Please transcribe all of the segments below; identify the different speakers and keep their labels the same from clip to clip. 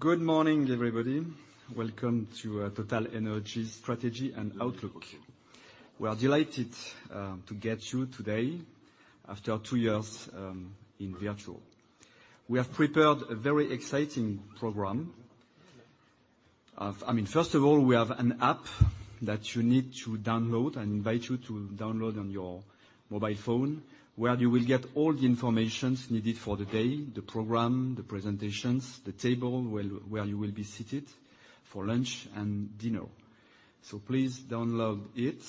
Speaker 1: Good morning, everybody. Welcome to TotalEnergies Strategy and Outlook. We are delighted to get you today after two years in virtual. We have prepared a very exciting program. I mean, first of all, we have an app that you need to download and invite you to download on your mobile phone, where you will get all the information needed for the day, the program, the presentations, the table where you will be seated for lunch and dinner. Please download it.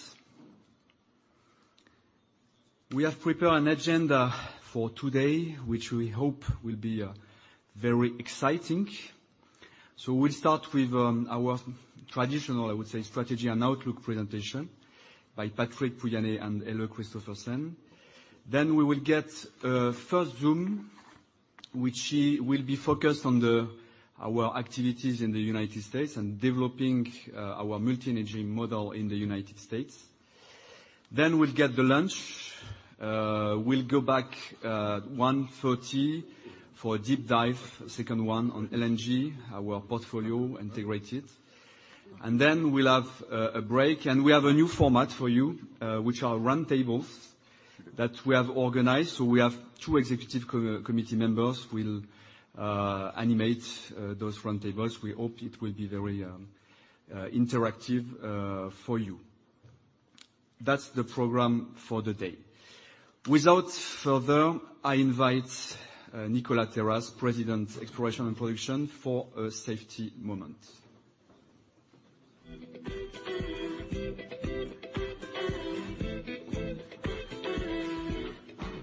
Speaker 1: We have prepared an agenda for today, which we hope will be very exciting. We'll start with our traditional, I would say, strategy and outlook presentation by Patrick Pouyanné and Helle Kristoffersen. We will get first one, which it will be focused on our activities in the United States and developing our multi-energy model in the United States. We'll get the lunch. We'll go back 1:30 P.M. for a deep dive, second one on LNG, our portfolio integrated. We'll have a break. We have a new format for you, which are roundtables that we have organized. We have two executive committee members will animate those roundtables. We hope it will be very interactive for you. That's the program for the day. Without further ado, I invite Nicolas Terraz, President, Exploration & Production for a safety moment.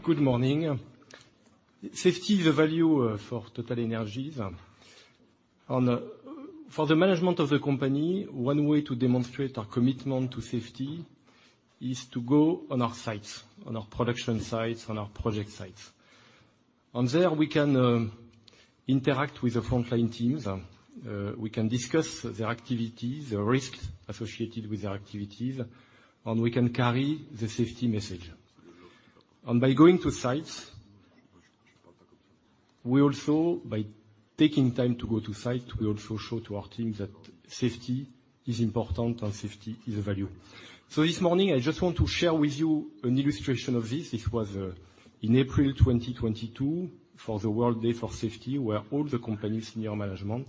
Speaker 1: Good morning. Safety is a value for TotalEnergies. For the management of the company, one way to demonstrate our commitment to safety is to go on our sites, on our production sites, on our project sites. There, we can interact with the frontline teams. We can discuss their activities, the risks associated with their activities, and we can carry the safety message. By going to sites, we also, by taking time to go to site, we also show to our teams that safety is important and safety is a value. This morning, I just want to share with you an illustration of this. This was in April 2022 for the World Day for Safety, where all the company senior management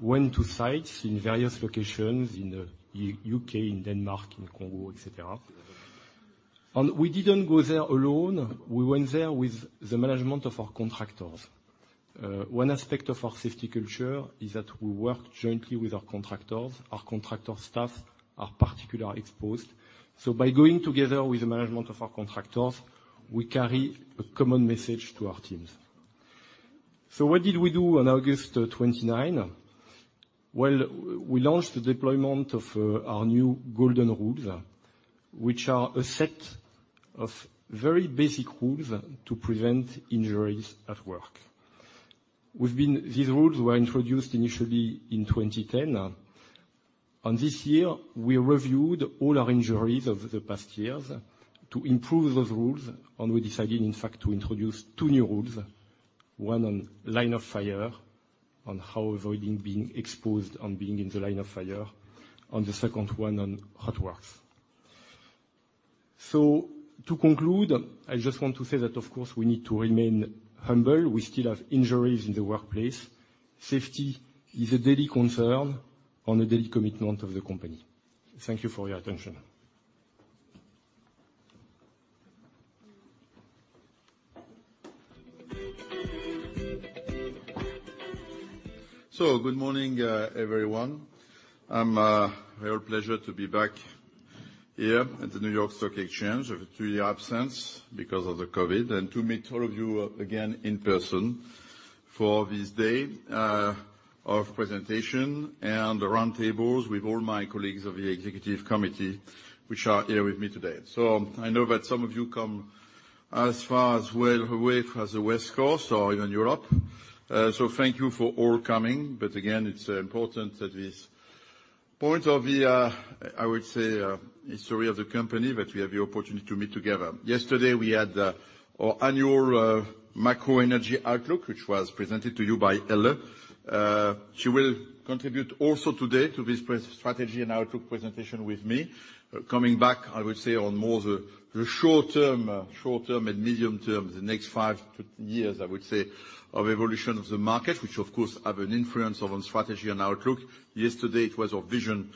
Speaker 1: went to sites in various locations in U.K., in Denmark, in Congo, et cetera. We didn't go there alone. We went there with the management of our contractors. One aspect of our safety culture is that we work jointly with our contractors. Our contractor staff are particularly exposed. By going together with the management of our contractors, we carry a common message to our teams. What did we do on August 29? Well, we launched the deployment of our new golden rules, which are a set of very basic rules to prevent injuries at work. These rules were introduced initially in 2010. This year, we reviewed all our injuries of the past years to improve those rules, and we decided, in fact, to introduce 2 new rules, one on line of fire, on how avoiding being exposed on being in the line of fire, and the second one on hot works. To conclude, I just want to say that, of course, we need to remain humble. We still have injuries in the workplace. Safety is a daily concern and a daily commitment of the company. Thank you for your attention.
Speaker 2: Good morning, everyone. It's a real pleasure to be back here at the New York Stock Exchange after a two-year absence because of the COVID, and to meet all of you again in person for this day of presentation and the roundtables with all my colleagues of the executive committee which are here with me today. I know that some of you come as far away as the West Coast or even Europe. Thank you for all coming. Again, it's important at this point of the, I would say, history of the company that we have the opportunity to meet together. Yesterday we had our annual, macro energy outlook, which was presented to you by Helle. She will contribute also today to this strategy and outlook presentation with me. Coming back, I would say, on more the short term and medium term, the next five to ten years, I would say, of evolution of the market, which of course have an influence on strategy and outlook. Yesterday, it was our vision,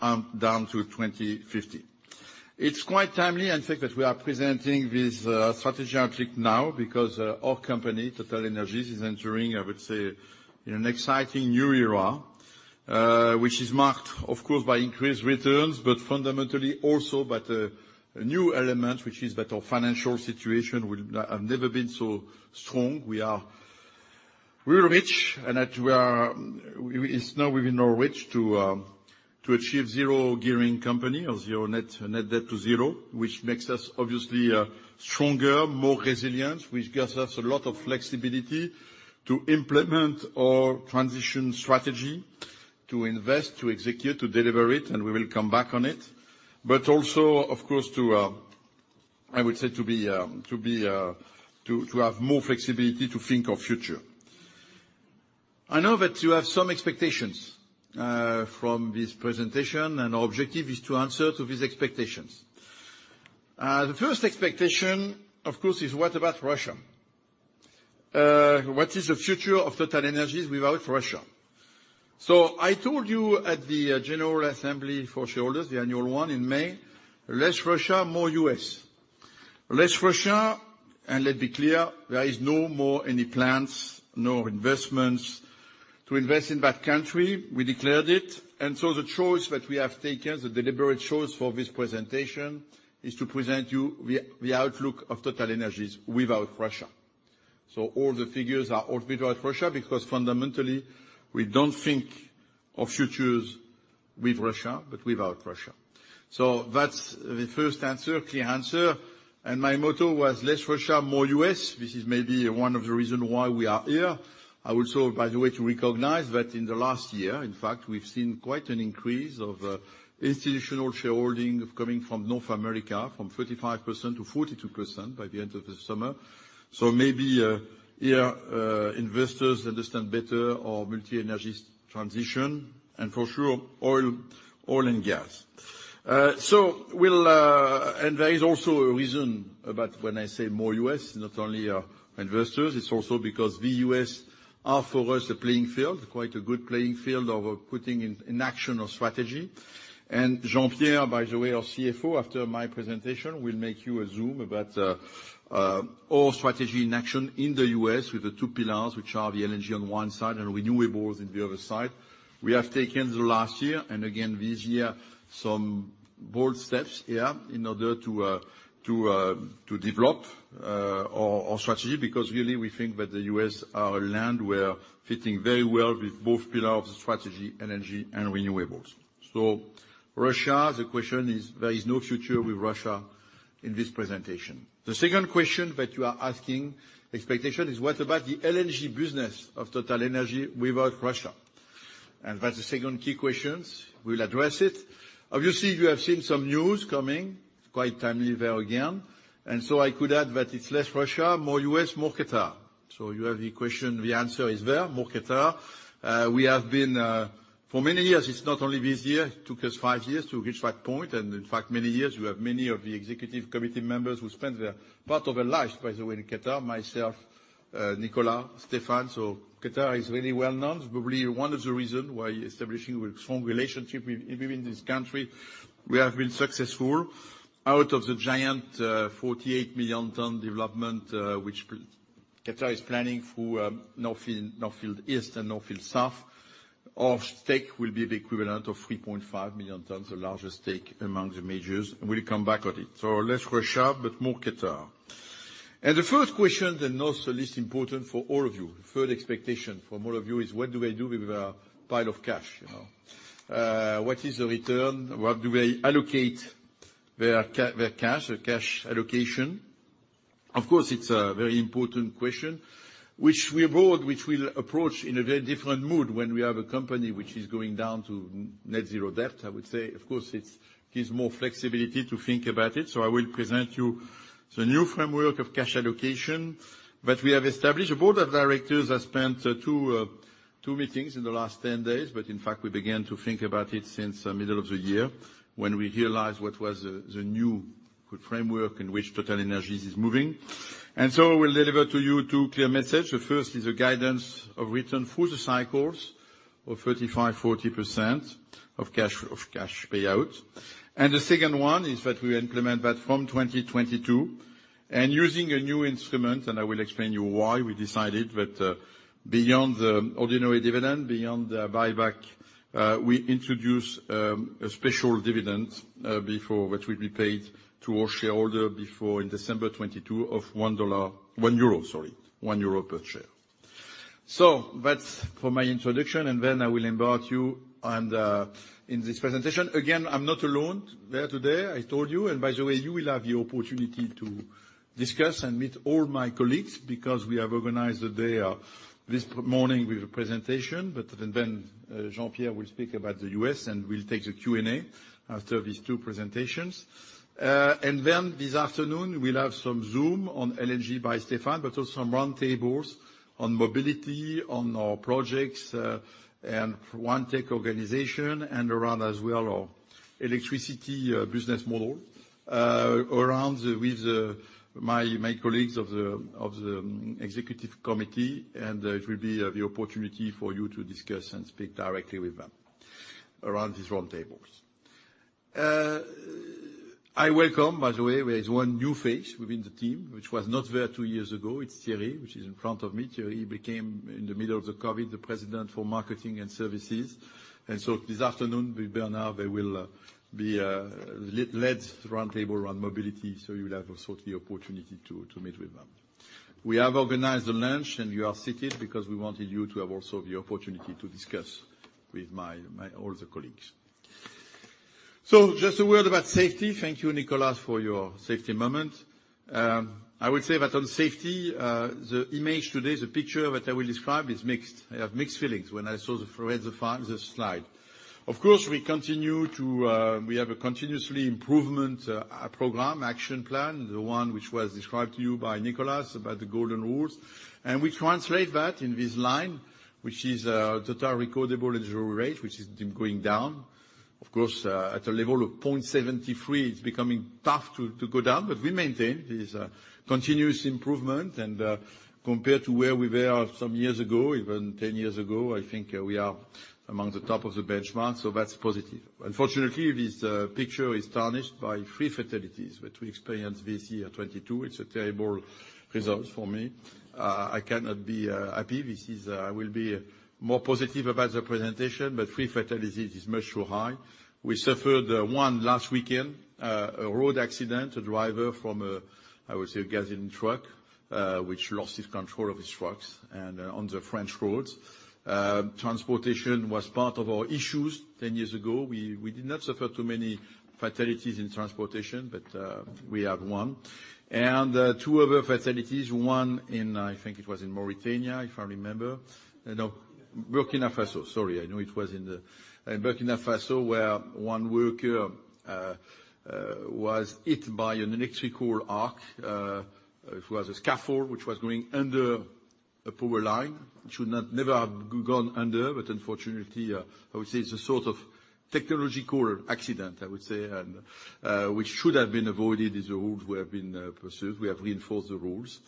Speaker 2: down to 2050. It's quite timely, in fact, that we are presenting this strategy outlook now because our company, TotalEnergies, is entering, I would say, in an exciting new era, which is marked, of course, by increased returns, but fundamentally also by a new element, which is that our financial situation will have never been so strong. We are rich, and it's now within our reach to achieve zero gearing company or zero net debt to zero, which makes us obviously stronger, more resilient, which gives us a lot of flexibility to implement our transition strategy, to invest, to execute, to deliver it and we will come back on it. Also, of course, to I would say to be to have more flexibility to think of future. I know that you have some expectations from this presentation, and our objective is to answer to these expectations. The first expectation, of course, is what about Russia? What is the future of TotalEnergies without Russia? I told you at the general assembly for shareholders, the annual one in May, less Russia, more U.S. Less Russia, and let's be clear, there is no more any plans, no investments to invest in that country. We declared it. The choice that we have taken, the deliberate choice for this presentation, is to present you the outlook of TotalEnergies without Russia. All the figures are all without Russia because fundamentally we don't think of futures with Russia, but without Russia. That's the first answer, clear answer. My motto was less Russia, more U.S. This is maybe one of the reason why we are here. I will show, by the way, to recognize that in the last year, in fact, we've seen quite an increase of institutional shareholding coming from North America, from 35%-42% by the end of the summer. Maybe here investors understand better our multi energy transition and for sure oil and gas. There is also a reason about when I say more U.S., not only our investors, also because the U.S., are for us a playing field, quite a good playing field of putting in action our strategy. Jean-Pierre, by the way, our CFO, after my presentation, will make you a zoom about our strategy in action in the U.S., With the two pillars, which are the LNG on one side and renewables in the other side. We have taken the last year, and again this year, some bold steps here in order to to develop our strategy because really we think that the U.S., are a land where fitting very well with both pillar of the strategy, energy and renewables. Russia, the question is there is no future with Russia in this presentation. The second question that you are asking, expectation is what about the LNG business of TotalEnergies without Russia? That's the second key questions. We'll address it. Obviously, you have seen some news coming, quite timely there again. I could add that it's less Russia, more U.S., more Qatar. You have the question, the answer is there, more Qatar. We have been, for many years, it's not only this year, it took us five years to reach that point. In fact many years, we have many of the executive committee members who spent their part of their life, by the way, in Qatar, myself, Nicolas, Stéphane. Qatar is very well known. It's probably one of the reason why establishing a strong relationship with, within this country, we have been successful. Out of the giant, 48 million-ton development, which Qatar is planning through, North Field, North Field East and North Field South, our stake will be the equivalent of 3.5 million tons, the largest stake among the majors, and we'll come back on it. Less Russia, but more Qatar. The third question, then not the least important for all of you, third expectation from all of you is what do I do with a pile of cash, you know? What is the return? What do I allocate their their cash, so cash allocation? Of course, it's a very important question, which we'll approach in a very different mode when we have a company which is going down to net zero debt, I would say. Of course, it gives more flexibility to think about it. I will present you the new framework of cash allocation that we have established. The board of directors has spent two meetings in the last 10 days, but in fact, we began to think about it since middle of the year when we realized what was the new framework in which TotalEnergies is moving. We'll deliver to you two clear messages. The first is a guidance of return through the cycles of 35%-40% of cash payout. The second one is that we implement that from 2022. Using a new instrument, and I will explain to you why we decided that, beyond the ordinary dividend, beyond the buyback, we introduce a special dividend which will be paid to our shareholders in December 2022 of 1 euro per share. That's for my introduction, and then I will embark you on this presentation. Again, I'm not alone here today, I told you. By the way, you will have the opportunity to discuss and meet all my colleagues because we have organized the day this morning with a presentation. Jean-Pierre will speak about the U.S., and we'll take the Q&A after these two presentations. This afternoon, we'll have some zoom on LNG by Stéphane, but also some roundtables on mobility, on our projects, and OneTech organization and around as well our electricity business model, with my colleagues of the executive committee, and it will be the opportunity for you to discuss and speak directly with them around these roundtables. I welcome, by the way, there is one new face within the team, which was not there two years ago. It's Thierry, which is in front of me. Thierry became, in the middle of the COVID, the President for Marketing and Services. This afternoon, with Bernard, they will be led roundtable around mobility, so you will have also the opportunity to meet with them. We have organized a lunch, and you are seated because we wanted you to have also the opportunity to discuss with all my colleagues. Just a word about safety. Thank you, Nicolas, for your safety moment. I would say that on safety, the image today, the picture that I will describe is mixed. I have mixed feelings when I read the slide. Of course, we continue to.
Speaker 1: We have a continuous improvement program action plan, the one which was described to you by Nicolas about the golden rules. We translate that in this line, which is total recordable injury rate, which has been going down. Of course, at a level of 0.73%, it's becoming tough to go down, but we maintain. It is a continuous improvement and compared to where we were some years ago, even 10 years ago, I think we are among the top of the benchmark, so that's positive. Unfortunately, this picture is tarnished by three fatalities that we experienced this year, 2022. It's a terrible result for me. I cannot be happy. This is. I will be more positive about the presentation, but three fatalities is much too high. We suffered one last weekend. A road accident. A driver of a, I would say, a gasoline truck, which lost control of his truck and, on the French roads. Transportation was part of our issues 10 years ago. We did not suffer too many fatalities in transportation, but we have one. Two other fatalities. One in, I think it was in Mauritania, if I remember. No, Burkina Faso. Sorry, I know it was in Burkina Faso, where one worker was hit by an electrical arc. It was a scaffold which was going under a power line. It should never have gone under, but unfortunately, I would say it's a sort of technological accident, I would say, and, which should have been avoided if the rules were being pursued. We have reinforced the rules.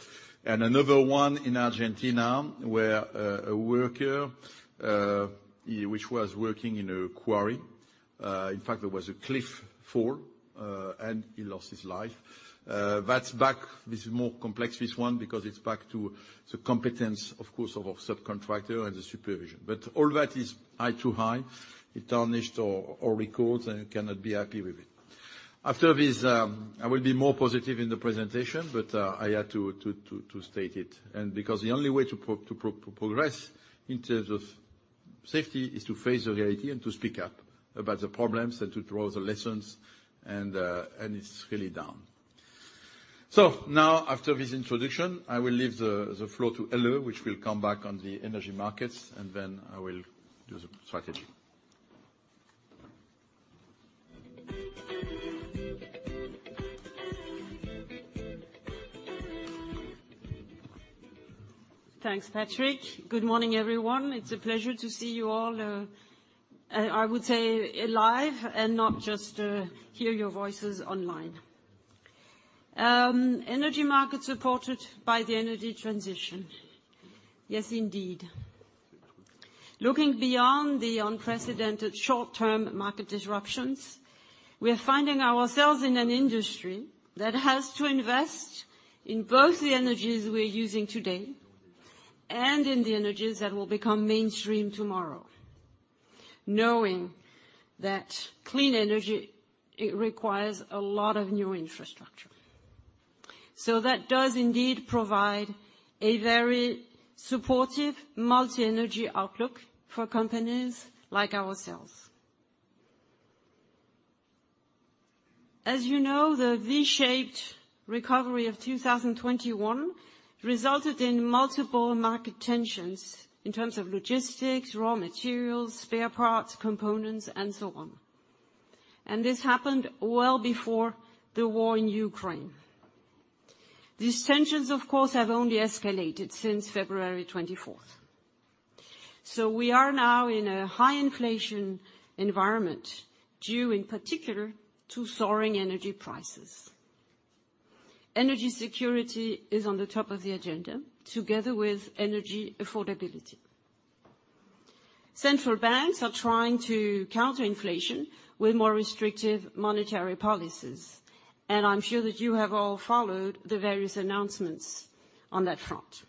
Speaker 1: Another one in Argentina, where a worker which was working in a quarry. In fact, there was a cliff fall, and he lost his life. That's back. This is more complex, this one, because it's back to the competence, of course, of our subcontractor and the supervision. But all that is high, too high. It tarnished our records and cannot be happy with it. After this, I will be more positive in the presentation, but I had to state it. Because the only way to progress in terms of safety is to face the reality and to speak up about the problems and to draw the lessons, and it's really down.
Speaker 2: Now after this introduction, I will leave the floor to Helle, which will come back on the energy markets, and then I will do the strategy.
Speaker 3: Thanks, Patrick. Good morning, everyone. It's a pleasure to see you all, I would say live and not just hear your voices online. Energy markets supported by the energy transition. Yes, indeed. Looking beyond the unprecedented short-term market disruptions, we are finding ourselves in an industry that has to invest in both the energies we're using today and in the energies that will become mainstream tomorrow, knowing that clean energy, it requires a lot of new infrastructure. So that does indeed provide a very supportive multi-energy outlook for companies like ourselves. As you know, the V-shaped recovery of 2021 resulted in multiple market tensions in terms of logistics, raw materials, spare parts, components, and so on. This happened well before the war in Ukraine. These tensions, of course, have only escalated since February 24th. We are now in a high inflation environment, due in particular to soaring energy prices. Energy security is on the top of the agenda, together with energy affordability. Central banks are trying to counter inflation with more restrictive monetary policies, and I'm sure that you have all followed the various announcements on that front.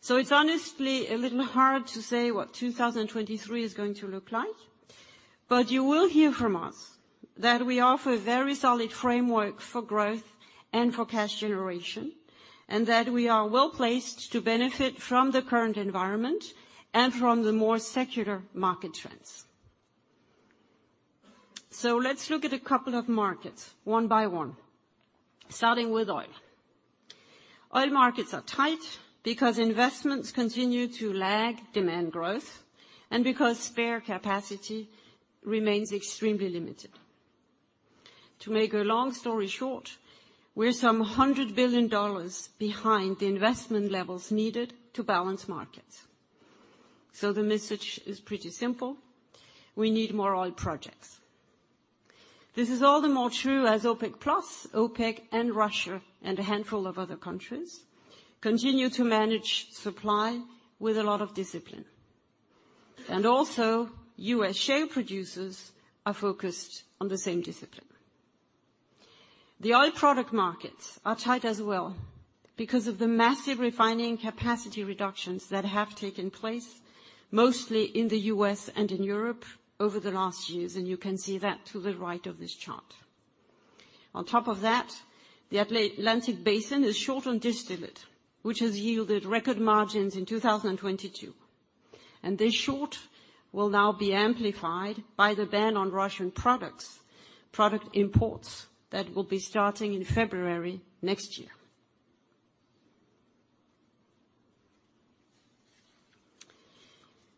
Speaker 3: It's honestly a little hard to say what 2023 is going to look like, but you will hear from us that we offer a very solid framework for growth and for cash generation, and that we are well placed to benefit from the current environment and from the more secular market trends. Let's look at a couple of markets one by one, starting with oil. Oil markets are tight because investments continue to lag demand growth and because spare capacity remains extremely limited. To make a long story short, we're $100 billion behind the investment levels needed to balance markets. The message is pretty simple: We need more oil projects. This is all the more true as OPEC+, OPEC and Russia, and a handful of other countries continue to manage supply with a lot of discipline. And also U.S., share producers are focused on the same discipline. The oil product markets are tight as well because of the massive refining capacity reductions that have taken place, mostly in the U.S., and in Europe over the last years, and you can see that to the right of this chart. On top of that, the Atlantic Basin is short on distillate, which has yielded record margins in 2022. This short will now be amplified by the ban on Russian products, product imports that will be starting in February next year.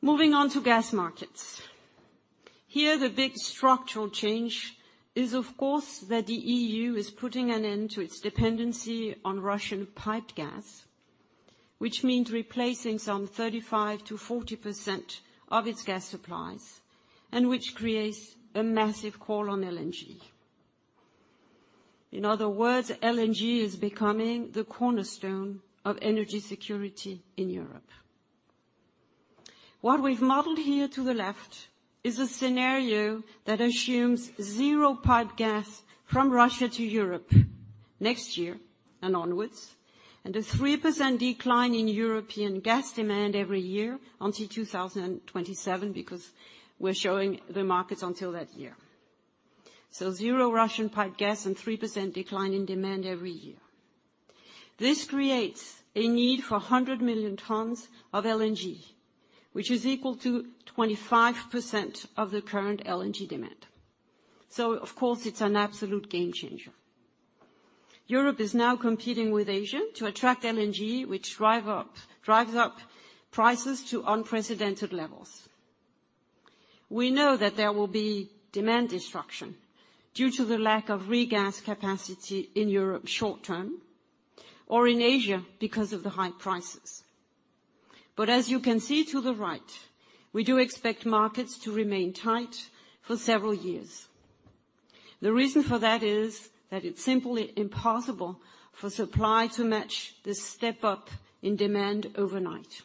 Speaker 3: Moving on to gas markets. Here, the big structural change is of course, that the EU is putting an end to its dependency on Russian piped gas, which means replacing some 35%-40% of its gas supplies, and which creates a massive call on LNG. In other words, LNG is becoming the cornerstone of energy security in Europe. What we've modeled here to the left is a scenario that assumes zero piped gas from Russia to Europe next year and onwards, and a 3% decline in European gas demand every year until 2027, because we're showing the markets until that year. Zero Russian piped gas and 3% decline in demand every year. This creates a need for 100 million tons of LNG, which is equal to 25% of the current LNG demand. Of course it's an absolute game changer. Europe is now competing with Asia to attract LNG, which drives up prices to unprecedented levels. We know that there will be demand destruction due to the lack of regas capacity in Europe short term or in Asia because of the high prices. As you can see to the right, we do expect markets to remain tight for several years. The reason for that is that it's simply impossible for supply to match this step up in demand overnight.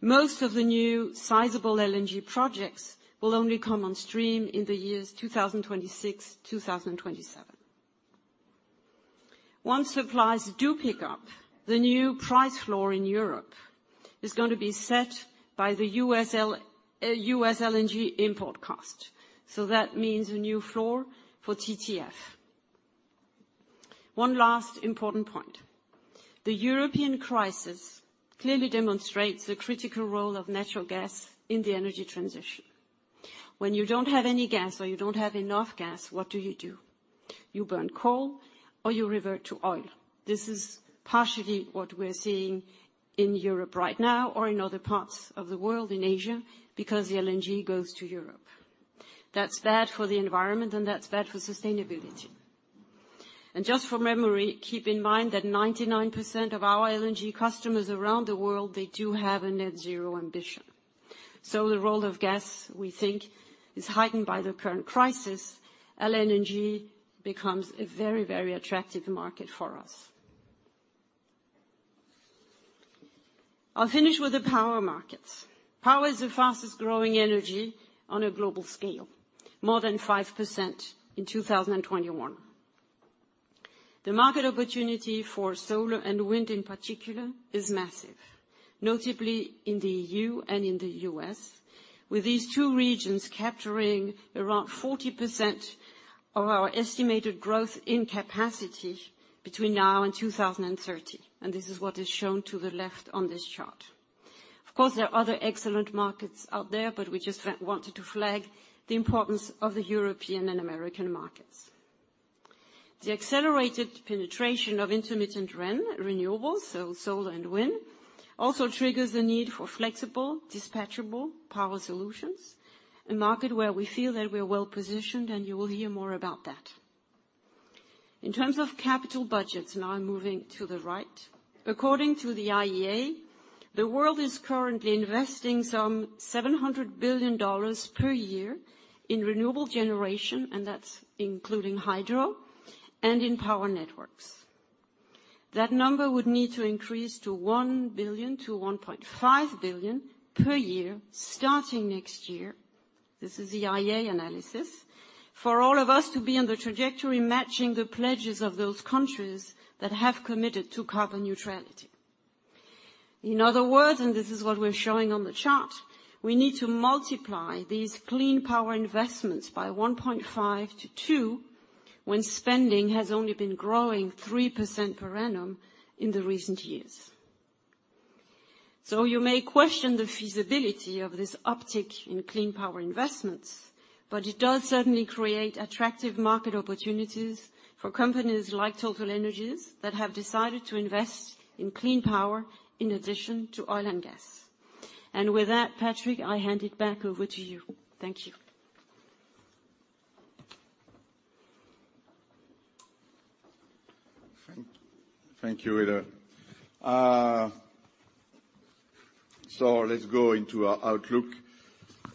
Speaker 3: Most of the new sizable LNG projects will only come on stream in the years 2026, 2027. Once supplies do pick up, the new price floor in Europe is going to be set by the U.S. LNG import cost. That means a new floor for TTF. One last important point. The European crisis clearly demonstrates the critical role of natural gas in the energy transition. When you don't have any gas or you don't have enough gas, what do you do? You burn coal or you revert to oil. This is partially what we're seeing in Europe right now or in other parts of the world, in Asia, because the LNG goes to Europe. That's bad for the environment and that's bad for sustainability. Just for memory, keep in mind that 99% of our LNG customers around the world, they do have a net zero ambition. The role of gas, we think, is heightened by the current crisis. LNG becomes a very, very attractive market for us. I'll finish with the power markets. Power is the fastest growing energy on a global scale, more than 5% in 2021. The market opportunity for solar and wind in particular is massive, notably in the EU and in the U.S. With these two regions capturing around 40% of our estimated growth in capacity between now and 2030, and this is what is shown to the left on this chart. Of course, there are other excellent markets out there, but we just wanted to flag the importance of the European and American markets. The accelerated penetration of intermittent renewables, so solar and wind, also triggers the need for flexible, dispatchable power solutions, a market where we feel that we are well positioned and you will hear more about that. In terms of capital budgets, now moving to the right, according to the IEA, the world is currently investing some $700 billion per year in renewable generation, and that's including hydro and in power networks. That number would need to increase to $1 billion-$1.5 billion per year starting next year. This is IEA analysis. For all of us to be on the trajectory matching the pledges of those countries that have committed to carbon neutrality. In other words, this is what we're showing on the chart, we need to multiply these clean power investments by 1.5%-2% when spending has only been growing 3% per annum in the recent years. You may question the feasibility of this uptick in clean power investments, but it does certainly create attractive market opportunities for companies like TotalEnergies that have decided to invest in clean power in addition to oil and gas. With that, Patrick, I hand it back over to you. Thank you.
Speaker 2: Thank you, Helle. So let's go into our outlook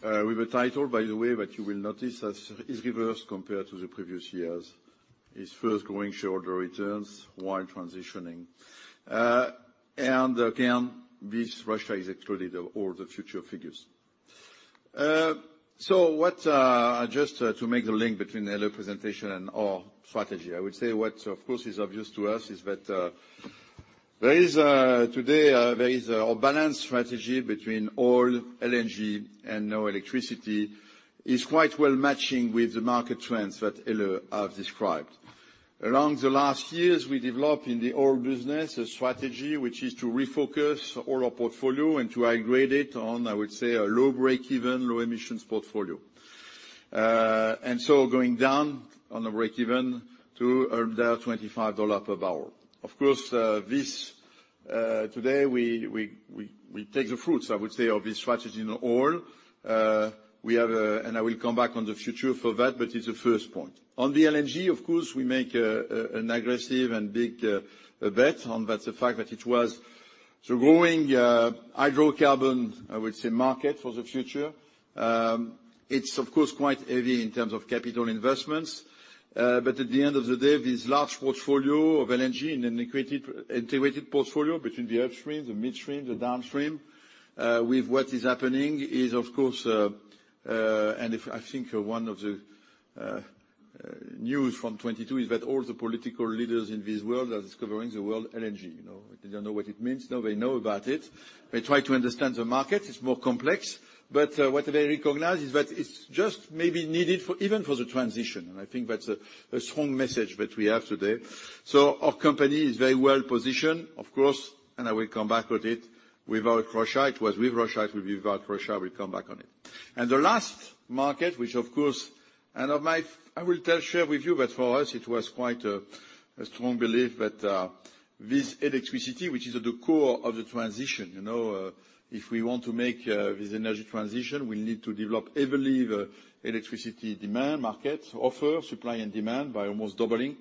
Speaker 2: with a title, by the way, that you will notice as is reversed compared to the previous years. It's first growing shareholder returns while transitioning. This Russia is excluded of all the future figures. Just to make the link between Helle presentation and our strategy, I would say what of course is obvious to us is that, today, there is a balanced strategy between oil, LNG, and now electricity is quite well matching with the market trends that Helle have described. Over the last years, we developed in the oil business a strategy which is to refocus all our portfolio and to upgrade it on, I would say, a low-breakeven, low-emissions portfolio. Going down on the breakeven to under $25 per barrel. Of course, this we take the fruits, I would say, of this strategy in oil. We have, and I will come back to the future for that, but it's the first point. On the LNG, of course, we make an aggressive and big bet on that. The fact that it was the growing hydrocarbon, I would say, market for the future. It's of course quite heavy in terms of capital investments. At the end of the day, this large portfolio of LNG and integrated portfolio between the upstream, the midstream, the downstream with what is happening is of course. If I think one of the news from 2022 is that all the political leaders in this world are discovering the world LNG, you know. They don't know what it means. Now they know about it. They try to understand the market. It's more complex, but what they recognize is that it's just maybe needed for even for the transition. I think that's a strong message that we have today. Our company is very well-positioned, of course, and I will come back with it. Without Russia, it was with Russia, it will be without Russia, we'll come back on it. The last market, which of course I will share with you that for us it was quite a strong belief that this electricity, which is at the core of the transition. You know, if we want to make this energy transition, we need to develop heavily the electricity demand market, offer, supply, and demand by almost doubling.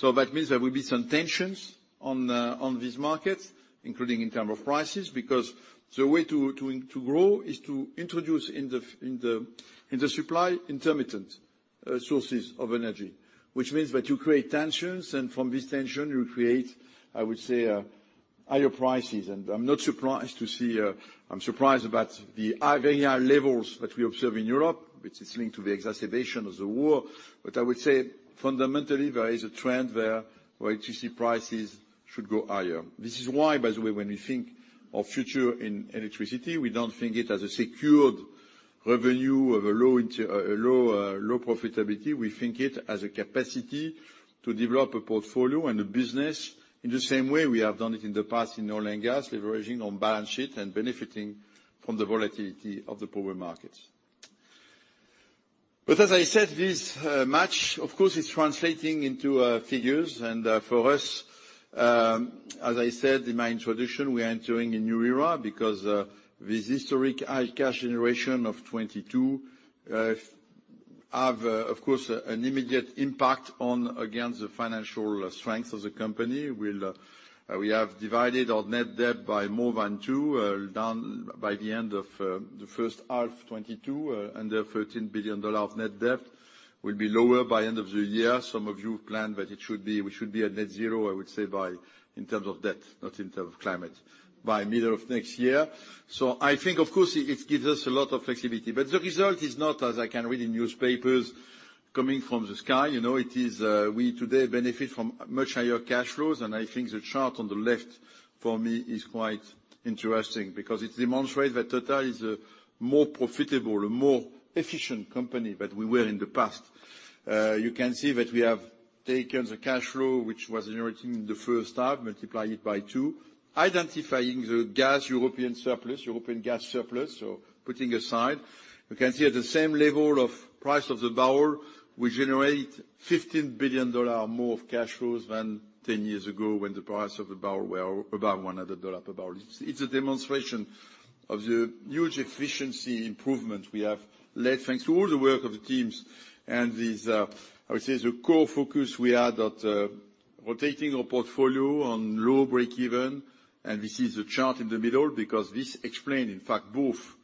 Speaker 2: That means there will be some tensions on this market, including in terms of prices, because the way to grow is to introduce in the supply intermittent sources of energy. Which means that you create tensions, and from this tension you create, I would say, higher prices. I'm not surprised to see. I'm surprised about the very high levels that we observe in Europe, which is linked to the exacerbation of the war. I would say fundamentally, there is a trend where electricity prices should go higher. This is why, by the way, when we think of future in electricity, we don't think it as a secured revenue of a low profitability. We think it as a capacity to develop a portfolio and a business in the same way we have done it in the past in oil and gas, leveraging on balance sheet and benefiting from the volatility of the power markets. As I said, this math, of course, is translating into figures. For us, as I said in my introduction, we are entering a new era because this historic high cash generation of 2022 have, of course, an immediate impact on, again, the financial strength of the company. We have divided our net debt by more than two, down by the end of the first half 2022. Under $13 billion of net debt will be lower by end of the year. Some of you have planned that it should be, we should be at net zero, I would say by, in terms of debt, not in terms of climate, by middle of next year. I think of course it gives us a lot of flexibility. The result is not, as I can read in newspapers, coming from the sky. You know, it is we today benefit from much higher cash flows. I think the chart on the left for me is quite interesting because it demonstrates that TotalEnergies is a more profitable, a more efficient company than we were in the past. You can see that we have taken the cash flow, which was generating in the first half, multiply it by two. Identifying the European gas surplus. Putting aside, you can see at the same level of price of the barrel, we generate $15 billion more of cash flows than ten years ago when the price of the barrel were above $100 per barrel. It's a demonstration of the huge efficiency improvement we have led thanks to all the work of the teams and these, I would say, the core focus we had at rotating our portfolio on low breakeven. This is the chart in the middle because this explain, in fact, both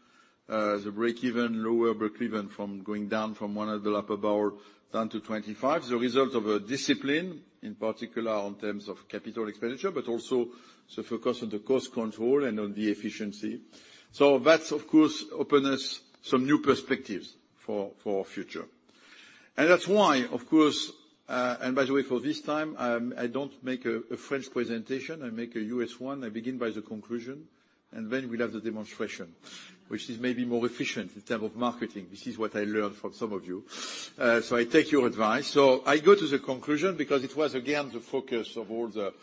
Speaker 2: the breakeven, lower breakeven from going down from $100 per barrel down to $25. The result of a discipline, in particular in terms of capital expenditure, but also the focus on the cost control and on the efficiency. That's of course open us some new perspectives for our future. That's why, of course, by the way, for this time, I don't make a French presentation, I make a U.S. one. I begin with the conclusion, and then we'll have the demonstration, which is maybe more efficient in terms of marketing. This is what I learned from some of you. I take your advice. I go to the conclusion because it was again the focus of all the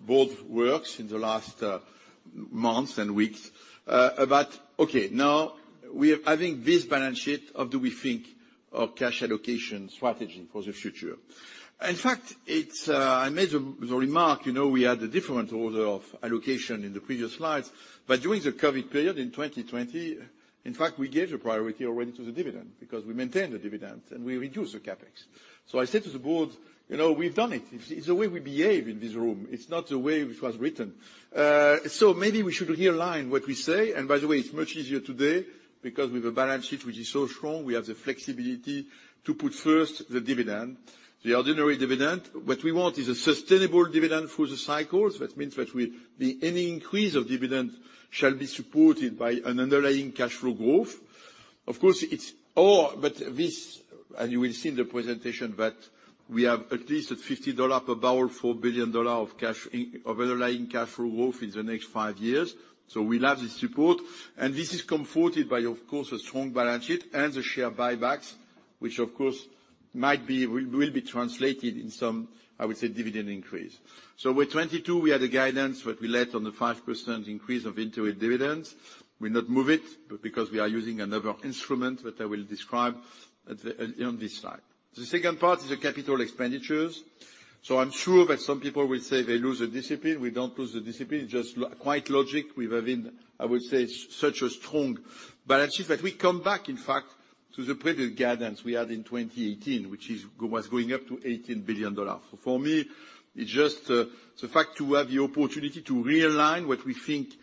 Speaker 2: board works in the last months and weeks. Okay, now we're having this balance sheet of do we think of cash allocation strategy for the future. In fact, it's. I made the remark, you know, we had a different order of allocation in the previous slides. During the COVID period in 2020, in fact, we gave the priority already to the dividend because we maintained the dividend and we reduced the CapEx. I said to the board, "You know, we've done it. It's the way we behave in this room. It's not the way which was written. Maybe we should realign what we say. By the way, it's much easier today because with a balance sheet which is so strong, we have the flexibility to put first the dividend, the ordinary dividend. What we want is a sustainable dividend through the cycles. That means that we, any increase of dividend shall be supported by an underlying cash flow growth. Of course, it's all but this, and you will see in the presentation that we have at least at $50 per barrel, $4 billion of underlying cash flow growth in the next five years. We'll have the support. This is comforted by of course a strong balance sheet and the share buybacks, which of course will be translated in some, I would say, dividend increase. With 2022, we had a guidance that we laid on the 5% increase of interim dividends. We did not move it, but because we are using another instrument that I will describe on this slide. The second part is the capital expenditures. I'm sure that some people will say they lose their discipline. We don't lose the discipline, just quite logical. We have been, I would say, such a strong balance sheet, but we come back, in fact, to the previous guidance we had in 2018, which was going up to $18 billion. For me, it's just the fact to have the opportunity to realign what we think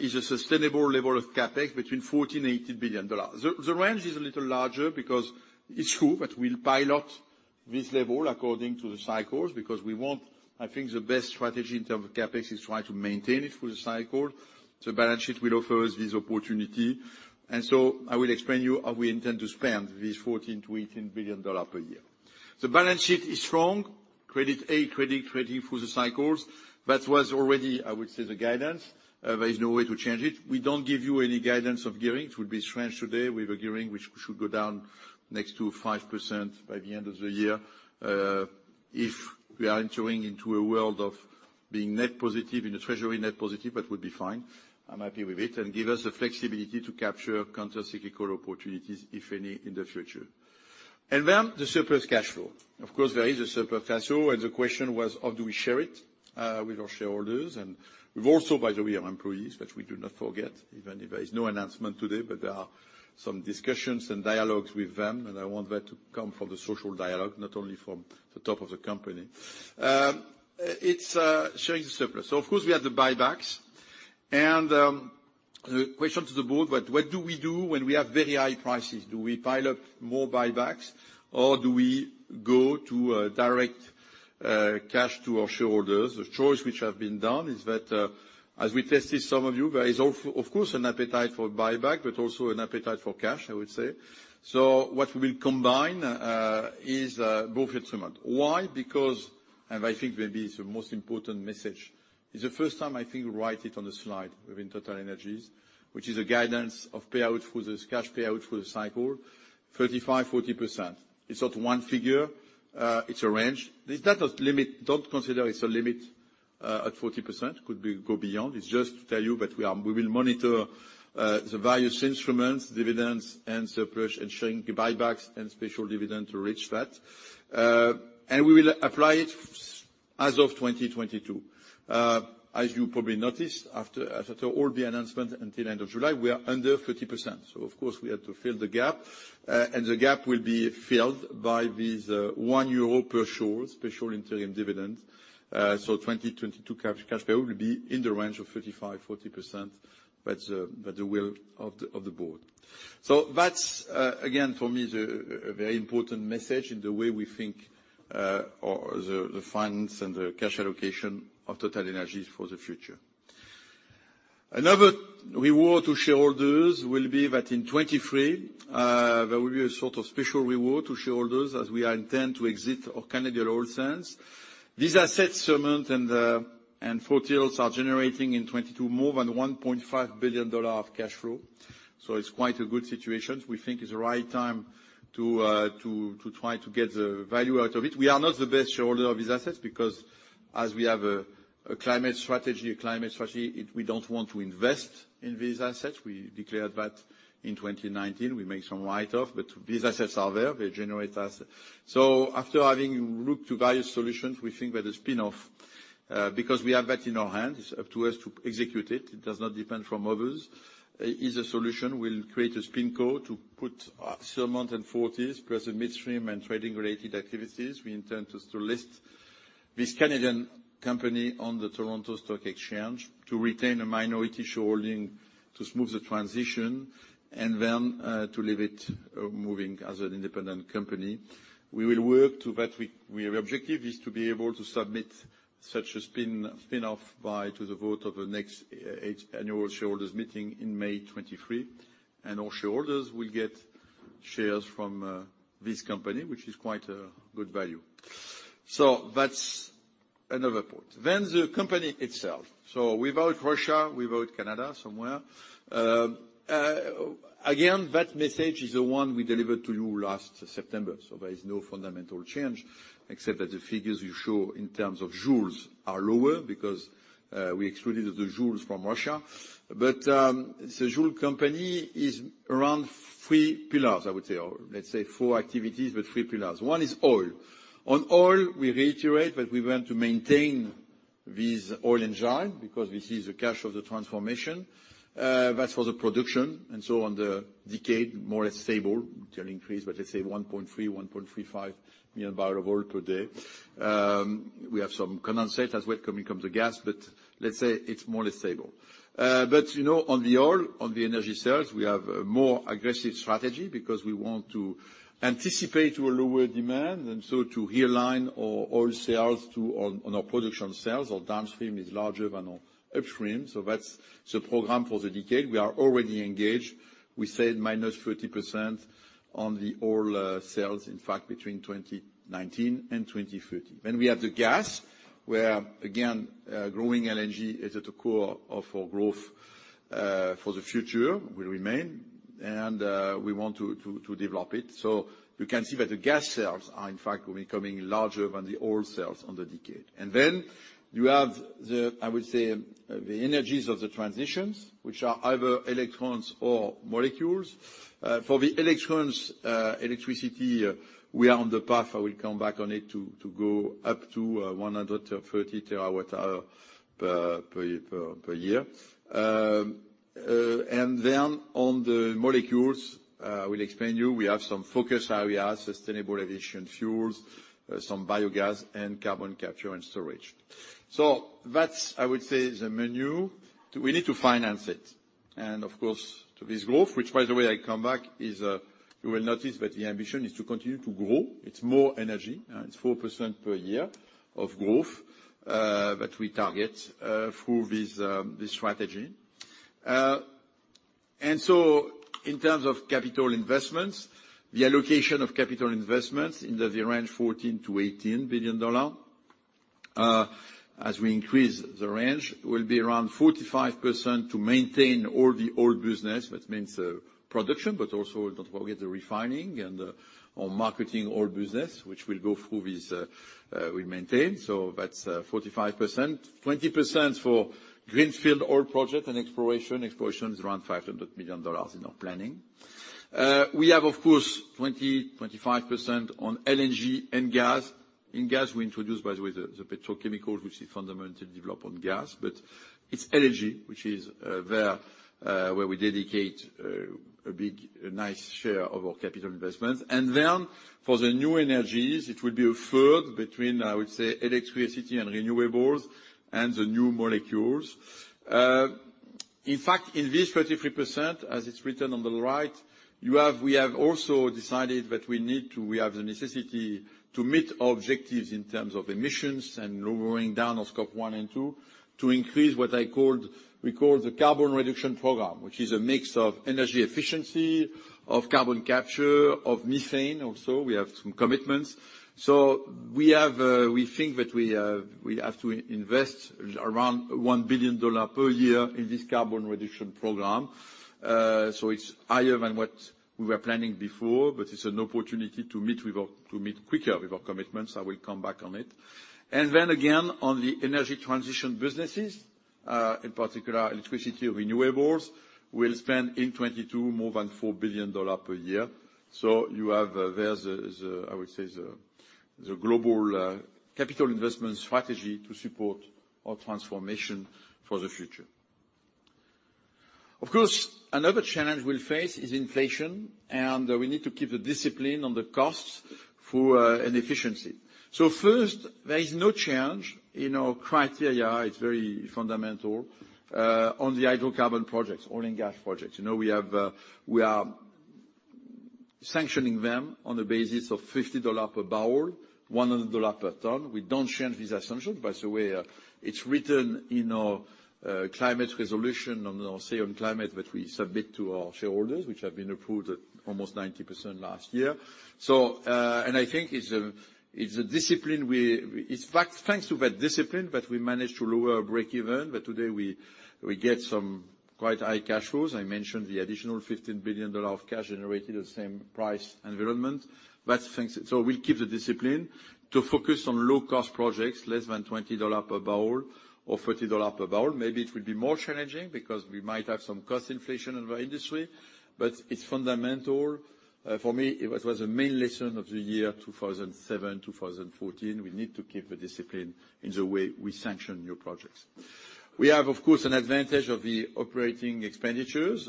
Speaker 2: is a sustainable level of CapEx between $14billion-$18 billion. The range is a little larger because it's true that we'll pilot this level according to the cycles, because we want. I think the best strategy in terms of CapEx is try to maintain it through the cycle. The balance sheet will offer us this opportunity. I will explain you how we intend to spend this $14 billion-$18 billion per year. The balance sheet is strong. A/A- credit ready for the cycles. That was already, I would say, the guidance. There is no way to change it. We don't give you any guidance of gearing. It would be strange today with a gearing which should go down next to 5% by the end of the year. If we are entering into a world of being net positive, in a treasury net positive, that would be fine. I'm happy with it, and give us the flexibility to capture counter-cyclical opportunities, if any, in the future. Then the surplus cash flow. Of course, there is a surplus cash flow, and the question was how do we share it with our shareholders? We also, by the way, our employees, but we do not forget, even if there is no announcement today, but there are some discussions and dialogues with them, and I want that to come from the social dialogue, not only from the top of the company. It's sharing the surplus. Of course, we have the buybacks. The question to the board, what do we do when we have very high prices? Do we pile up more buybacks or do we go to direct cash to our shareholders? The choice which have been done is that, as we tested some of you, there is, of course, an appetite for buyback, but also an appetite for cash, I would say. What we will combine is both instrument. Why? Because, and I think maybe it's the most important message, it's the first time I think write it on the slide within TotalEnergies, which is a guidance of payout for this cash payout for the cycle, 35%-40%. It's not one figure, it's a range. It's not a limit. Don't consider it's a limit at 40%. Could be go beyond. It's just to tell you that we are we will monitor the various instruments, dividends and surplus and sharing buybacks and special dividend to reach that. We will apply it as of 2022. As you probably noticed, after all the announcement until end of July, we are under 30%. Of course, we have to fill the gap, and the gap will be filled by this 1 euro per share, special interim dividend. 2022 cash flow will be in the range of 35%-40%, but the will of the board. That's again, for me, a very important message in the way we think or the finance and the cash allocation of TotalEnergies for the future. Another reward to shareholders will be that in 2023, there will be a sort of special reward to shareholders as we intend to exit our Canadian oil sands. These assets, Surmont and Fort Hills are generating in 2022 more than $1.5 billion of cash flow. It's quite a good situation. We think it's the right time to try to get the value out of it. We are not the best shareholder of these assets because as we have a climate strategy, we don't want to invest in these assets. We declared that in 2019. We make some write-off. But these assets are there. They generate us. After having looked to various solutions, we think that a spin-off, because we have that in our hands, it's up to us to execute it does not depend from others, is a solution. We'll create a spin co to put cement and fertilis, plus the midstream and trading-related activities. We intend to list this Canadian company on the Toronto Stock Exchange to retain a minority shareholding to smooth the transition and then to leave it moving as an independent company. We will work to that. Our objective is to be able to submit such a spin-off to the vote of the next annual shareholders meeting in May 2023. Our shareholders will get shares from this company, which is quite a good value. That's another point. The company itself. Without Russia, without Canada somewhat. Again, that message is the one we delivered to you last September. There is no fundamental change, except that the figures you show in terms of Joule are lower because we excluded the Joule from Russia. The Joule company is around three pillars, I would say. Let's say four activities, but three pillars. One is oil. On oil, we reiterate that we want to maintain this oil engine because this is the cash of the transformation. That's for the production. Over the decade, more or less stable. It will increase, but let's say 1.3million-1.35 million barrels of oil today. We have some condensate as well coming from the gas, but let's say it's more or less stable. But you know, on the oil, on the energy sales, we have a more aggressive strategy because we want to anticipate a lower demand and to realign our oil sales to our production sales. Our downstream is larger than our upstream. That's the program for the decade. We are already engaged. We said minus 30% on the oil sales, in fact, between 2019 and 2030. We have the gas, where again, growing LNG is at the core of our growth for the future. Will remain. We want to develop it. You can see that the gas sales are in fact becoming larger than the oil sales over the decade. You have the, I would say, the energies of the transitions, which are either electrons or molecules. For the electrons, electricity, we are on the path, I will come back on it, to go up to 130 TW hour per year. On the molecules, I will explain you, we have some focus areas, sustainable aviation fuels, some biogas and carbon capture and storage. That's, I would say, the menu. We need to finance it. Of course, to this growth, which by the way I come back, is, you will notice that the ambition is to continue to grow. It's more energy. It's 4% per year of growth, that we target, through this strategy. In terms of capital investments, the allocation of capital investments in the range $14 billion-$18 billion, as we increase the range, will be around 45% to maintain all the oil business. That means, production, but also don't forget the refining and, our marketing oil business, which we'll go through this, we maintain. That's 45%. 20% for greenfield oil project and exploration. Exploration is around $500 million in our planning. We have of course 20%-25% on LNG and gas. In gas, we introduced by the way the petrochemical which is fundamental to develop on gas. It's energy which is there where we dedicate a big nice share of our capital investments. For the new energies, it will be a third between, I would say, electricity and renewables and the new molecules. In fact, in this 33%, as it's written on the right, we have also decided that we need to, we have the necessity to meet our objectives in terms of emissions and lowering down of Scope 1 and 2 to increase what I called, we call the carbon reduction program. Which is a mix of energy efficiency, of carbon capture, of methane also, we have some commitments. We think that we have to invest around $1 billion per year in this carbon reduction program. It's higher than what we were planning before, but it's an opportunity to meet quicker with our commitments. I will come back on it. On the energy transition businesses, in particular, electricity renewables, we'll spend in 2022 more than $4 billion per year. You have there the global capital investment strategy to support our transformation for the future. Of course, another challenge we'll face is inflation, and we need to keep the discipline on the costs through an efficiency. First, there is no change in our criteria. It's very fundamental on the hydrocarbon projects, oil and gas projects. You know, we are sanctioning them on the basis of $50 per barrel, $100 per ton. We don't change this assumption. By the way, it's written in our climate resolution on our Say on Climate that we submit to our shareholders, which have been approved at almost 90% last year. I think it's a discipline. Thanks to that discipline that we managed to lower our breakeven. But today we get some quite high cash flows. I mentioned the additional $15 billion of cash generated at the same price environment. That's thanks. We'll keep the discipline to focus on low cost projects, less than $20 per barrel or $30 per barrel. Maybe it will be more challenging because we might have some cost inflation in the industry, but it's fundamental. For me, it was a main lesson of the year 2007, 2014. We need to keep the discipline in the way we sanction new projects. We have, of course, an advantage of the operating expenditures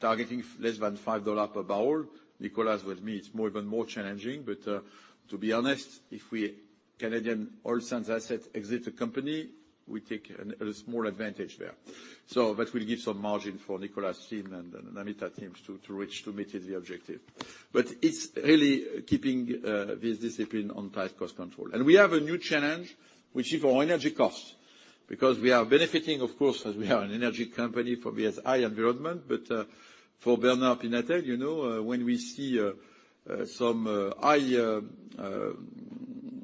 Speaker 2: targeting less than $5 per barrel. Nicolas, with me, it's even more challenging. To be honest, if we exit the Canadian Oil Sands asset from the company, we take a small advantage there. That will give some margin for Nicolas' team and Namita's teams to reach, to meet the objective. It's really keeping this discipline on tight cost control. We have a new challenge, which is for our energy costs. Because we are benefiting of course, as we are an energy company from this high environment. But for Bernard Pinatel, when we see some high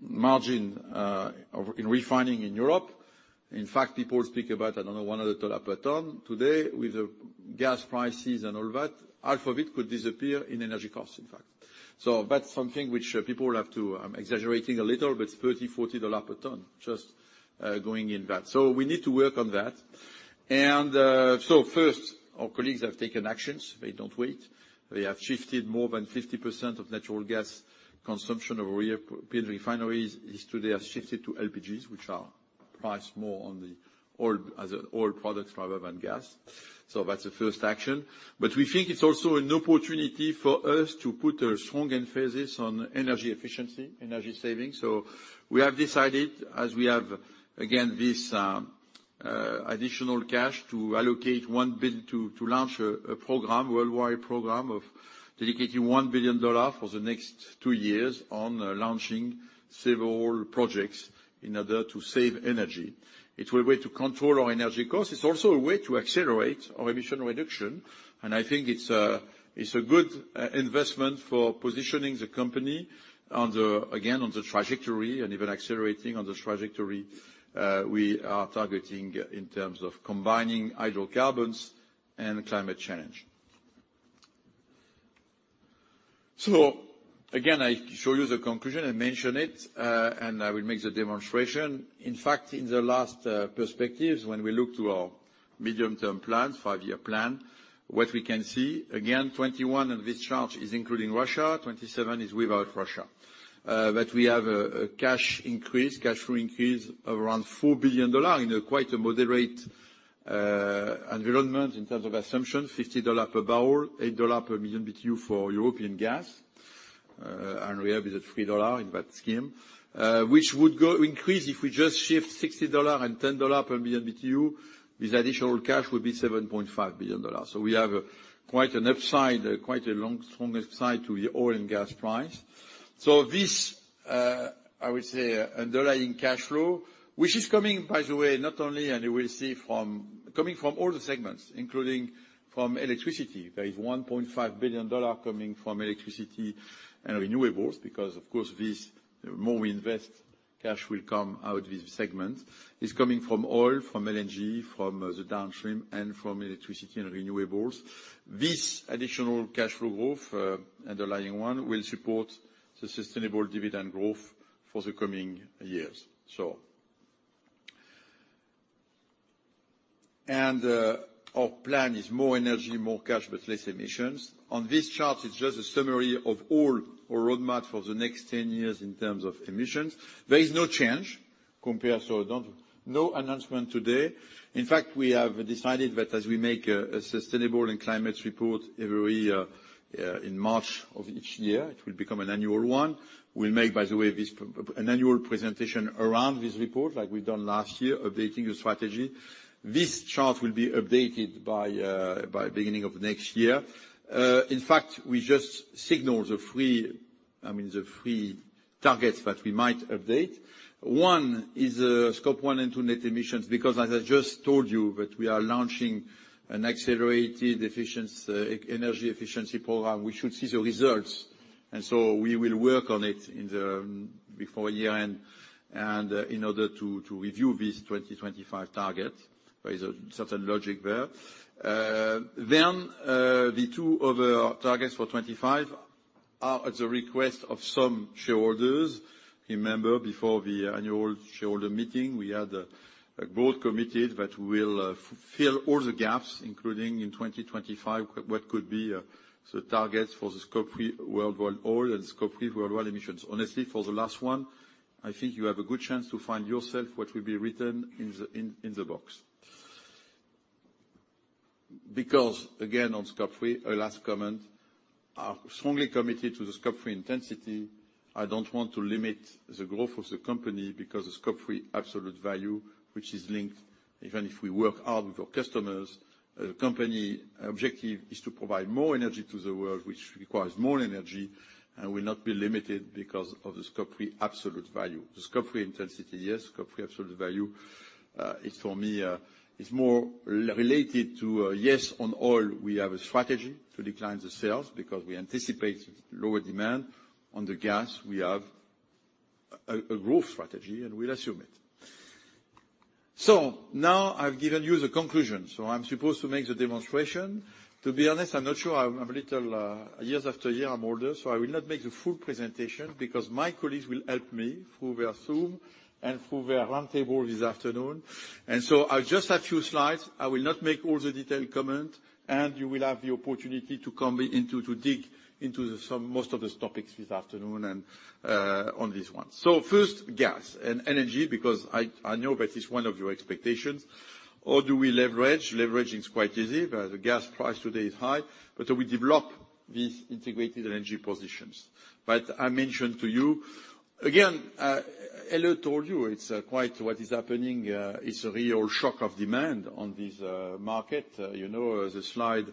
Speaker 2: margin of in refining in Europe. In fact, people speak about, I don't know, $100 per ton. Today, with the gas prices and all that, half of it could disappear in energy costs, in fact. That's something which people have to. I'm exaggerating a little, but it's $30-$40 per ton just going in that. We need to work on that. First our colleagues have taken actions. They don't wait. They have shifted more than 50% of natural gas consumption of European refineries today has shifted to LPGs, which are priced more on the oil, as an oil products rather than gas. That's the first action. We think it's also an opportunity for us to put a strong emphasis on energy efficiency, energy savings. We have decided, as we have again this additional cash to allocate $1 billion to launch a worldwide program of dedicating $1 billion for the next two years on launching several projects in order to save energy. It's a way to control our energy costs. It's also a way to accelerate our emission reduction. I think it's a good investment for positioning the company on the, again, on the trajectory and even accelerating on the trajectory we are targeting in terms of combining hydrocarbons and climate change. Again, I show you the conclusion, I mention it, and I will make the demonstration. In fact, in the last perspectives, when we look to our medium-term plan, five-year plan, what we can see, again, 2021, and this chart is including Russia, 2027 is without Russia. We have a cash increase, cash flow increase of around $4 billion in a quite moderate environment in terms of assumption. $50 per barrel, $8 per million BTU for European gas. We have it at $3 in that scheme. Which would go increase if we just shift $60 and $10 per million BTU, this additional cash would be $7.5 billion. We have quite an upside, quite a long, strong upside to the oil and gas price. This, I would say underlying cash flow, which is coming by the way, not only, and you will see from. Coming from all the segments, including from electricity. There is $1.5 billion coming from electricity and renewables because, of course, this more we invest, cash will come out of this segment. It's coming from oil, from LNG, from the downstream, and from electricity and renewables. This additional cash flow growth, underlying one, will support the sustainable dividend growth for the coming years. Our plan is more energy, more cash, but less emissions. On this chart is just a summary of all our roadmap for the next 10 years in terms of emissions. There is no change compared, so no announcement today. In fact, we have decided that as we make a sustainable and climate report every in March of each year, it will become an annual one. We'll make, by the way, an annual presentation around this report like we've done last year, updating the strategy. This chart will be updated by the beginning of next year. In fact, we just signaled the three targets that we might update. One is Scope 1 and 2 net emissions, because as I just told you that we are launching an accelerated energy efficiency program, we should see the results. We will work on it before year-end, and in order to review this 2025 target. There is a certain logic there. Then, the two other targets for 2025 are at the request of some shareholders. Remember, before the annual shareholder meeting, we had a board committee that will fill all the gaps, including in 2025, what could be the targets for the Scope 3 worldwide oil and Scope 3 worldwide emissions. Honestly, for the last one, I think you have a good chance to find yourself what will be written in the box. Because again, on Scope 3, our last comment, are strongly committed to the Scope 3 intensity. I don't want to limit the growth of the company because the Scope 3 absolute value, which is linked, even if we work hard with our customers, the company objective is to provide more energy to the world, which requires more energy and will not be limited because of the Scope 3 absolute value. The Scope 3 intensity, yes. Scope 3 absolute value is for me more related to yes, on oil, we have a strategy to decline the sales because we anticipate lower demand. On the gas, we have a growth strategy, and we'll assume it. Now I've given you the conclusion, so I'm supposed to make the demonstration. To be honest, I'm not sure. I'm a little, year after year, I'm older, so I will not make the full presentation because my colleagues will help me through their zoom and through their roundtable this afternoon. I just have few slides. I will not make all the detailed comment, and you will have the opportunity to come into, to dig into the some, most of these topics this afternoon and on this one. First, gas and LNG, because I know that is one of your expectations. How do we leverage? Leveraging is quite easy. The gas price today is high, but we develop these integrated LNG positions. But I mentioned to you again, Helle told you it's quite what is happening. It's a real shock of demand on this market. You know, the slide,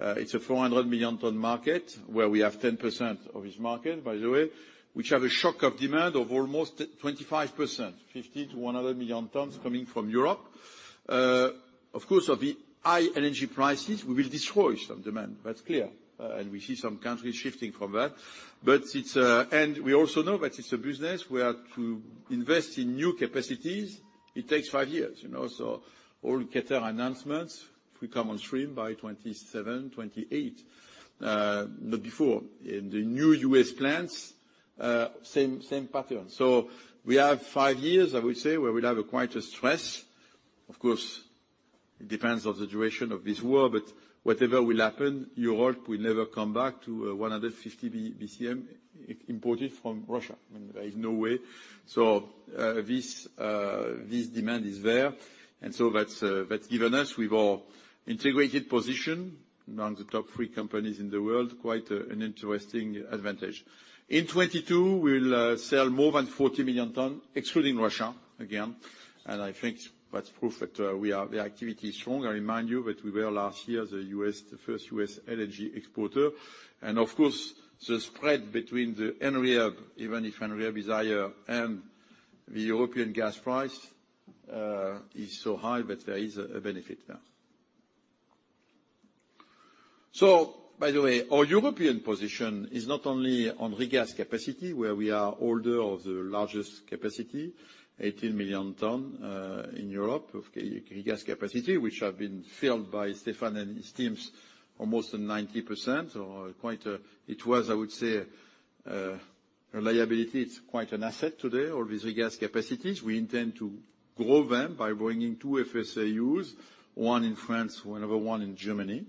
Speaker 2: it's a 400 million ton market where we have 10% of this market, by the way, which have a shock of demand of almost 25%, 50million-100 million tons coming from Europe. Of course, of the high LNG prices, we will destroy some demand. That's clear. And we see some countries shifting from that. But it's, We also know that it's a business where to invest in new capacities, it takes five years, you know. All Qatar announcements will come on stream by 2027, 2028, not before. In the new U.S. plants, same pattern. We have five years, I would say, where we'll have quite a stress. Of course, it depends on the duration of this war, but whatever will happen, Europe will never come back to 150 BCM imported from Russia. I mean, there is no way. This demand is there. That's given us, with our integrated position among the top three companies in the world, quite an interesting advantage. In 2022, we'll sell more than 40 million tons, excluding Russia again. I think that's proof that the activity is strong. I remind you that we were last year the first U.S. LNG exporter. Of course, the spread between the NBP, even if NBP is higher, and the European gas price, is so high that there is a benefit there. By the way, our European position is not only on regas capacity, where we are holder of the largest capacity, 18 million tons, in Europe of LNG regas capacity, which have been filled by Stéphane and his teams almost 90% or quite. It was, I would say, reliability is quite an asset today. All these regas capacities, we intend to grow them by bringing two FSRUs, one in France, another one in Germany,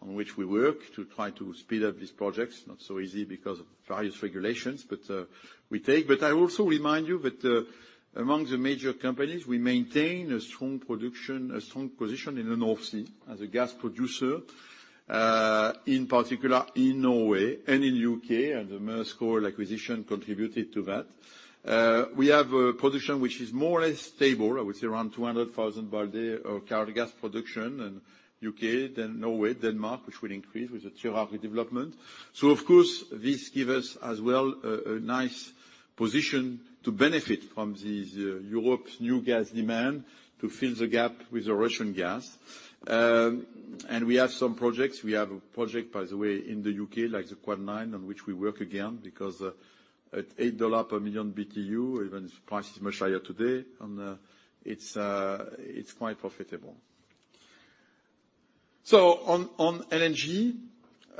Speaker 2: on which we work to try to speed up these projects. Not so easy because of various regulations, but we take. I also remind you that, among the major companies, we maintain a strong production, a strong position in the North Sea as a gas producer, in particular in Norway and in U.K. The Maersk Oil acquisition contributed to that. We have a position which is more or less stable, I would say around 200,000 barrels a day of cargo gas production in U.K., then Norway, Denmark, which will increase with the Tyra development. Of course, this give us as well a nice position to benefit from Europe's new gas demand to fill the gap with the Russian gas. We have some projects. We have a project, by the way, in the U.K., like the Quad Nine, on which we work again, because at $8 per million BTU, even if price is much higher today, and it's quite profitable. On LNG,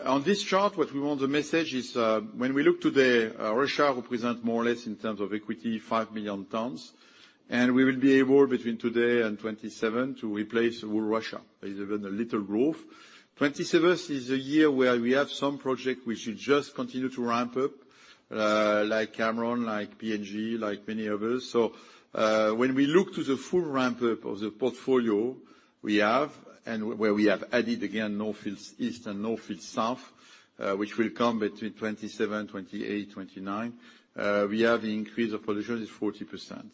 Speaker 2: on this chart, what we want the message is, when we look today, Russia represent more or less in terms of equity, 5 million tons. We will be able, between today and 2027, to replace all Russia. There's even a little growth. 2027 is a year where we have some project which will just continue to ramp up, like Cameron, like PNG, like many others. When we look to the full ramp up of the portfolio we have and where we have added again North Field East and North Field South, which will come between 2027, 2028, 2029, we have increase of production is 40%.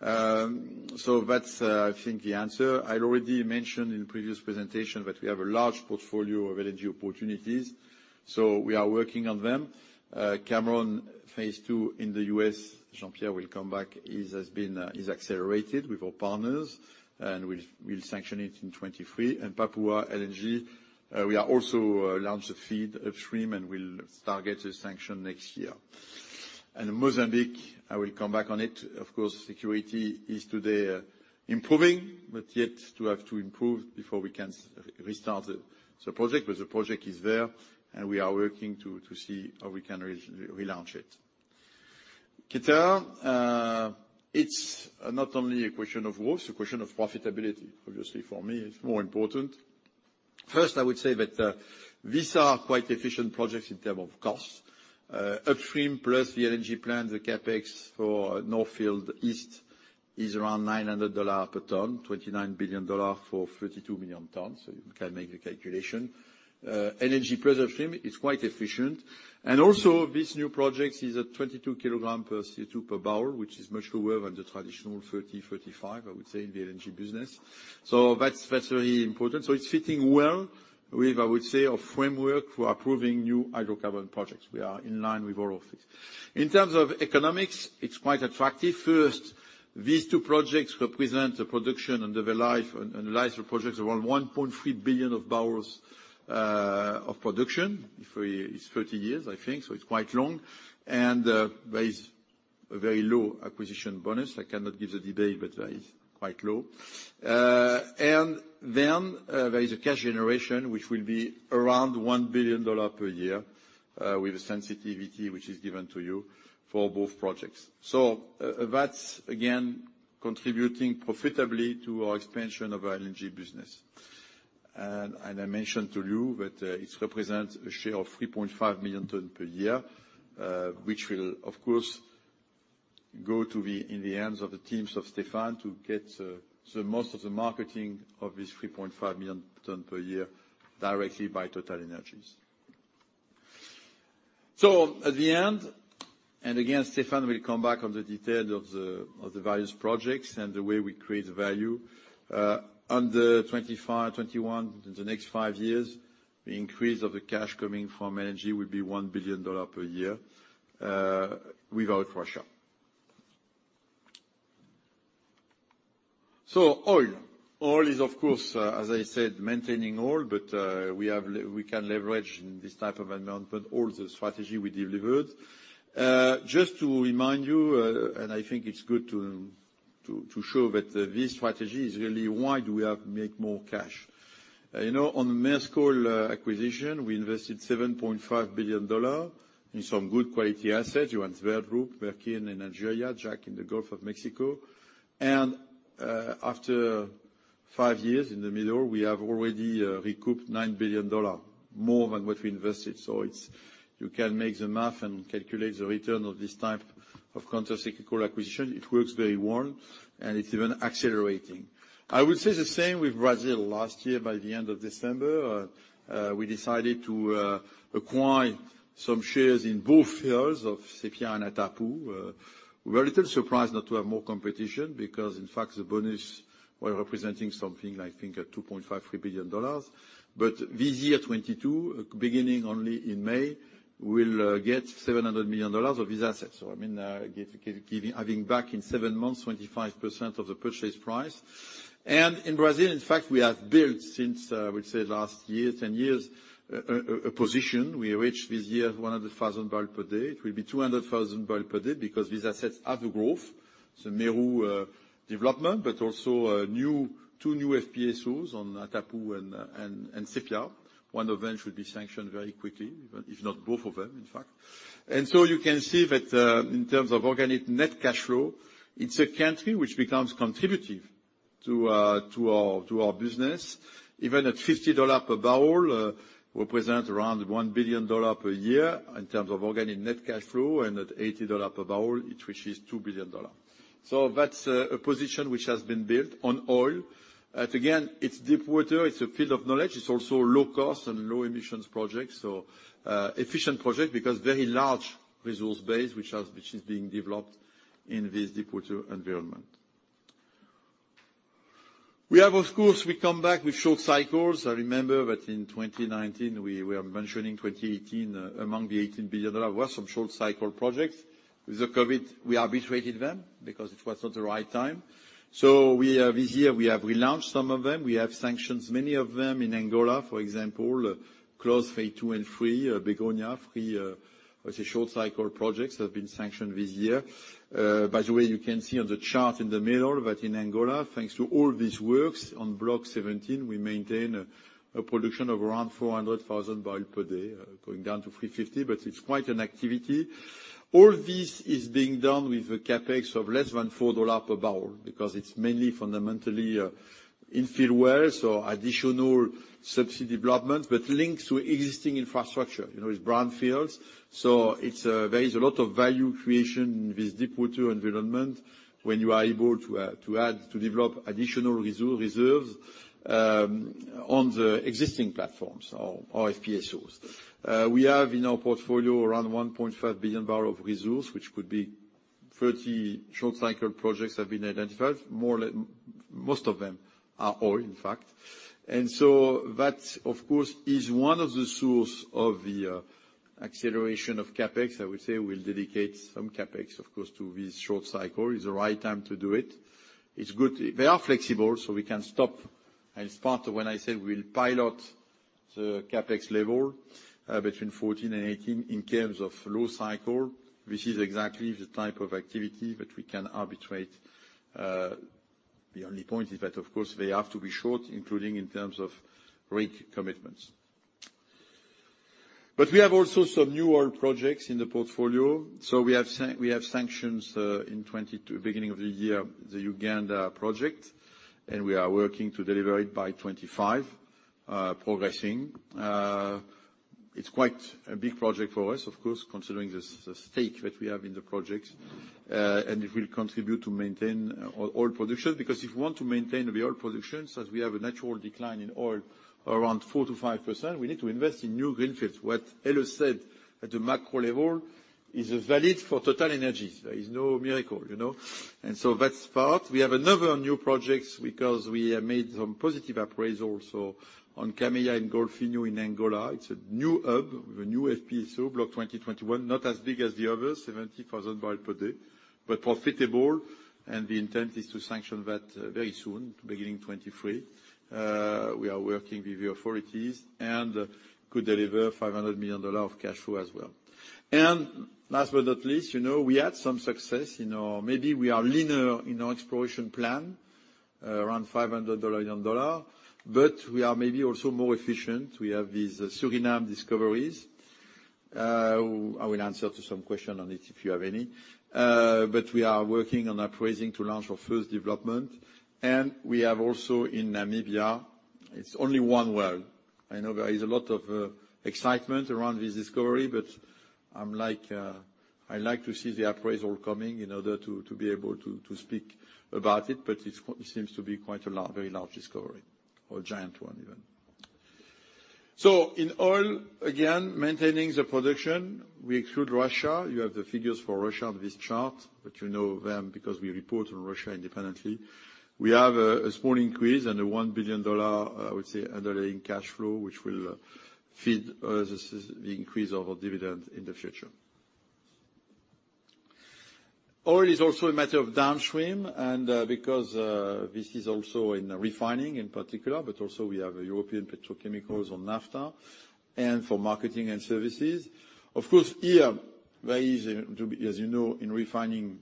Speaker 2: That's, I think the answer. I already mentioned in previous presentation that we have a large portfolio of LNG opportunities, so we are working on them. Cameron phase two in the U.S., Jean-Pierre will come back, is accelerated with our partners, and we'll sanction it in 2023. Papua LNG, we are also launch the FEED upstream and we'll target a sanction next year. Mozambique, I will come back on it. Of course, security is today improving, but yet to have to improve before we can restart the project. The project is there, and we are working to see how we can relaunch it. Qatar, it's not only a question of growth, it's a question of profitability. Obviously, for me, it's more important. First, I would say that these are quite efficient projects in term of cost. Upstream plus the LNG plant, the CapEx for North Field East is around $900 per ton, $29 billion for 32 million tons. So you can make the calculation. LNG pressure stream is quite efficient. Also these new projects is at 22 kg per CO2 per barrel, which is much lower than the traditional 30/35, I would say, in the LNG business. So that's very important. So it's fitting well with, I would say, a framework for approving new hydrocarbon projects. We are in line with all of this. In terms of economics, it's quite attractive. First, these two projects represent the production under the life of projects around 1.3 billion barrels of production. It's 30 years, I think, so it's quite long. There is a very low acquisition bonus. I cannot give the detail, but that is quite low. Then, there is a cash generation which will be around $1 billion per year, with a sensitivity which is given to you for both projects. That's again, contributing profitably to our expansion of our LNG business. I mentioned to you that it represents a share of 3.5 million tons per year, which will of course go into the hands of the teams of Stéphane to get the most out of the marketing of these 3.5 million tons per year directly by TotalEnergies. At the end, again, Stéphane will come back on the detail of the various projects and the way we create value. From 2021 to 2025, in the next five years, the increase of the cash coming from LNG will be $1 billion per year, without Russia. Oil is, of course, as I said, maintaining oil, but we can leverage in this type of environment all the strategy we delivered. Just to remind you, I think it's good to show that this strategy is really why we have made more cash. You know, on the Maersk Oil acquisition, we invested $7.5 billion in some good quality assets including Johan Sverdrup, Wergeland in Algeria, Jack in the Gulf of Mexico. After five years in the meantime, we have already recouped $9 billion, more than what we invested. So, you can do the math and calculate the return of this type of counter-cyclical acquisition. It works very well, and it's even accelerating. I would say the same with Brazil. Last year, by the end of December, we decided to acquire some shares in both fields of Sepia and Atapu. We're a little surprised not to have more competition because, in fact, the business represents something like, I think, $2.5 billion-$3 billion. This year, 2022, beginning only in May, we'll get $700 million of these assets. I mean, getting back in seven months 25% of the purchase price. In Brazil, in fact, we have built since, I would say, the last 10 years a position. We reached this year 100,000 barrels per day. It will be 200,000 barrels per day because these assets have the growth. Mero development, but also two new FPSOs on Atapu and Sepia. One of them should be sanctioned very quickly, if not both of them, in fact. You can see that, in terms of organic net cash flow, it's a country which becomes contributive to our business. Even at $50 per barrel, it represents around $1 billion per year in terms of organic net cash flow, and at $80 per barrel, it reaches $2 billion. That's a position which has been built on oil. Again, it's deepwater, it's a field of knowledge. It's also low cost and low emissions project. Efficient project because very large resource base which is being developed in this deepwater environment. We have, of course, we come back with short cycles. I remember that in 2019 we are mentioning 2018 among the $18 billion was some short cycle projects. With the COVID, we arbitrated them because it was not the right time. We have, this year we have relaunched some of them. We have sanctioned many of them in Angola, for example, CLOV Phase two and three, Begonia, and short-cycle projects have been sanctioned this year. By the way, you can see on the chart in the middle that in Angola, thanks to all these works on Block XVII, we maintain a production of around 400,000 barrels per day, going down to 350,000, but it's quite an activity. All this is being done with a CapEx of less than $4 per barrel because it's mainly fundamentally infill wells or additional subsea development, but linked to existing infrastructure. You know, it's brownfields. There is a lot of value creation in this deepwater environment when you are able to add, to develop additional reserves on the existing platforms or FPSOs. We have in our portfolio around 1.5 billion barrels of reserves, which could be 30 short cycle projects have been identified. Most of them are oil, in fact. That, of course, is one of the sources of the acceleration of CapEx. I would say we'll dedicate some CapEx, of course, to this short cycle. It's the right time to do it. It's good. They are flexible, so we can stop and start. When I said we'll pilot the CapEx level between $14 billion and $18 billion in terms of long cycle, this is exactly the type of activity that we can arbitrate. The only point is that, of course, they have to be short, including in terms of rig commitments. We have also some new oil projects in the portfolio. We have sanctioned in 2022, beginning of the year, the Uganda project, and we are working to deliver it by 2025, progressing. It's quite a big project for us, of course, considering the stake that we have in the project. It will contribute to maintain oil production, because if we want to maintain the oil production, since we have a natural decline in oil around 4%-5%, we need to invest in new greenfields. What Helle said at the macro level is valid for TotalEnergies. There is no miracle, you know. That's part. We have another new projects because we have made some positive appraisal. On Cameia and Golfinho in Angola, it's a new hub with a new FPSO, Block 20/21, not as big as the other, 70,000 barrels per day, but profitable. The intent is to sanction that very soon, beginning 2023. We are working with the authorities and could deliver $500 million of cash flow as well. Last but not least, you know, we had some success. Maybe we are leaner in our exploration plan, around $500 million, but we are maybe also more efficient. We have these Suriname discoveries. I will answer to some question on it if you have any. We are working on appraising to launch our first development. We have also in Namibia, it's only one well. I know there is a lot of excitement around this discovery, but I'm like, I like to see the appraisal coming in order to be able to speak about it, but it seems to be quite a very large discovery, or giant one even. In oil, again, maintaining the production. We exclude Russia. You have the figures for Russia on this chart, but you know them because we report on Russia independently. We have a small increase and a $1 billion, I would say, underlying cash flow, which will feed us as the increase of our dividend in the future. Oil is also a matter of downstream, and because this is also in refining in particular, but also we have in European petrochemicals in NAFTA and for marketing and services. Of course, here, very easy to be, as you know, in refining,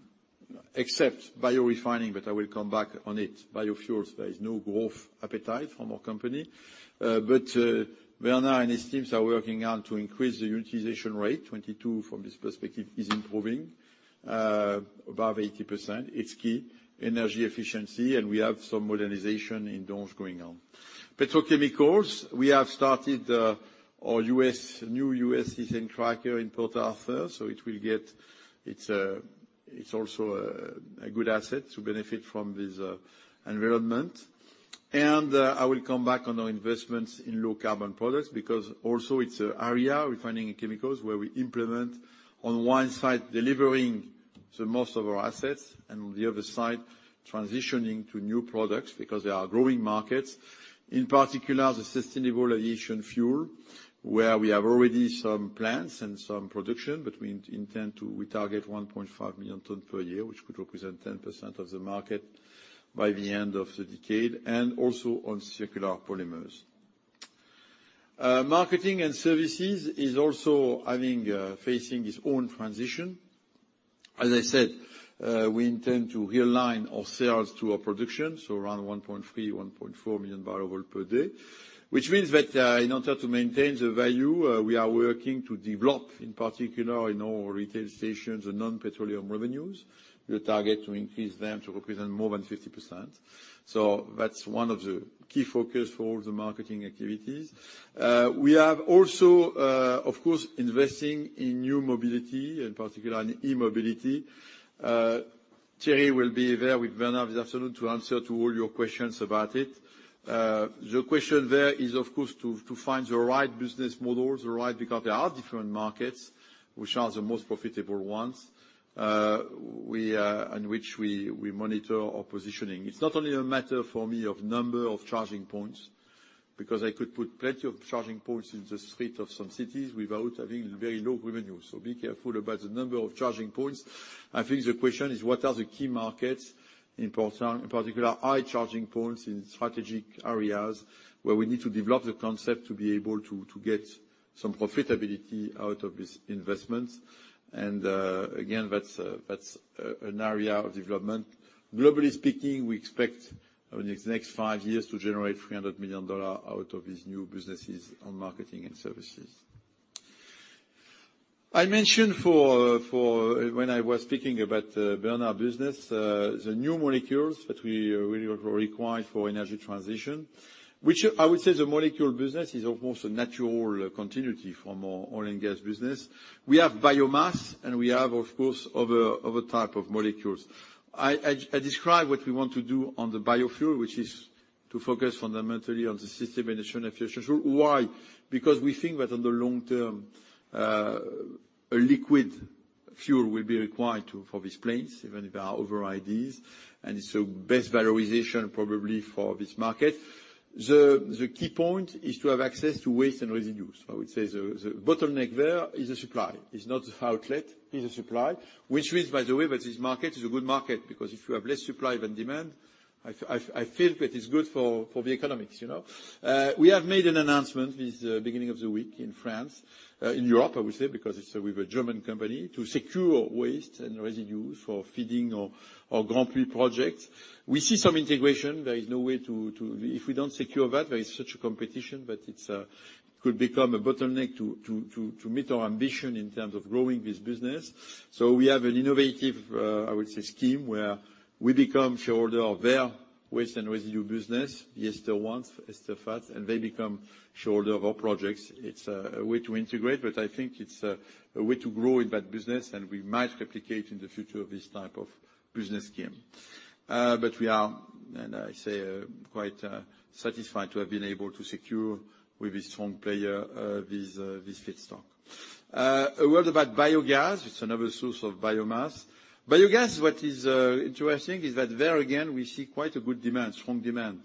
Speaker 2: except biorefining, but I will come back on it. Biofuels, there is no growth appetite from our company. But Bernard and his teams are working on to increase the utilization rate. 2022, from this perspective, is improving above 80%. It's key. Energy efficiency, and we have some modernization in Donges going on. Petrochemicals, we have started our new U.S., ethane cracker in Port Arthur, so it will get its. It's also a good asset to benefit from this environment. I will come back on our investments in low carbon products because also it's an area, refining and chemicals, where we implement on one side, delivering to most of our assets, and on the other side, transitioning to new products because they are growing markets. In particular, the sustainable aviation fuel, where we have already some plants and some production, but we intend to retarget 1.5 million tons per year, which could represent 10% of the market by the end of the decade, and also on circular polymers. Marketing & Services is also facing its own transition. As I said, we intend to realign our sales to our production, so around 1.3 millio-1.4 million barrels of oil per day. Which means that, in order to maintain the value, we are working to develop, in particular in our retail stations and non-petroleum revenues. We are targeting to increase them to represent more than 50%. That's one of the key focus for the marketing activities. We have also, of course, investing in new mobility, in particular in E-mobility. Thierry will be there with Bernard this afternoon to answer to all your questions about it. The question there is, of course, to find the right business models, the right. Because there are different markets which are the most profitable ones, on which we monitor our positioning. It's not only a matter for me of number of charging points, because I could put plenty of charging points in the street of some cities without having very low revenues. So be careful about the number of charging points. I think the question is what are the key markets, in particular, high charging points in strategic areas where we need to develop the concept to be able to get some profitability out of these investments. Again, that's an area of development. Globally speaking, we expect over the next five years to generate $300 million out of these new businesses on marketing and services. I mentioned when I was speaking about Bernard’s business, the new molecules that we require for energy transition, which I would say the molecule business is, of course, a natural continuity from our oil and gas business. We have biomass, and we have, of course, other type of molecules. I describe what we want to do on the biofuel, which is to focus fundamentally on the system addition efficiency. Why? Because we think that in the long term, a liquid fuel will be required for these planes, even if there are other ideas, and it’s the best valorization probably for this market. The key point is to have access to waste and residues. I would say the bottleneck there is the supply. It's not the outlet. It's the supply. Which means, by the way, that this market is a good market, because if you have less supply than demand, I feel that it's good for the economics, you know. We have made an announcement this beginning of the week in France, in Europe, I would say, because it's with a German company, to secure waste and residues for feeding our Grandpuits project. We see some integration. There is no way. If we don't secure that, there is such a competition that it could become a bottleneck to meet our ambition in terms of growing this business. We have an innovative, I would say, scheme where we become shareholder of their waste and residue business, the Esterwan, Esterfat, and they become shareholder of our projects. It's a way to integrate, but I think it's a way to grow in that business, and we might replicate in the future of this type of business scheme. We are, may I say, quite satisfied to have been able to secure with a strong player, this feedstock. A word about biogas. It's another source of biomass. Biogas, what is interesting is that there again, we see quite a good demand, strong demand.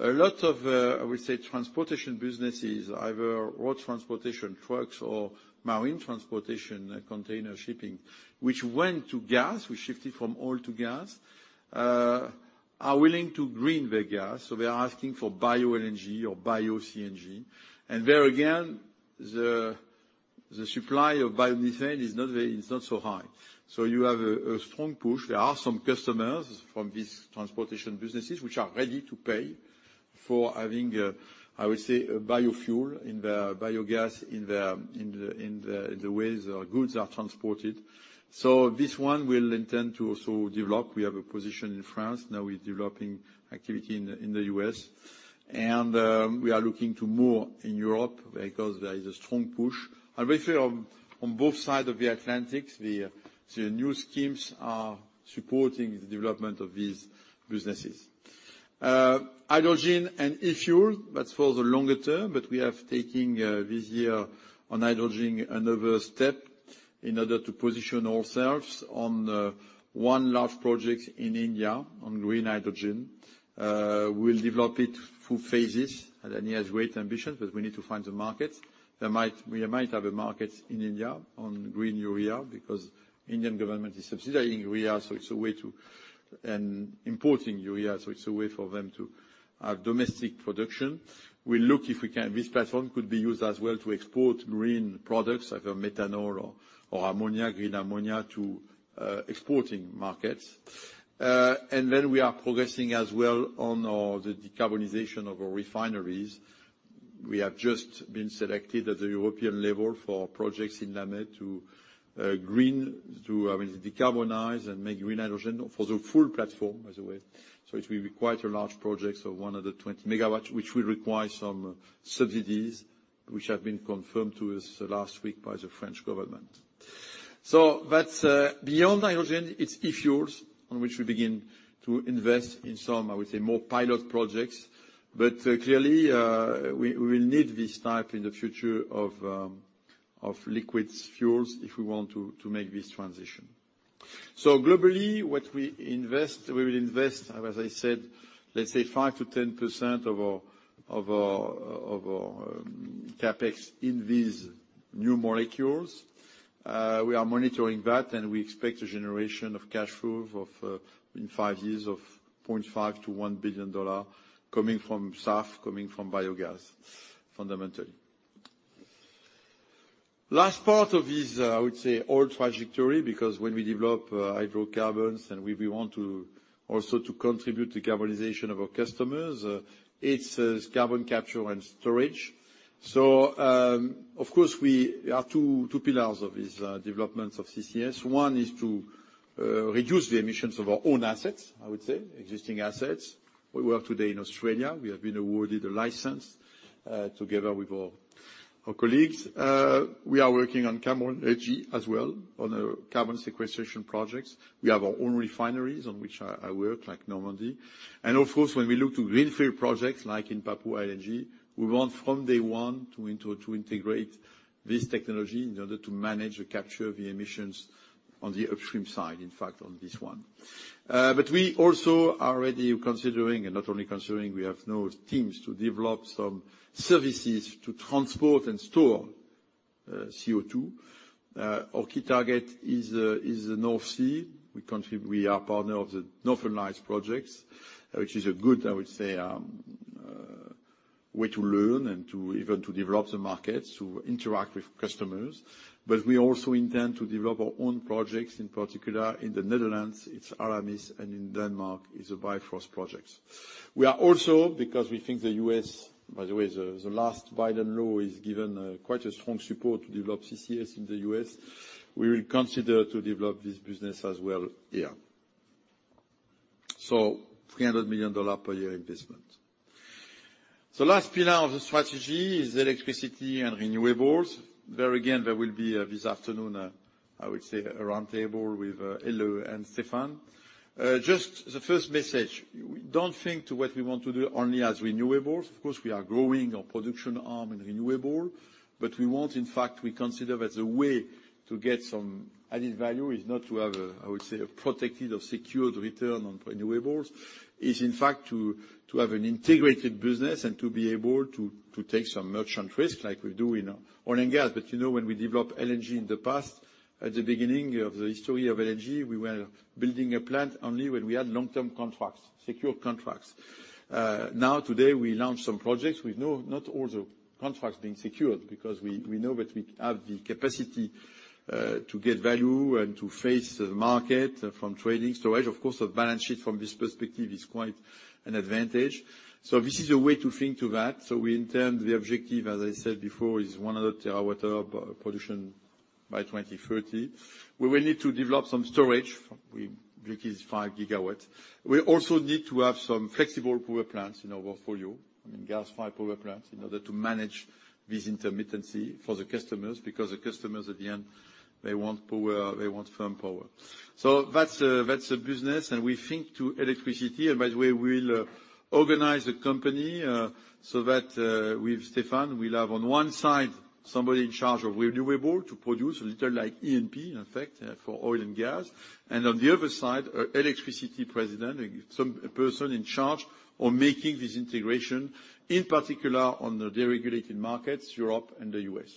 Speaker 2: A lot of, I would say, transportation businesses, either road transportation, trucks, or marine transportation, container shipping, which went to gas, which shifted from oil to gas, are willing to green their gas, so they are asking for bioLNG or bioCNG. There again, the supply of biomethane is not very, it's not so high. You have a strong push. There are some customers from these transportation businesses which are ready to pay for having, I would say a biofuel in their biogas, in the ways their goods are transported. This one we'll intend to also develop. We have a position in France. Now we're developing activity in the U.S. We are looking to more in Europe because there is a strong push. I will say on both sides of the Atlantic, the new schemes are supporting the development of these businesses. Hydrogen and e-fuel, that's for the longer term, but we have taking this year on hydrogen another step in order to position ourselves on one large project in India on green hydrogen. We'll develop it through phases. It has great ambition, but we need to find the markets. We might have a market in India on green urea because the Indian government is subsidizing urea, so it's a way to import urea, so it's a way for them to have domestic production. We look if we can, this platform could be used as well to export green products like methanol or ammonia, green ammonia, to exporting markets. We are progressing as well on the decarbonization of our refineries. We have just been selected at the European level for projects in La Mède to decarbonize and make green hydrogen for the full platform, by the way. It will be quite a large project. 120 MW, which will require some subsidies, which have been confirmed to us last week by the French government. That's beyond hydrogen, it's E-fuels, on which we begin to invest in some, I would say, more pilot projects. Clearly, we will need this type in the future of liquid fuels if we want to make this transition. Globally, what we invest, we will invest, as I said, let's say 5%-10% of our CapEx in these new molecules. We are monitoring that, and we expect a generation of cash flow of, in five years of $0.5 billion-$1 billion coming from SAF, coming from biogas, fundamentally. Last part of this, I would say, overall trajectory, because when we develop hydrocarbons and we want to also contribute to decarbonization of our customers, it's carbon capture and storage. Of course, we are two pillars of this developments of CCS. One is to reduce the emissions of our own assets, I would say, existing assets. We work today in Australia. We have been awarded a license together with our colleagues. We are working on Cameron LNG as well on carbon sequestration projects. We have our own refineries on which I work like Normandy. Of course, when we look to greenfield projects like in Papua New Guinea, we want from day one to integrate this technology in order to manage the capture of the emissions on the upstream side, in fact, on this one. But we also are already considering, and not only considering, we have now teams to develop some services to transport and store CO2. Our key target is the North Sea. We are partner of the Northern Lights projects, which is a good, I would say, way to learn and to even to develop the markets, to interact with customers. We also intend to develop our own projects, in particular, in the Netherlands, it's Aramis, and in Denmark, it's the Bifrost projects. We are also, because we think the U.S., by the way, the last Biden law is given quite a strong support to develop CCS in the U.S., we will consider to develop this business as well here. $300 million per year investment. Last pillar of the strategy is electricity and renewables. There again, there will be this afternoon, I would say a roundtable with Helle Kristoffersen and Stéphane Michel. Just the first message. We don't think to what we want to do only as renewables. Of course, we are growing our production arm in renewables, but we want, in fact, we consider that the way to get some added value is not to have, I would say, a protected or secured return on renewables. It is in fact to have an integrated business and to be able to take some merchant risk like we do in oil and gas. You know, when we develop LNG in the past, at the beginning of the history of LNG, we were building a plant only when we had long-term contracts, secure contracts. Now, today, we launch some projects with not all the contracts being secured because we know that we have the capacity to get value and to face the market from trading, storage. Of course, our balance sheet from this perspective is quite an advantage. This is a way to think about that. The objective, as I said before, is 100 TWh production by 2030. We will need to develop some storage, which is 5 GW. We also need to have some flexible power plants in our portfolio. I mean, gas-fired power plants, in order to manage this intermittency for the customers, because the customers at the end, they want power, they want firm power. That's a business, and we think of electricity. By the way, we'll organize the company so that, with Stéphane, we'll have on one side, somebody in charge of renewables to produce a little like E&P, in fact, for oil and gas. On the other side, an electricity president, some person in charge on making this integration, in particular on the deregulated markets, Europe and the U.S.,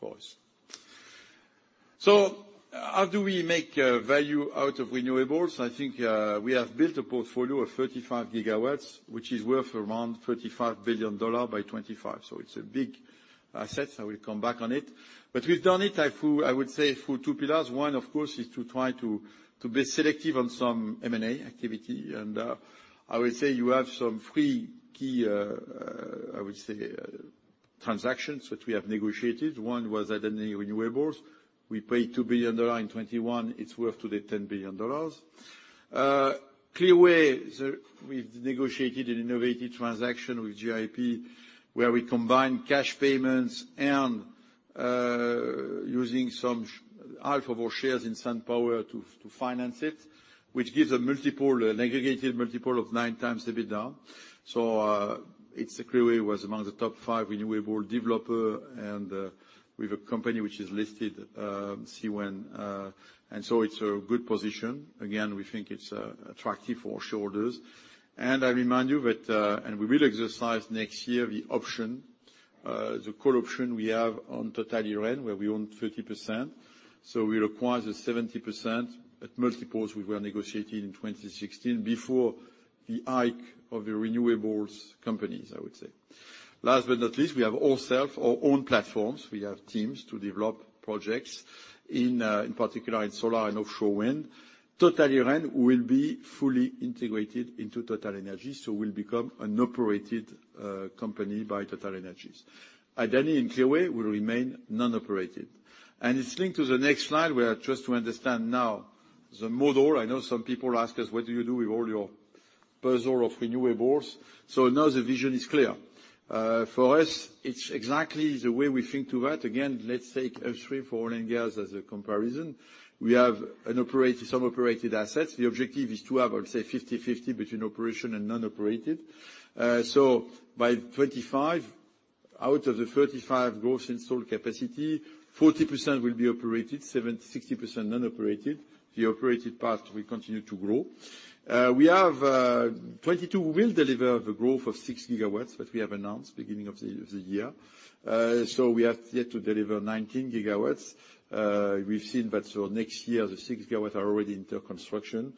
Speaker 2: for us. How do we make value out of renewables? I think we have built a portfolio of 35 GW, which is worth around $35 billion by 2025. It's a big asset. I will come back on it. We've done it through, I would say, two pillars. One, of course, is to try to be selective on some M&A activity. I would say you have some three key transactions which we have negotiated. One was Adani Green Energy. We paid $2 billion in 2021. It's worth today $10 billion. Clearway, we've negotiated an innovative transaction with GIP, where we combine cash payments and using some half of our shares in SunPower to finance it, which gives a multiple, an aggregated multiple of 9x EBITDA. It's Clearway was among the top five renewable developer, and with a company which is listed, CWEN. It's a good position. We think it's attractive for our shareholders. I remind you that we will exercise next year the option, the call option we have on Total Eren, where we own 30%. We require the 70% at multiples we were negotiating in 2016 before the hike of the renewables companies, I would say. Last but not least, we have ourselves our own platforms. We have teams to develop projects in particular in solar and offshore wind. Total Eren will be fully integrated into TotalEnergies, so will become an operated company by TotalEnergies. Adani and Clearway will remain non-operated. It's linked to the next slide. We are just to understand now the model. I know some people ask us, what do you do with all your portfolio of renewables? Now the vision is clear. For us, it's exactly the way we think to that. Again, let's take upstream for oil and gas as a comparison. We have some operated assets. The objective is to have, I would say, 50/50 between operation and non-operated. By 2025. Out of the 35% growth in solar capacity, 40% will be operated, 60% non-operated. The operated part will continue to grow. 2022 will deliver the growth of 6 GW that we have announced beginning of the year. So we have yet to deliver 19 GW. We've seen that next year the 6 GW are already under construction.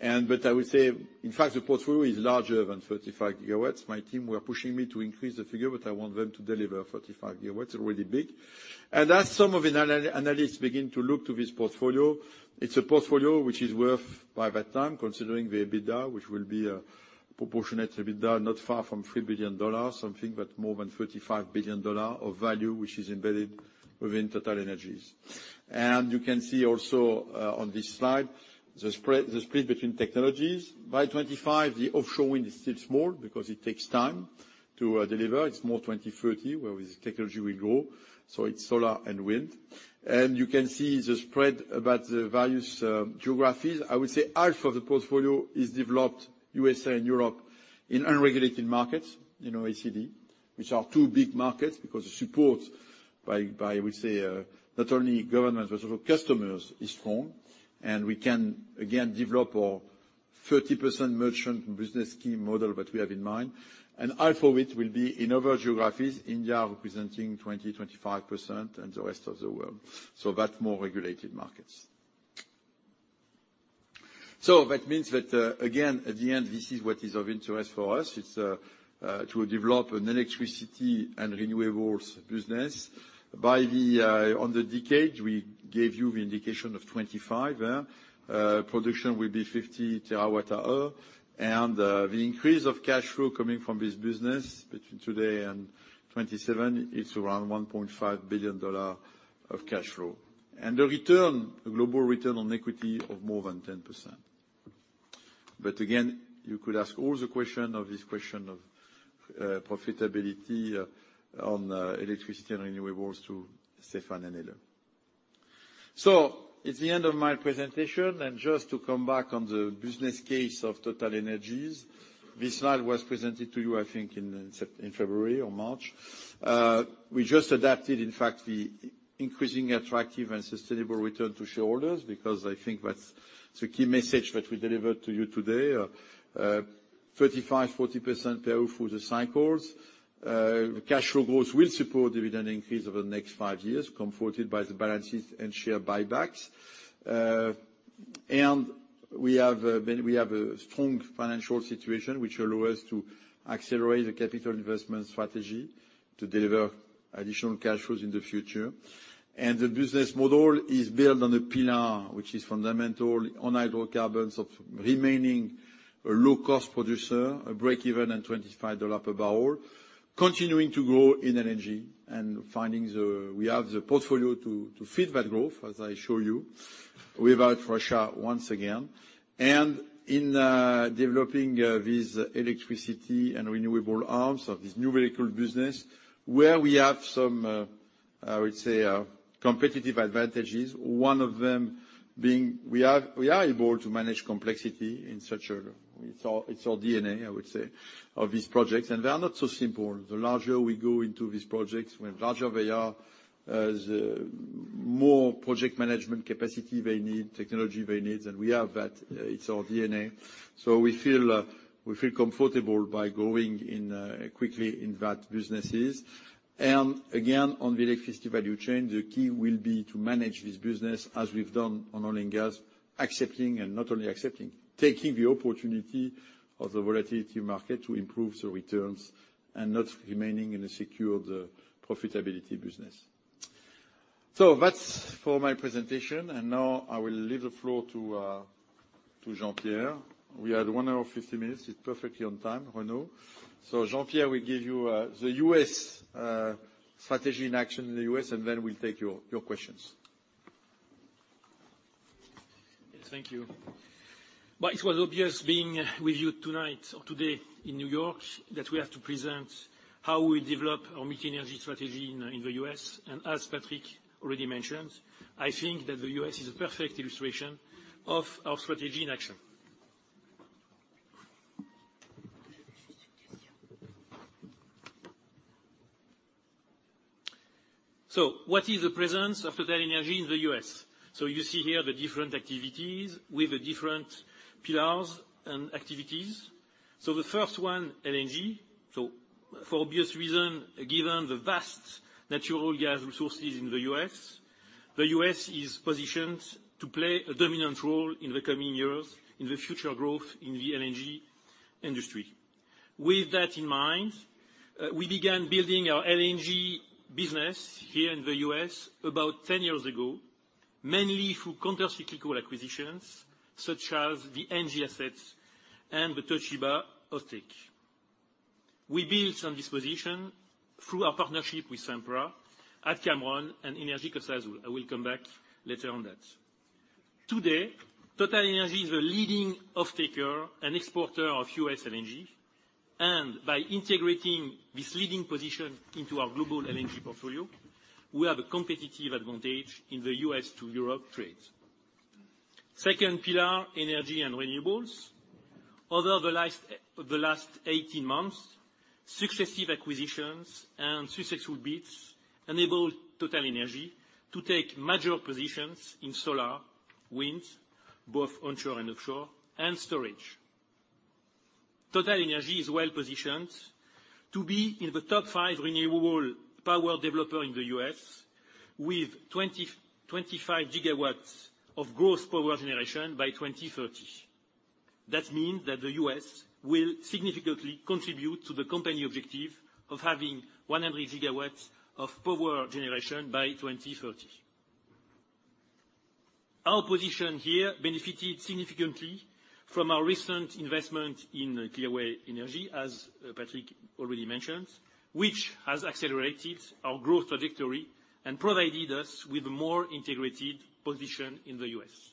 Speaker 2: But I would say, in fact, the portfolio is larger than 35 GW. My team were pushing me to increase the figure, but I want them to deliver 35 GW, already big. As some of analysts begin to look to this portfolio, it's a portfolio which is worth by that time, considering the EBITDA, which will be a proportionate EBITDA, not far from $3 billion, something that more than $35 billion of value, which is embedded within TotalEnergies. You can see also, on this slide, the spread, the split between technologies. By 2025, the offshore wind is still small because it takes time to deliver. It's more 2030 where the technology will grow, so it's solar and wind. You can see the spread about the various geographies. I would say half of the portfolio is developed USA and Europe in unregulated markets, you know, ACD, which are two big markets because the support by, I would say, not only government, but sort of customers is strong. We can again develop our 30% merchant business key model that we have in mind. Half of it will be in other geographies, India representing 20%-25%, and the rest of the world. That's more regulated markets. That means that, again, at the end, this is what is of interest for us. It's to develop an electricity and renewables business. By the end of the decade, we gave you the indication of 2025. Production will be 50 TWh. The increase of cash flow coming from this business between today and 2027 is around $1.5 billion of cash flow. The return, global return on equity of more than 10%. You could ask all the questions on this question of profitability on electricity and renewables to Stéphane and Helle. It's the end of my presentation. Just to come back on the business case of TotalEnergies, this slide was presented to you, I think, in February or March. We just adapted, in fact, the increasingly attractive and sustainable return to shareholders because I think that's the key message that we delivered to you today. 35%-40% payoff for the cycles. Cash flow growth will support dividend increase over the next five years, comforted by the balances and share buybacks. We have a strong financial situation which allow us to accelerate the capital investment strategy to deliver additional cash flows in the future. The business model is built on the pillar, which is fundamental on hydrocarbons of remaining a low cost producer, a break-even at $25 per barrel, continuing to grow in LNG and we have the portfolio to fit that growth, as I show you, without Russia once again. In developing these electricity and renewable arms of this new energies business, where we have some competitive advantages. One of them being we are able to manage complexity in such a. It's our DNA, I would say, of these projects. They are not so simple. The larger we go into these projects, the larger they are, the more project management capacity they need, technology they need, and we have that. It's our DNA. We feel comfortable by growing quickly in that business. Again, on the electricity value chain, the key will be to manage this business as we've done on oil and gas, accepting and not only accepting, taking the opportunity of the volatile market to improve the returns and not remaining in a secure profitability business. That's for my presentation. Now I will leave the floor to Jean-Pierre. We had 1 hour 15 minutes. It's perfectly on time, Renaud. Jean-Pierre will give you the U.S. strategy in action in the U.S., and then we'll take your questions.
Speaker 4: Thank you. It was obvious being with you tonight or today in New York that we have to present how we develop our multi-energy strategy in the U.S. As Patrick already mentioned, I think that the U.S. is a perfect illustration of our strategy in action. What is the presence of TotalEnergies in the U.S.? You see here the different activities with the different pillars and activities. The first one, LNG. For obvious reason, given the vast natural gas resources in the U.S., the U.S. is positioned to play a dominant role in the coming years in the future growth in the LNG industry. With that in mind, we began building our LNG business here in the U.S. about 10 years ago, mainly through counter-cyclical acquisitions such as the LNG assets and the Toshiba off-take. We built on this position through our partnership with Sempra at Cameron and Energía Costa Azul. I will come back later on that. Today, TotalEnergies is a leading off-taker and exporter of U.S. LNG. By integrating this leading position into our global LNG portfolio, we have a competitive advantage in the U.S. to Europe trades. Second pillar, energy and renewables. Over the last 18 months, successive acquisitions and successful bids enabled TotalEnergies to take major positions in solar, wind, both onshore and offshore, and storage. TotalEnergies is well positioned to be in the top five renewable power developer in the U.S., with 25 GW of gross power generation by 2030. That means that the U.S. will significantly contribute to the company objective of having 100 GW of power generation by 2030. Our position here benefited significantly from our recent investment in Clearway Energy, as Patrick already mentioned, which has accelerated our growth trajectory and provided us with a more integrated position in the U.S.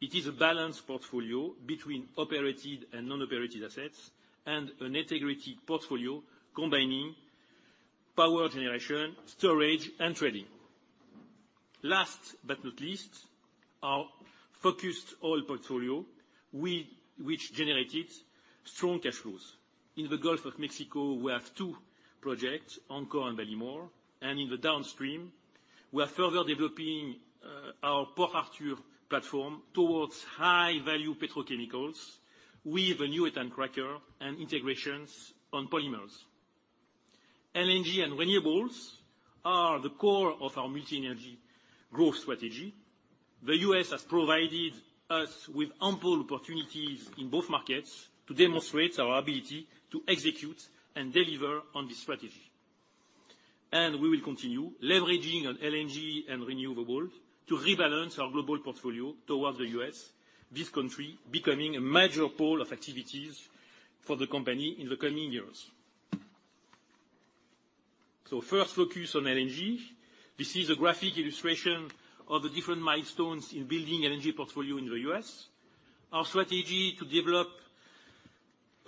Speaker 4: It is a balanced portfolio between operated and non-operated assets, and an integrated portfolio combining power generation, storage, and trading. Last but not least, our focused oil portfolio, which generated strong cash flows. In the Gulf of Mexico, we have two projects, Anchor and Ballymore, and in the downstream, we are further developing our Port Arthur platform towards high value petrochemicals with a new ethane cracker and integrations on polymers. LNG and renewables are the core of our multi-energy growth strategy. The U.S. has provided us with ample opportunities in both markets to demonstrate our ability to execute and deliver on this strategy. We will continue leveraging on LNG and renewable world to rebalance our global portfolio towards the U.S., this country becoming a major pool of activities for the company in the coming years. First, focus on LNG. This is a graphic illustration of the different milestones in building LNG portfolio in the U.S. Our strategy to develop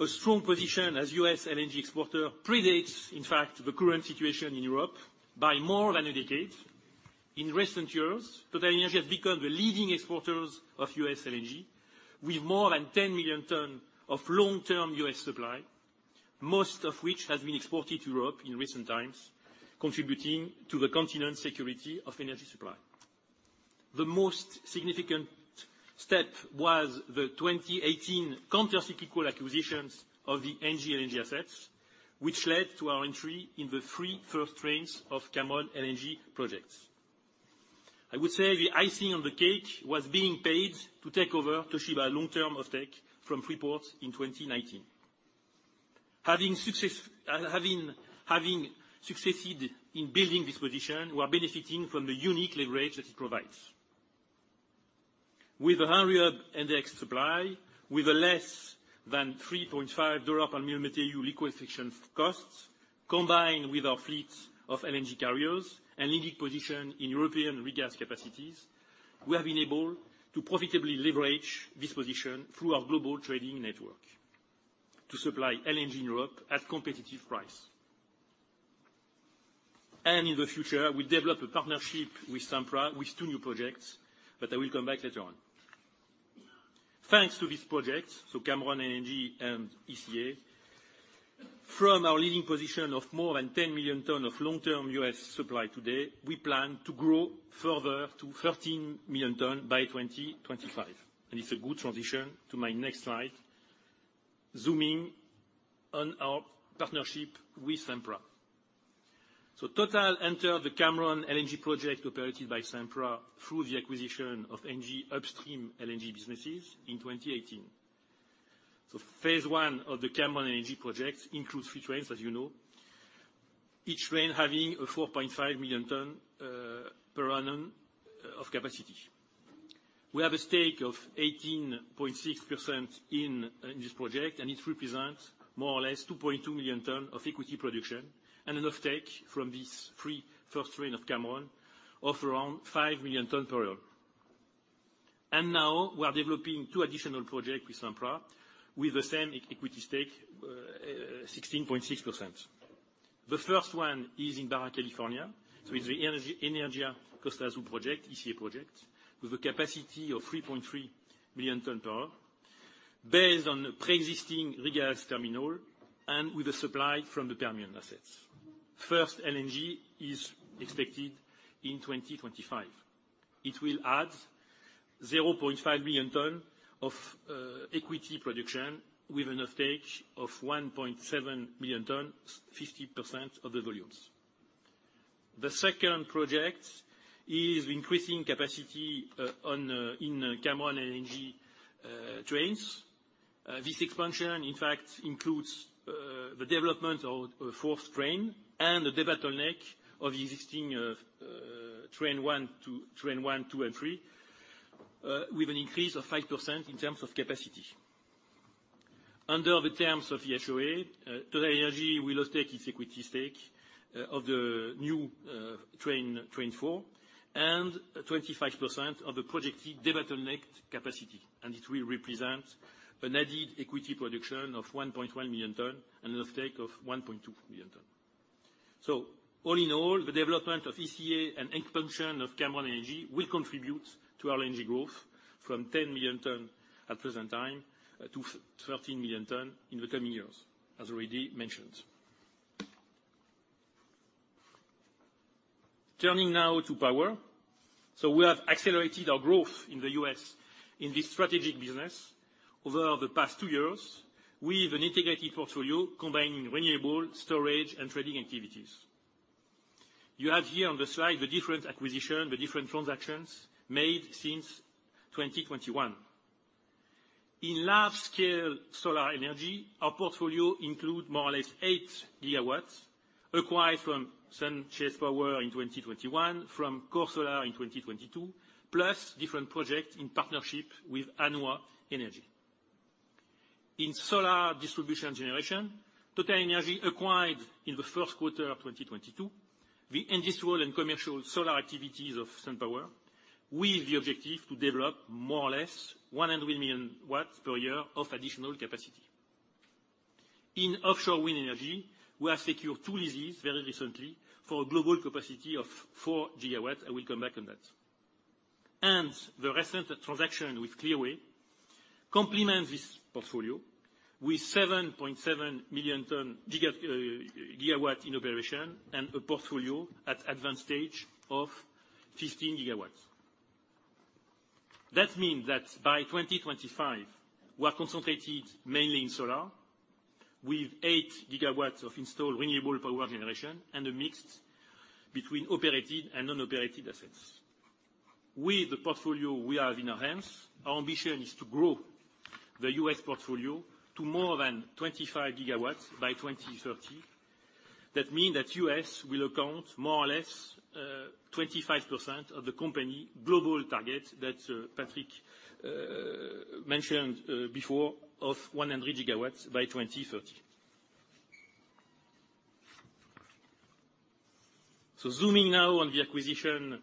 Speaker 4: a strong position as U.S. LNG exporter predates, in fact, the current situation in Europe by more than a decade. In recent years, TotalEnergies has become the leading exporters of U.S. LNG, with more than 10 million tons of long-term U.S. supply, most of which has been exported to Europe in recent times, contributing to the continent's security of energy supply. The most significant step was the 2018 counter-cyclical acquisitions of the Engie LNG assets, which led to our entry in the three first trains of Cameron LNG projects. I would say the icing on the cake was being paid to take over Toshiba long-term offtake from Freeport in 2019. Having succeeded in building this position, we are benefiting from the unique leverage that it provides. With 100 index supply, with less than $3.5 per MMBtu liquefaction costs, combined with our fleets of LNG carriers and leading position in European regas capacities, we have been able to profitably leverage this position through our global trading network to supply LNG in Europe at competitive price. In the future, we develop a partnership with Sempra with two new projects, but I will come back later on. Thanks to this project, so Cameron LNG and ECA. From our leading position of more than 10 million tons of long-term U.S. supply today, we plan to grow further to 13 million tons by 2025. It's a good transition to my next slide, zooming on our partnership with Sempra. Total entered the Cameron LNG project operated by Sempra through the acquisition of Engie upstream LNG business in 2018. Phase one of the Cameron LNG project includes three trains, as you know. Each train having a 4.5 million tons per annum of capacity. We have a stake of 18.6% in this project, and it represents more or less 2.2 million tons of equity production and an offtake from these three first trains of Cameron of around 5 million tons per year. We are developing two additional projects with Sempra with the same equity stake, 16.6%. The first one is in Baja California. It's the Energía Costa Azul project, ECA project, with a capacity of 3.3 million tons per annum based on pre-existing regas terminal and with the supply from the Permian assets. First LNG is expected in 2025. It will add 0.5 million tons of equity production with an offtake of 1.7 million tons, 50% of the volumes. The second project is increasing capacity in Cameron LNG trains. This expansion in fact includes the development of a fourth train and the debottlenecking of existing trains one, two, and three with an increase of 5% in terms of capacity. Under the terms of the HOA, TotalEnergies will off-take its equity stake of the new train four, and 25% of the projected bottleneck capacity. It will represent an added equity production of 1.1 million tons and off-take of 1.2 million tons. All in all, the development of ECA and expansion of Cameron LNG will contribute to our LNG growth from 10 million tons at present time to 13 million tons in the coming years, as already mentioned. Turning now to power. We have accelerated our growth in the U.S., in this strategic business over the past two years with an integrated portfolio combining renewable, storage, and trading activities. You have here on the slide the different acquisition, the different transactions made since 2021. In large scale solar energy, our portfolio include more or less 8 GW acquired from SunChase Power in 2021, from Core Solar in 2022, plus different projects in partnership with Akuo Energy. In solar distribution generation, TotalEnergies acquired in the first quarter of 2022, the industrial and commercial solar activities of SunPower, with the objective to develop more or less 100 million W per year of additional capacity. In offshore wind energy, we have secured two leases very recently for a global capacity of 4 GW. I will come back on that. The recent transaction with Clearway complements this portfolio with 7.7 GW in operation and a portfolio at advanced stage of 15 GW. That means that by 2025, we are concentrated mainly in solar with 8 GW of installed renewable power generation and a mix between operated and non-operated assets. With the portfolio we have in our hands, our ambition is to grow the U.S. portfolio to more than 25 GW by 2030. That means that the U.S. will account more or less 25% of the company's global target that Patrick mentioned before of 100 GW by 2030. Zooming now on the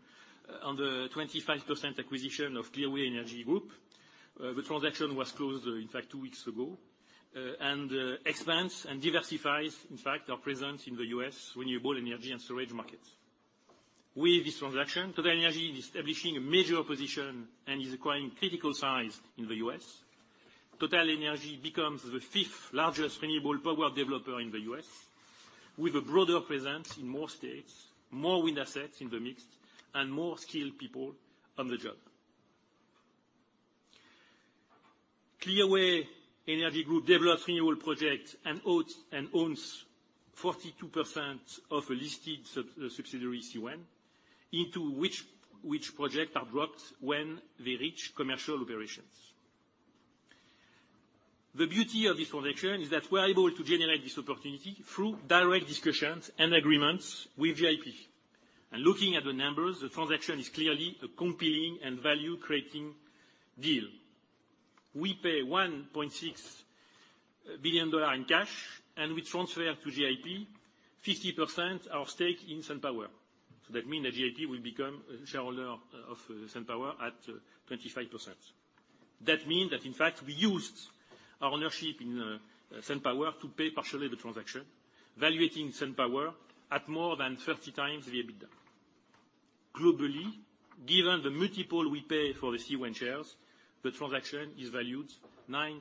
Speaker 4: 25% acquisition of Clearway Energy Group. The transaction was closed in fact two weeks ago, and expands and diversifies, in fact, our presence in the U.S. renewable energy and storage markets. With this transaction, TotalEnergies is establishing a major position and is acquiring critical size in the U.S. TotalEnergies becomes the fifth-largest renewable power developer in the U.S., with a broader presence in more states, more wind assets in the mix, and more skilled people on the job. Clearway Energy Group develops renewable projects and owns 42% of a listed sub-subsidiary, CWEN, into which projects are dropped when they reach commercial operations. The beauty of this transaction is that we're able to generate this opportunity through direct discussions and agreements with GIP. Looking at the numbers, the transaction is clearly a compelling and value-creating deal. We pay $1.6 billion in cash, and we transfer to GIP 50% of stake in SunPower. That mean that GIP will become a shareholder of SunPower at 25%. That means that in fact, we used our ownership in SunPower to pay partially the transaction, valuating SunPower at more than 30x the EBITDA. Globally, given the multiple we pay for the CWEN shares, the transaction is valued 9x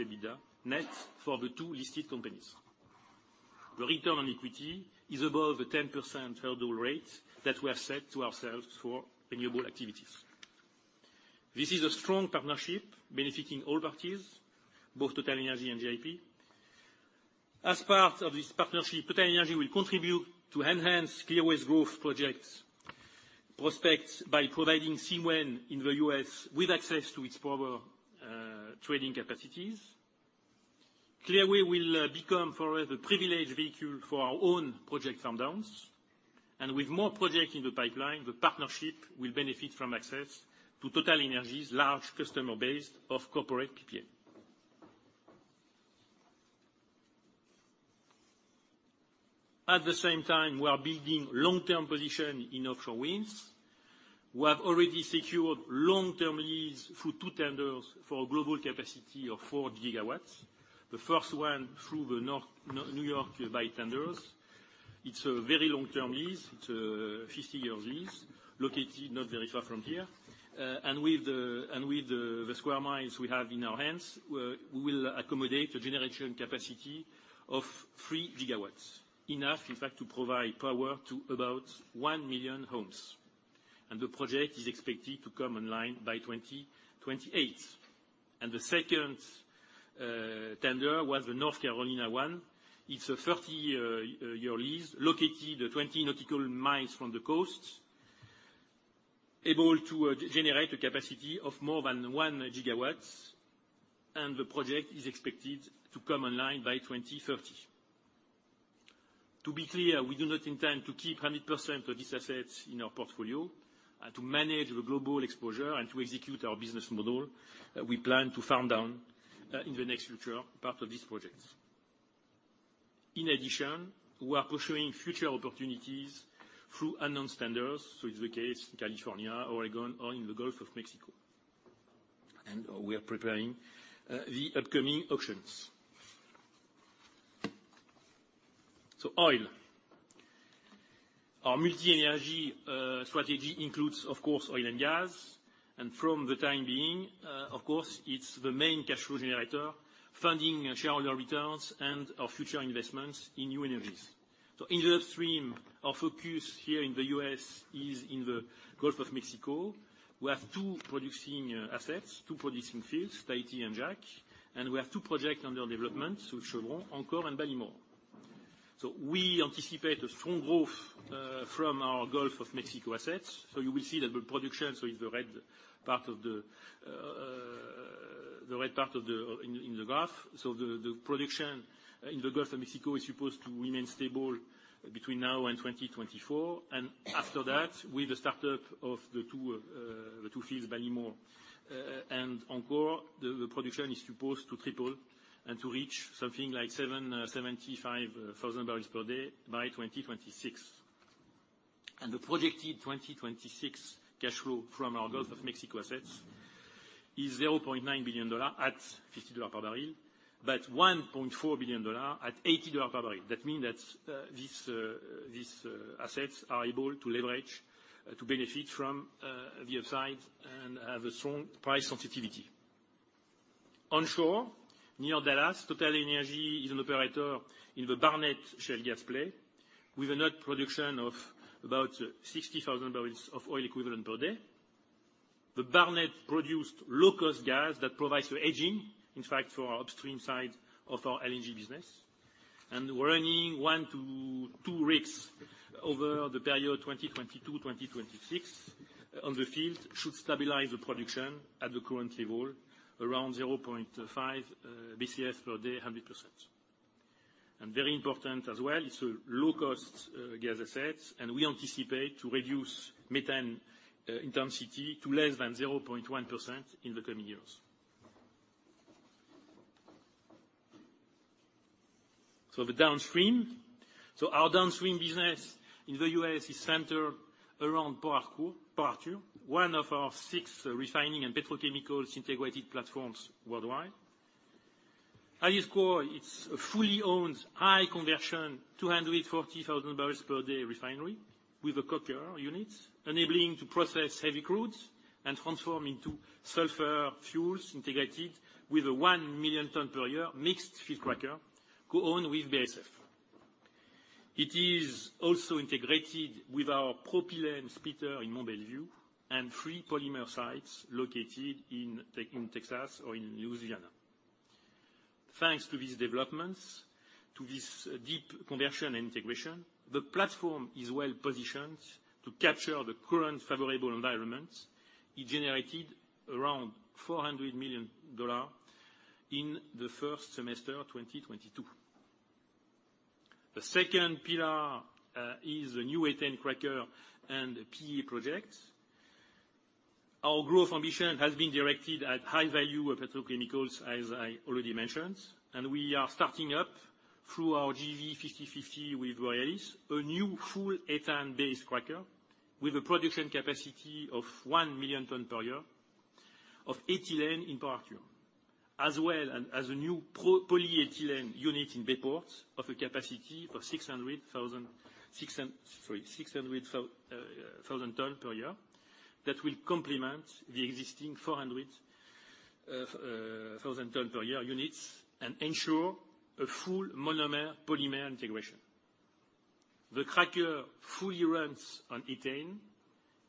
Speaker 4: EBITDA net for the two listed companies. The return on equity is above the 10% hurdle rate that we have set to ourselves for renewable activities. This is a strong partnership benefiting all parties, both TotalEnergies and GIP. As part of this partnership, TotalEnergies will contribute to enhance Clearway's growth projects prospects by providing CWEN in the U.S., with access to its power trading capacities. Clearway will become for us a privileged vehicle for our own project farm downs. With more projects in the pipeline, the partnership will benefit from access to TotalEnergies' large customer base of corporate PPA. At the same time, we are building long-term position in offshore wind. We have already secured long-term lease through two tenders for a global capacity of 4 GW. The first one through the New York Bight tenders. It's a very long-term lease. It's a 50-year lease located not very far from here. And with the square miles we have in our hands, we will accommodate a generation capacity of 3 GW, enough in fact to provide power to about 1 million homes. The project is expected to come online by 2028. The second tender was the North Carolina one. It's a 30-year lease located 20 nautical miles from the coast, able to generate a capacity of more than 1 GW and the project is expected to come online by 2030. To be clear, we do not intend to keep 100% of these assets in our portfolio. To manage the global exposure and to execute our business model, we plan to farm down in the near future part of these projects. In addition, we are pursuing future opportunities through acquisitions. It's the case in California, Oregon, or in the Gulf of Mexico. We are preparing the upcoming auctions. Oil. Our multi-energy strategy includes, of course, oil and gas, and for the time being, of course, it's the main cash flow generator, funding shareholder returns and our future investments in new energies. In the upstream, our focus here in the U.S. Is in the Gulf of Mexico. We have two producing assets, two producing fields, Tahiti and Jack. We have two projects under development with Chevron, Anchor and Ballymore. We anticipate a strong growth from our Gulf of Mexico assets. You will see that the production is the red part in the graph. The production in the Gulf of Mexico is supposed to remain stable between now and 2024. After that, with the startup of the two fields, Ballymore and Anchor, the production is supposed to triple and to reach something like 775,000 barrels per day by 2026. The projected 2026 cash flow from our Gulf of Mexico assets is $0.9 billion at $50 per barrel, but $1.4 billion at $80 per barrel. That means that this assets are able to leverage to benefit from the upside and have a strong price sensitivity. Onshore, near Dallas, TotalEnergies is an operator in the Barnett Shale gas play with a net production of about 60,000 barrels of oil equivalent per day. The Barnett produced low-cost gas that provides the hedging, in fact, for our upstream side of our LNG business. We're running one-two rigs over the period 2022-2026 on the field should stabilize the production at the current level, around 0.5 BCF per day 100%. Very important as well, it's a low-cost gas asset, and we anticipate to reduce methane intensity to less than 0.1% in the coming years. The downstream. Our downstream business in the U.S., is centered around Port Arthur, one of our six refining and petrochemicals integrated platforms worldwide. At its core, it's a fully owned high conversion, 240,000 barrels per day refinery with a coker unit, enabling to process heavy crudes and transform into useful fuels integrated with a 1 million ton per year mixed feed cracker co-owned with BASF. It is also integrated with our propylene splitter in Mont Belvieu and three polymer sites located in Texas or in Louisiana. Thanks to these developments, to this deep conversion and integration, the platform is well positioned to capture the current favorable environment. It generated around $400 million in the first semester 2022. The second pillar is the new ethane cracker and PE projects. Our growth ambition has been directed at high value of petrochemicals, as I already mentioned. We are starting up through our JV 50/50 with Borealis, a new full ethane-based cracker with a production capacity of 1 million tons per year of ethylene in Port Arthur. As well as a new polyethylene unit in Bayport of a capacity of 600,000 tons per year that will complement the existing 400,000 tons per year units and ensure a full monomer-polymer integration. The cracker fully runs on ethane,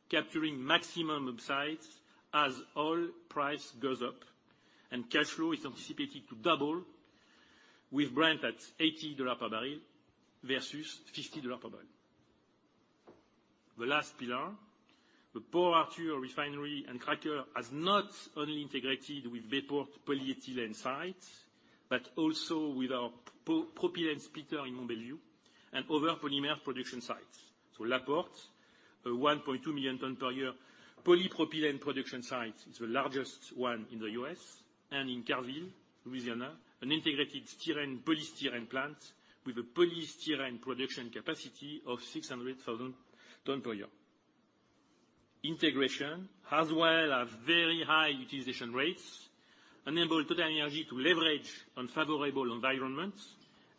Speaker 4: capturing maximum upsides as oil price goes up, and cash flow is anticipated to double with Brent at $80 per barrel versus $50 per barrel. The last pillar, the Port Arthur refinery and cracker has not only integrated with Bayport polyethylene sites, but also with our polypropylene splitter in Mont Belvieu and other polymer production sites. Laporte, a 1.2 million tons per year polypropylene production site, is the largest one in the U.S. In Carville, Louisiana, an integrated styrene-polystyrene plant with a polystyrene production capacity of 600,000 tons per year. Integration, as well as very high utilization rates, enable TotalEnergies to leverage unfavorable environments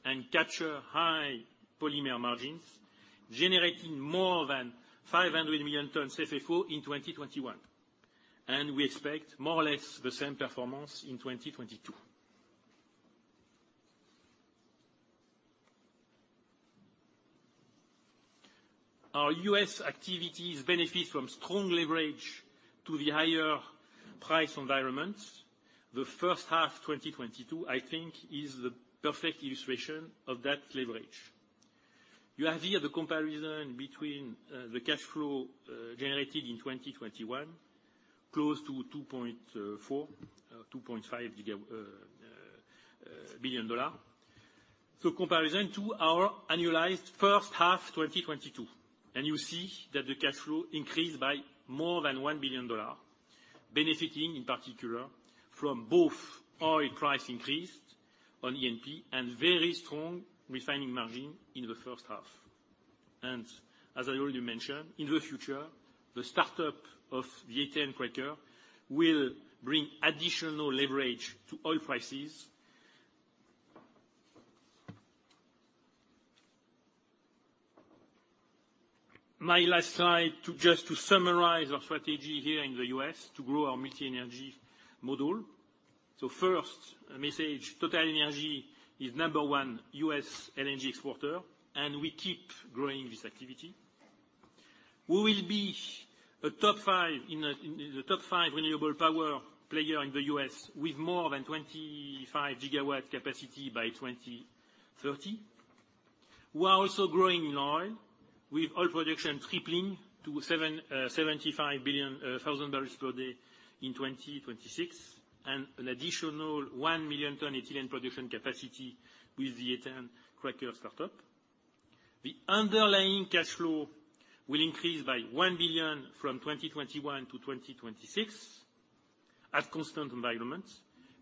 Speaker 4: and capture high polymer margins, generating more than $500 million FFO in 2021. We expect more or less the same performance in 2022. Our U.S., activities benefit from strong leverage to the higher price environments. The first half 2022, I think, is the perfect illustration of that leverage. You have here the comparison between the cash flow generated in 2021, close to $2.4 billion-$2.5 billion, and our annualized first half 2022, and you see that the cash flow increased by more than $1 billion, benefiting in particular from both oil price increase on E&P and very strong refining margin in the first half. As I already mentioned, in the future, the startup of the ethane cracker will bring additional leverage to oil prices. My last slide, just to summarize our strategy here in the U.S., to grow our multi-energy model. First, a message. TotalEnergies is number one U.S LNG exporter, and we keep growing this activity. We will be a top five renewable power player in the U.S., with more than 25 GW capacity by 2030. We are also growing in oil with oil production tripling to 75,000 barrels per day in 2026, and an additional 1 million ton ethylene production capacity with the ethane cracker startup. The underlying cash flow will increase by $1 billion from 2021 to 2026 at constant environment,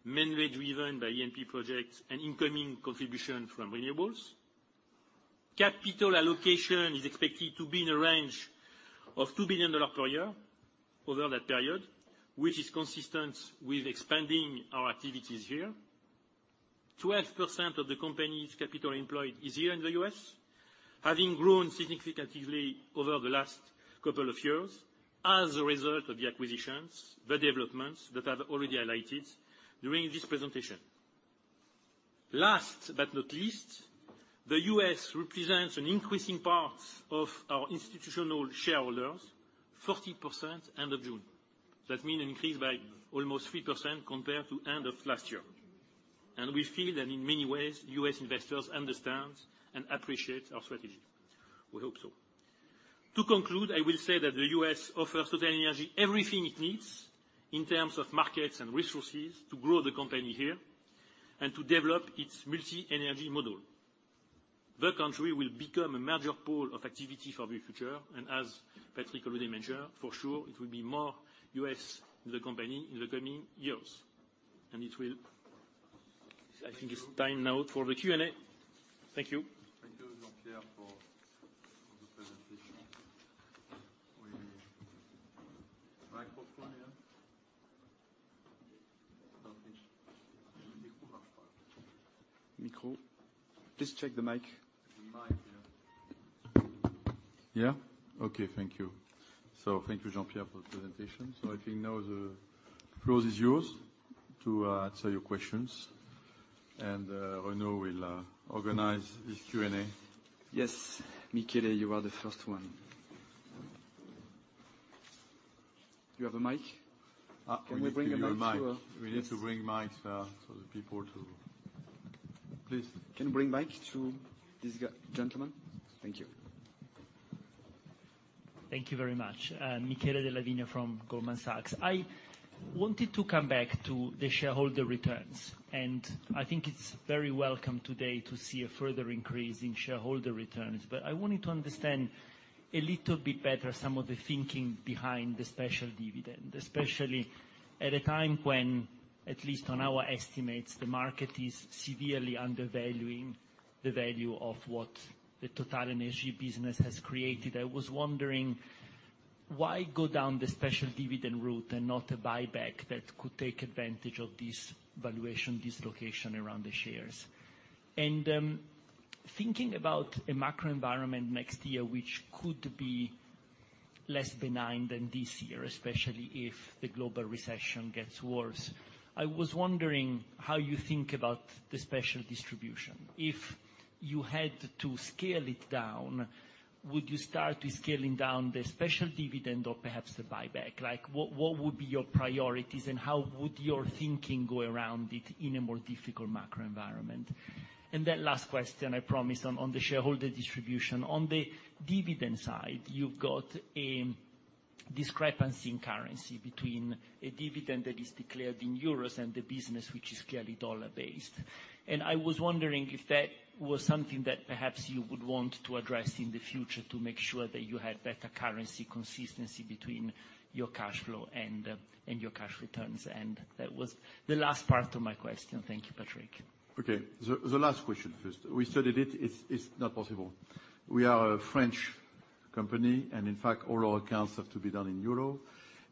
Speaker 4: mainly driven by E&P projects and incoming contribution from renewables. Capital allocation is expected to be in the range of $2 billion per year over that period, which is consistent with expanding our activities here. 12% of the company's capital employed is here in the U.S., having grown significantly over the last couple of years as a result of the acquisitions, the developments that I've already highlighted during this presentation. Last but not least, the U.S., represents an increasing part of our institutional shareholders, 40% end of June. That means an increase by almost 3% compared to end of last year. We feel that in many ways, U.S. investors understand and appreciate our strategy. We hope so. To conclude, I will say that the U.S. offers TotalEnergies everything it needs in terms of markets and resources to grow the company here and to develop its multi-energy model. The country will become a major pool of activity for the future, and as Patrick already mentioned, for sure it will be more U.S. the company in the coming years. It will.
Speaker 2: Thank you.
Speaker 4: I think it's time now for the Q&A. Thank you.
Speaker 2: Thank you, Jean-Pierre, for the presentation. Microphone here.
Speaker 4: Microphone. Please check the mic.
Speaker 2: The mic, yeah. Okay, thank you. Thank you, Jean-Pierre, for the presentation. I think now the floor is yours to answer your questions. Renaud will organize this Q&A.
Speaker 1: Yes. Michele, you are the first one. Do you have a mic?
Speaker 2: Ah.
Speaker 1: Can we bring a mic to our guests?
Speaker 2: We need to bring mics for the people too. Please.
Speaker 4: Can you bring mic to this guy, gentleman? Thank you.
Speaker 5: Thank you very much. Michele Della Vigna from Goldman Sachs. I wanted to come back to the shareholder returns, and I think it's very welcome today to see a further increase in shareholder returns. I wanted to understand a little bit better some of the thinking behind the special dividend, especially at a time when, at least on our estimates, the market is severely undervaluing the value of what the TotalEnergies business has created. I was wondering why go down the special dividend route and not a buyback that could take advantage of this valuation dislocation around the shares? Thinking about a macro environment next year which could be less benign than this year, especially if the global recession gets worse, I was wondering how you think about the special distribution? If you had to scale it down, would you start with scaling down the special dividend or perhaps the buyback? Like, what would be your priorities, and how would your thinking go around it in a more difficult macro environment? Then last question, I promise, on the shareholder distribution. On the dividend side, you've got a discrepancy in currency between a dividend that is declared in euros and the business which is clearly dollar-based. I was wondering if that was something that perhaps you would want to address in the future to make sure that you had better currency consistency between your cash flow and and your cash returns. That was the last part of my question. Thank you, Patrick.
Speaker 2: Okay. The last question first. We studied it. It's not possible. We are a French company, and in fact, all our accounts have to be done in euro.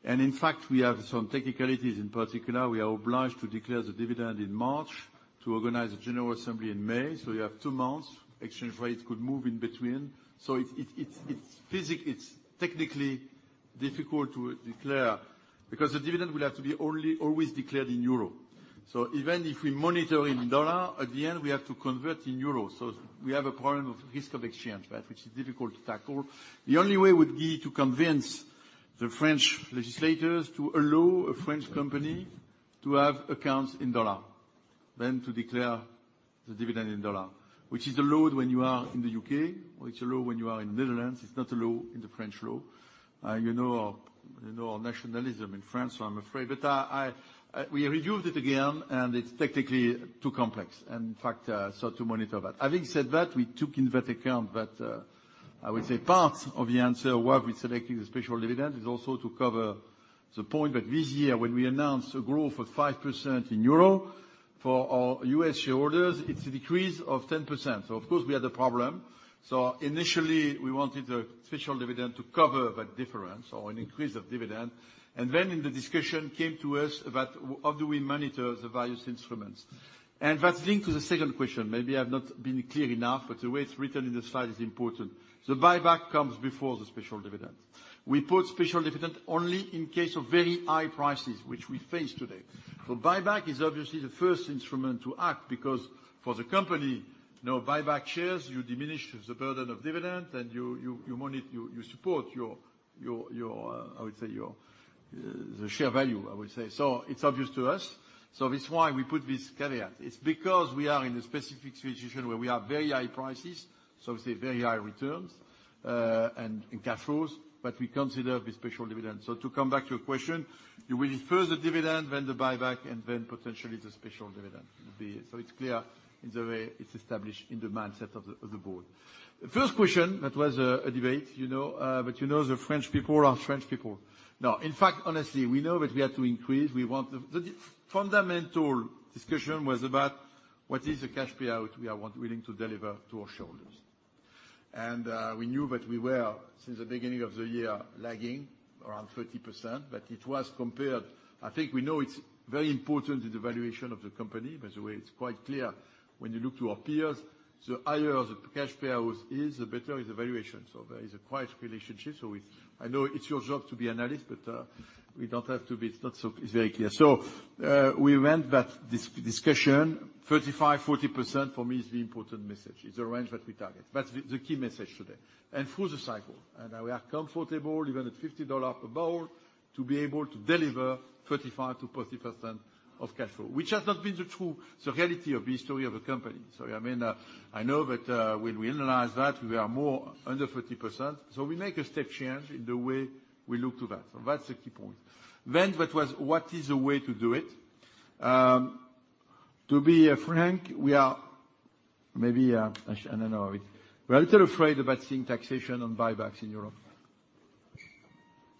Speaker 2: In fact, we have some technicalities. In particular, we are obliged to declare the dividend in March, to organize a general assembly in May. You have two months. Exchange rates could move in between. It's technically difficult to declare because the dividend will have to be only, always declared in euro. Even if we monitor in dollar, at the end we have to convert in euro. We have a problem of risk of exchange rate, which is difficult to tackle. The only way would be to convince the French legislators to allow a French company to have accounts in dollar, then to declare the dividend in dollar, which is a low when you are in the U.K., which is a low when you are in the Netherlands. It's not low in the French law. You know, our nationalism in France, so I'm afraid. I, we reviewed it again, and it's technically too complex, and in fact, so to monitor that. Having said that, we took that into account that, I would say part of the answer why we're selecting the special dividend is also to cover the point that this year when we announced a growth of 5% in euro, for our U.S. shareholders, it's a decrease of 10%. Of course we had a problem. Initially, we wanted a special dividend to cover that difference or an increase of dividend. In the discussion came to us about how do we monitor the various instruments. That link to the second question, maybe I've not been clear enough, but the way it's written in the slide is important. The buyback comes before the special dividend. We put special dividend only in case of very high prices, which we face today. Buyback is obviously the first instrument to act because for the company, no buyback shares, you diminish the burden of dividend and you support your the share value, I would say. It's obvious to us. That's why we put this caveat. It's because we are in a specific situation where we have very high prices, so we say very high returns, and cash flows, but we consider the special dividend. To come back to your question, you will first the dividend, then the buyback, and then potentially the special dividend. It's clear in the way it's established in the mindset of the board. The first question, that was a debate, you know, but you know the French people are French people. No, in fact, honestly, we know that we had to increase. We want the fundamental discussion was about what is the cash payout we are willing to deliver to our shareholders. We knew that we were, since the beginning of the year, lagging around 30%, but it was compared. I think we know it's very important to the valuation of the company. By the way, it's quite clear when you look to our peers, the higher the cash payout is, the better is the valuation. There is a direct relationship. I know it's your job to be an analyst, but we don't have to be. It's not so, It's very clear. We want that discussion 35%-40% for me is the important message. It's the range that we target. That's the key message today and through the cycle. We are comfortable even at $50 per barrel to be able to deliver 35%-40% of cash flow, which has not been the reality of the history of the company. I mean, I know that when we analyze that, we are more under 30%. We make a step change in the way we look to that. That's the key point. That was what is the way to do it. To be frank, we're a little afraid about seeing taxation on buybacks in Europe. By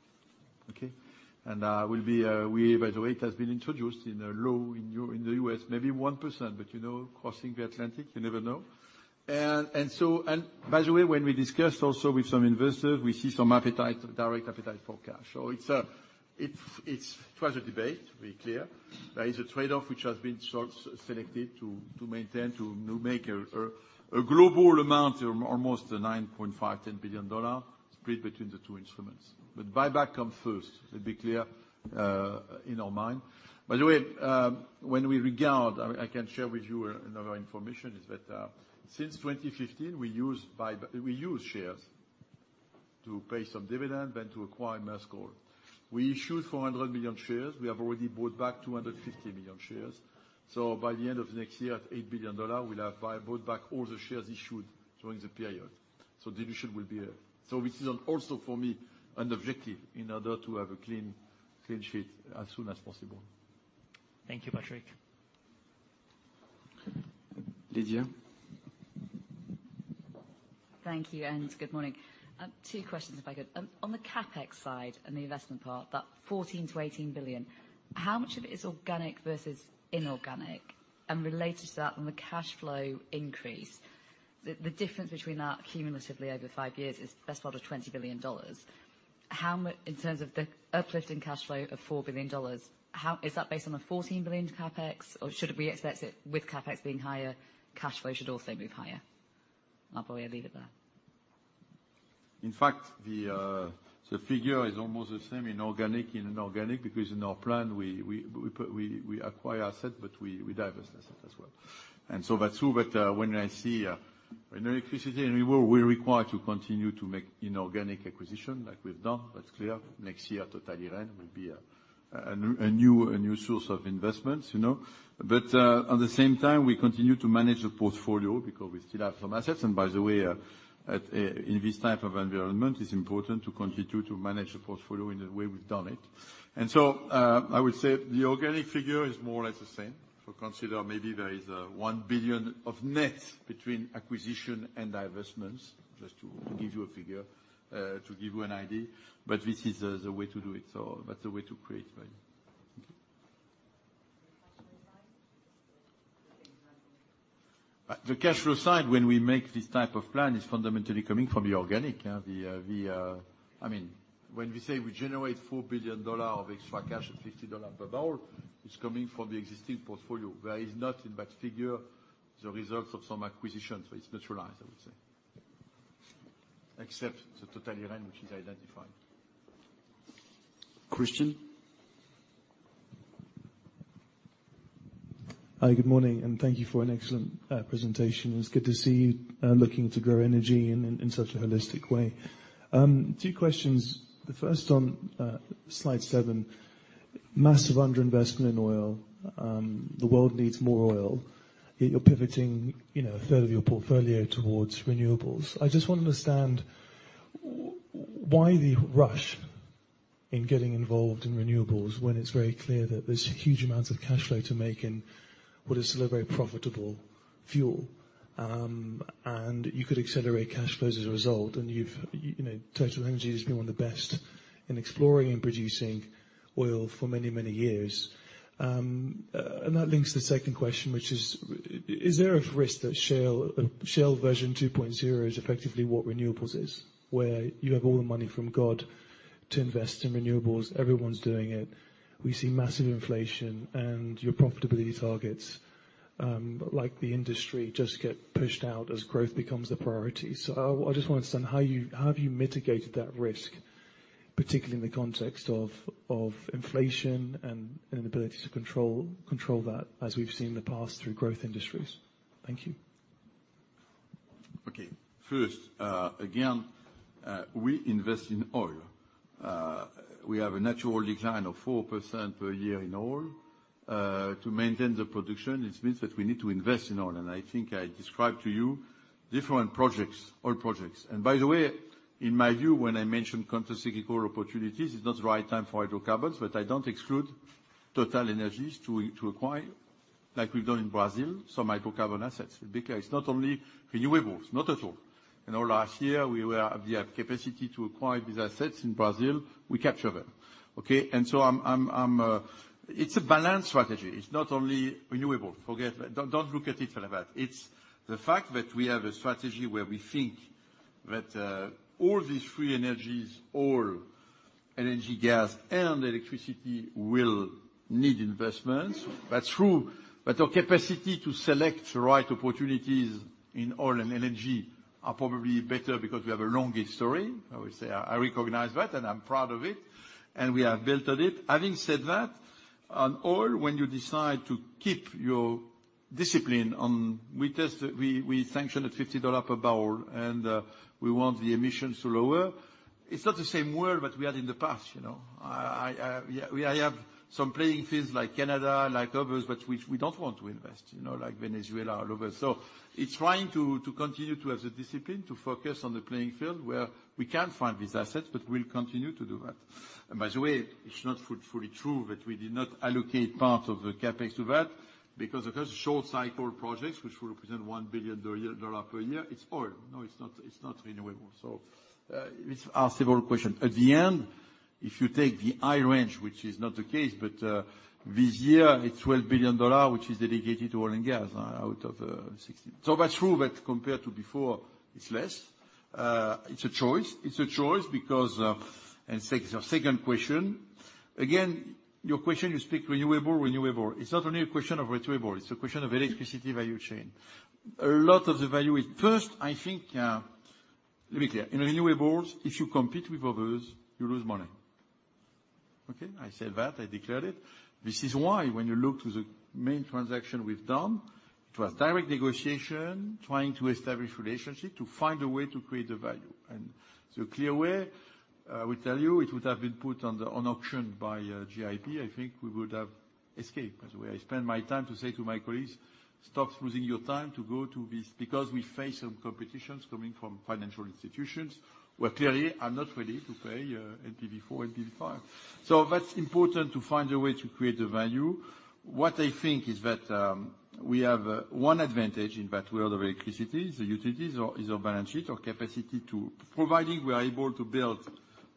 Speaker 2: the way, it has been introduced in a law in the U.S., maybe 1%, but you know, crossing the Atlantic, you never know. By the way, when we discussed also with some investors, we see some appetite, direct appetite for cash. It was a debate, to be clear. There is a trade-off which has been selected to maintain to make a global amount of almost $9.5 billion-$10 billion spread between the two instruments. Buybacks come first, to be clear, in our mind. By the way, when we regard, I can share with you another information is that, since 2015, we use shares to pay some dividend then to acquire Maersk Oil. We issued 400 million shares. We have already bought back 250 million shares. By the end of next year, at $8 billion, we'll have bought back all the shares issued during the period. Dilution will be. This is also for me an objective in order to have a clean sheet as soon as possible.
Speaker 5: Thank you, Patrick.
Speaker 1: Lydia.
Speaker 6: Thank you, and good morning. Two questions, if I could. On the CapEx side and the investment part, that $14 billion-$18 billion, how much of it is organic versus inorganic? Related to that, on the cash flow increase, the difference between that cumulatively over five years is best part of $20 billion. In terms of the uplift in cash flow of $4 billion, is that based on the $14 billion CapEx? Or should we expect it with CapEx being higher, cash flow should also move higher? I'll probably leave it there.
Speaker 2: In fact, the figure is almost the same in organic and inorganic because in our plan we put, we acquire asset, but we divest asset as well. That's true, but when I see in electricity and renewables, we're required to continue to make inorganic acquisition like we've done. That's clear. Next year, Total Eren will be a new source of investments, you know. But at the same time, we continue to manage the portfolio because we still have some assets. And by the way, in this type of environment, it's important to continue to manage the portfolio in the way we've done it. I would say the organic figure is more or less the same. Consider maybe there is $1 billion of net between acquisition and divestments, just to give you a figure, to give you an idea. This is the way to do it. That's the way to create value.
Speaker 6: Thank you.
Speaker 2: The cash flow side, when we make this type of plan, is fundamentally coming from the organic. I mean, when we say we generate $4 billion of extra cash at $50 per barrel, it's coming from the existing portfolio. There is nothing but the results of some acquisitions. It's neutralized, I would say. Except Total Eren, which is identified.
Speaker 1: Christian.
Speaker 7: Hi, good morning, and thank you for an excellent presentation. It's good to see you looking to grow energy in such a holistic way. Two questions. The first on slide seven. Massive underinvestment in oil. The world needs more oil, yet you're pivoting, you know, a third of your portfolio towards renewables. I just want to understand why the rush in getting involved in renewables when it's very clear that there's huge amounts of cash flow to make in what is still a very profitable fuel? You could accelerate cash flows as a result, and you know, TotalEnergies has been one of the best in exploring and producing oil for many, many years. That links to the second question, which is there a risk that shale version 2.0 is effectively what renewables is, where you have all the money from God to invest in renewables? Everyone's doing it. We see massive inflation and your profitability targets, like the industry, just get pushed out as growth becomes the priority. I just want to understand how have you mitigated that risk, particularly in the context of inflation and an inability to control that as we've seen in the past through growth industries? Thank you.
Speaker 2: Okay. First, again, we invest in oil. We have a natural decline of 4% per year in oil. To maintain the production, it means that we need to invest in oil, and I think I described to you different projects, oil projects. By the way, in my view, when I mention countercyclical opportunities, it's not the right time for hydrocarbons, but I don't exclude TotalEnergies to acquire, like we've done in Brazil, some hydrocarbon assets. To be clear, it's not only renewables, not at all. You know, last year we had capacity to acquire these assets in Brazil, we capture them, okay? It's a balanced strategy. It's not only renewable. Forget that. Don't look at it like that. It's the fact that we have a strategy where we think that all these three energies, oil, and gas, and electricity, will need investments. That's true, but our capacity to select the right opportunities in oil and gas are probably better because we have a longer history. I would say I recognize that and I'm proud of it, and we have built on it. Having said that, on oil, when you decide to keep your discipline on, we sanction at $50 per barrel, and we want the emissions lower. It's not the same world that we had in the past, you know? I have some playing fields like Canada, like others, but which we don't want to invest. You know, like Venezuela, all over. It's trying to continue to have the discipline to focus on the playing field where we can find these assets, but we'll continue to do that. By the way, it's not fully true that we did not allocate part of the CapEx to that because, of course, short cycle projects, which will represent $1 billion per year, it's oil. No, it's not, it's not renewable. It's asks the whole question. At the end, if you take the high range, which is not the case, but this year it's $12 billion, which is dedicated to oil and gas out of $16 billion. That's true that compared to before, it's less. It's a choice. It's a choice because the second question, again, your question, you speak renewable. It's not only a question of renewables, it's a question of electricity value chain. A lot of the value is first, I think, let me be clear. In renewables, if you compete with others, you lose money. Okay. I said that, I declared it. This is why when you look to the main transaction we've done, it was direct negotiation, trying to establish relationship to find a way to create the value. The clear way, I will tell you, it would have been put on auction by GIP. I think we would have escaped. By the way, I spend my time to say to my colleagues, "Stop losing your time to go to this," because we face some competitions coming from financial institutions who are clearly not ready to pay NPV 4, NPV 5. That's important to find a way to create the value. What I think is that we have one advantage in that world of electricity, the utilities or is our balance sheet. Providing we are able to build,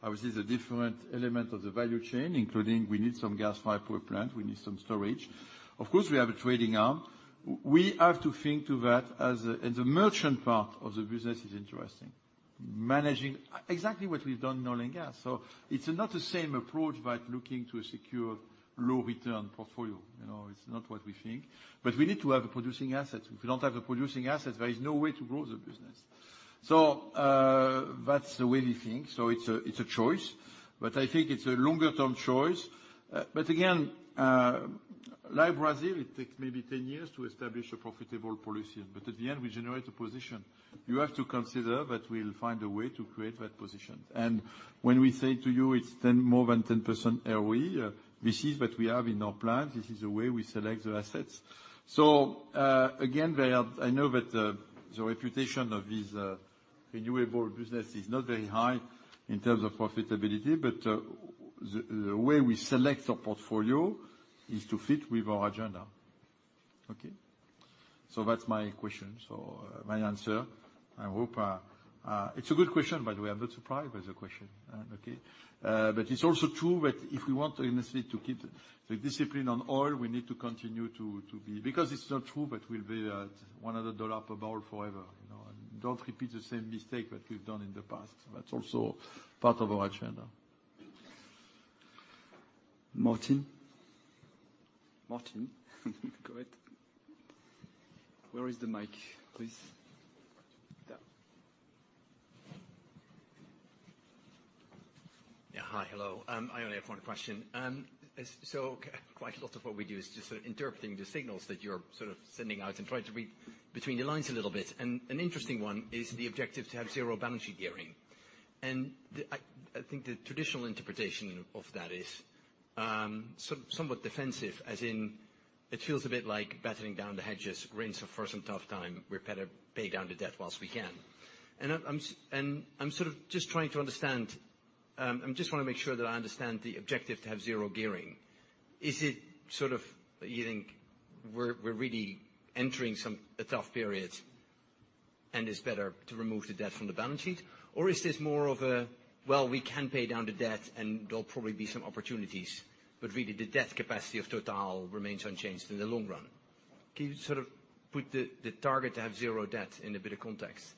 Speaker 2: obviously, the different element of the value chain, including we need some gas-fired power plant, we need some storage. Of course, we have a trading arm. We have to think of that as a merchant part of the business is interesting. Exactly what we've done in oil and gas. It's not the same approach by looking to a secure low return portfolio. You know, it's not what we think. But we need to have a producing asset. If we don't have a producing asset, there is no way to grow the business. That's the way we think. It's a choice. I think it's a longer-term choice. Again, like Brazil, it takes maybe 10 years to establish a profitable position. At the end, we generate a position. You have to consider that we'll find a way to create that position. When we say to you it's 10, more than 10% ROE, this is what we have in our plans. This is the way we select the assets. Again, I know that the reputation of this renewable business is not very high in terms of profitability, but the way we select our portfolio is to fit with our agenda. Okay? That's my question. My answer, I hope. It's a good question, by the way. I'm not surprised by the question. Okay. It's also true that if we want honestly to keep the discipline on oil, we need to continue to be. Because it's not true that we'll be at $100 per barrel forever, you know? Don't repeat the same mistake that we've done in the past. That's also part of our agenda. Martin? Martin, go ahead. Where is the mic, please? There.
Speaker 8: Yeah. Hi. Hello. I only have one question. Quite a lot of what we do is just sort of interpreting the signals that you're sort of sending out and trying to read between the lines a little bit. An interesting one is the objective to have zero balance sheet gearing. The traditional interpretation of that is somewhat defensive, as in it feels a bit like battening down the hatches against the first and tough time, we better pay down the debt while we can. I'm sort of just trying to understand. I just wanna make sure that I understand the objective to have zero gearing. Is it sort of you think we're really entering a tough period and it's better to remove the debt from the balance sheet? Is this more of a, well, we can pay down the debt and there'll probably be some opportunities, but really the debt capacity of Total remains unchanged in the long run. Can you sort of put the target to have zero debt in a bit of context?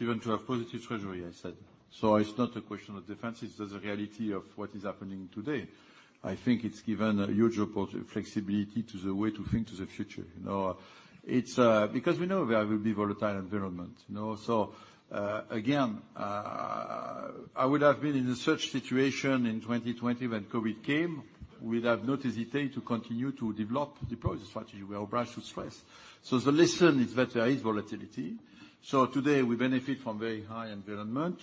Speaker 2: Even to have positive treasury, I said. It's not a question of defense, it's the reality of what is happening today. I think it's given a huge opportunity, flexibility to the way to think to the future. You know, it's because we know there will be volatile environment, you know. Again, I would have been in such situation in 2020 when COVID came, we would have not hesitate to continue to develop the product strategy where price was flat. The lesson is that there is volatility. Today we benefit from very high cash environment.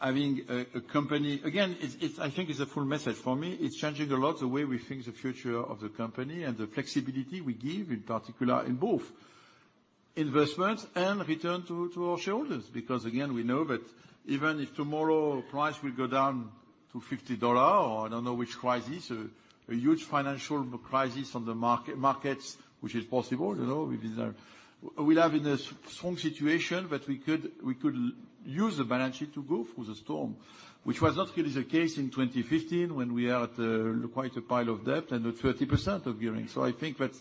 Speaker 2: Having a company. Again, it's, I think it's a full message for me. It's changing a lot the way we think the future of the company and the flexibility we give, in particular in both investments and return to our shareholders. Again, we know that even if tomorrow price will go down to $50 or I don't know which crisis, a huge financial crisis on the market, which is possible, you know, we'll have in a strong situation, but we could use the balance sheet to go through the storm, which was not really the case in 2015 when we are at quite a pile of debt and at 30% of gearing. I think that's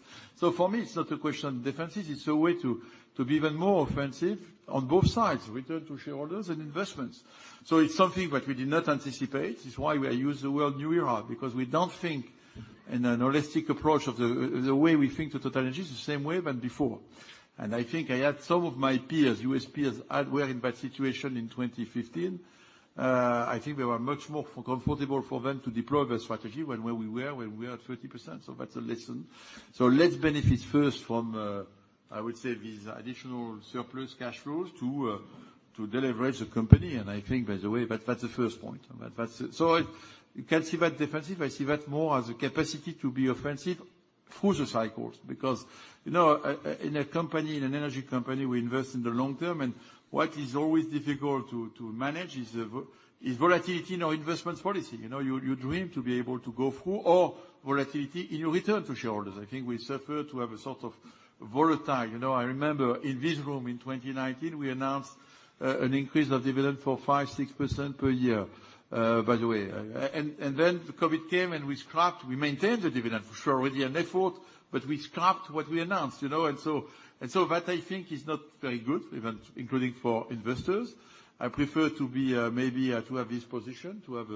Speaker 2: for me, it's not a question of defensive, it's a way to be even more offensive on both sides, return to shareholders and investments. It's something that we did not anticipate. It's why we use the word new era, because we don't think in a holistic approach of the The way we think of TotalEnergies is the same way as before. I think some of my peers, U.S., peers, were in that situation in 2015. I think they were much more comfortable for them to deploy the strategy when we are at 30%. That's a lesson. Let's benefit first from, I would say, these additional surplus cash flows to de-leverage the company, and I think by the way. That's the first point. That's it. You can see that defensive. I see that more as a capacity to be offensive through the cycles. Because in a company, in an energy company, we invest in the long term. What is always difficult to manage is the volatility in our investments policy. You know, you dream to be able to go through all volatility in your return to shareholders. I think we suffer to have a sort of volatility. You know, I remember in this room in 2019, we announced an increase of dividend for 5%-6% per year, by the way. Then the COVID came and we scrapped. We maintained the dividend for sure with an effort, but we scrapped what we announced, you know? That I think is not very good, even including for investors. I prefer to be maybe to have this position, to have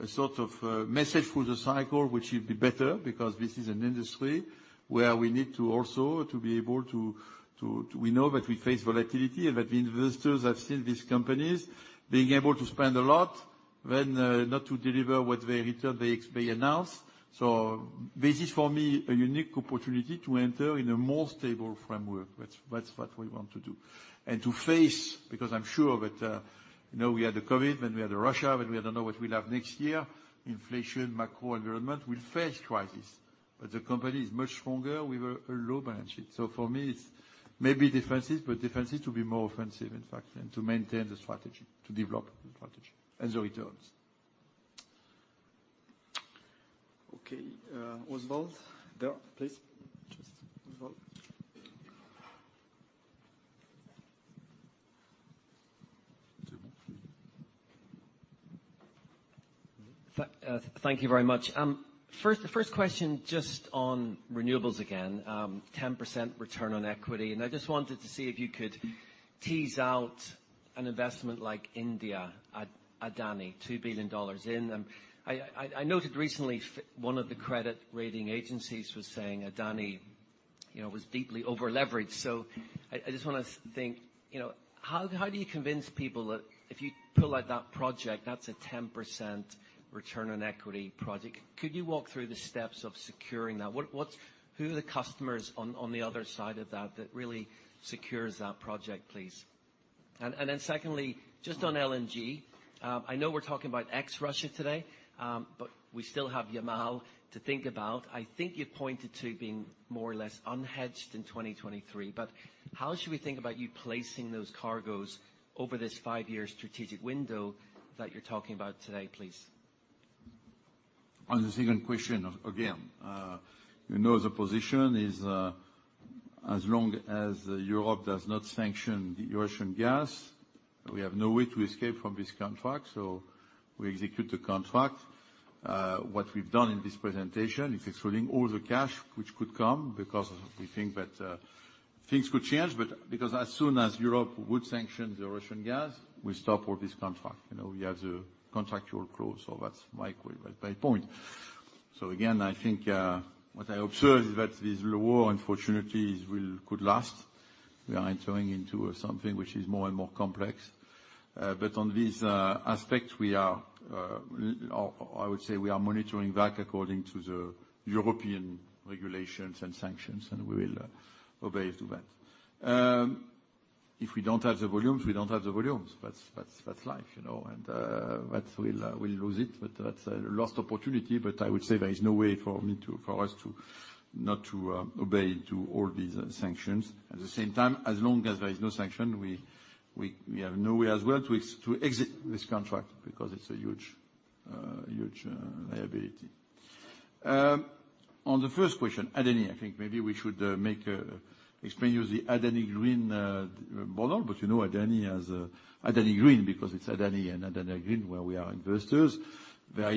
Speaker 2: a sort of message through the cycle which should be better, because this is an industry where we need to also to be able to. We know that we face volatility and that the investors have seen these companies being able to spend a lot when not to deliver what they return, they announce. This is for me a unique opportunity to enter in a more stable framework. That's what we want to do. To face, because I'm sure that we had the Covid, then we had the Russia, then we don't know what we'll have next year, inflation, macro, environment, we'll face crisis. The company is much stronger. We have a low balance sheet. For me, it's maybe defensive, but defensive to be more offensive, in fact, and to maintain the strategy, to develop the strategy and the returns.
Speaker 1: Okay, Oswald? There, please. Just Oswald.
Speaker 8: Thank you very much. First, the first question just on renewables again, 10% return on equity. I just wanted to see if you could tease out an investment like India, Adani, $2 billion in them. I noted recently one of the credit rating agencies was saying Adani, you know, was deeply over-leveraged. So I just wanna think, you know, how do you convince people that if you pull out that project, that's a 10% return on equity project. Could you walk through the steps of securing that? Who are the customers on the other side of that that really secures that project, please? Then secondly, just on LNG. I know we're talking about ex-Russia today, but we still have Yamal to think about. I think you pointed to being more or less unhedged in 2023, but how should we think about you placing those cargoes over this five-year strategic window that you're talking about today, please?
Speaker 2: On the second question, again, you know the position is, as long as Europe does not sanction the Russian gas, we have no way to escape from this contract. We execute the contract. What we've done in this presentation is excluding all the cash which could come because we think that, things could change. Because as soon as Europe would sanction the Russian gas, we stop all this contract. You know, we have the contractual clause, so that's my point. Again, I think, what I observe is that this war, unfortunately, could last. We are entering into something which is more and more complex. On this aspect, we are, or I would say we are monitoring that according to the European regulations and sanctions, and we will obey to that. If we don't have the volumes. That's life, you know, and we'll lose it. That's a lost opportunity. I would say there is no way for us not to obey to all these sanctions. At the same time, as long as there is no sanction, we have no way as well to exit this contract because it's a huge liability. On the first question, Adani, I think maybe we should explain to you the Adani Green model. You know, Adani has a Adani Green because it's Adani and Adani Green, where we are investors. There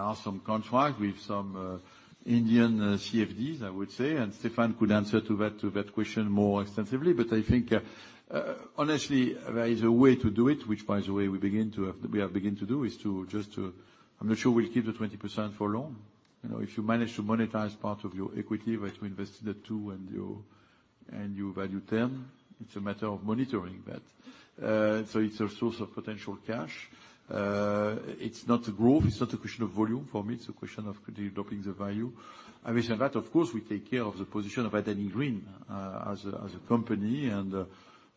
Speaker 2: are some contracts with some Indian CFDs, I would say, and Stefan could answer to that question more extensively. I think, honestly, there is a way to do it, which, by the way, we have begun to do, is just to. I'm not sure we'll keep the 20% for long. You know, if you manage to monetize part of your equity, but we invested at 2% and you value 10%, it's a matter of monitoring that. So it's a source of potential cash. It's not growth, it's not a question of volume for me, it's a question of developing the value. I mean, that, of course, we take care of the position of Adani Green, as a company.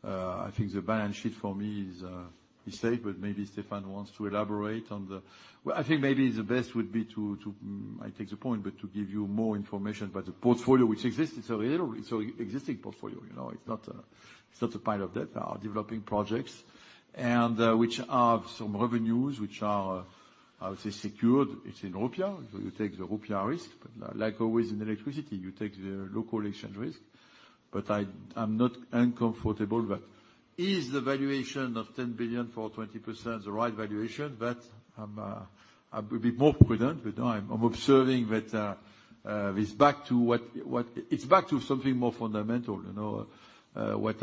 Speaker 2: I think the balance sheet for me is safe. Maybe Stéphane wants to elaborate on the Well, I think maybe the best would be I take the point, but to give you more information about the portfolio which exists. It's a real existing portfolio. You know, it's not a pile of debt or developing projects which have some revenues which are, I would say, secured. It's in rupiah. You take the rupiah risk. Like always in electricity, you take the local exchange risk. I'm not uncomfortable. Is the valuation of 10 billion for 20% the right valuation? That I'm a bit more prudent, but I'm observing that. It's back to something more fundamental. You know, what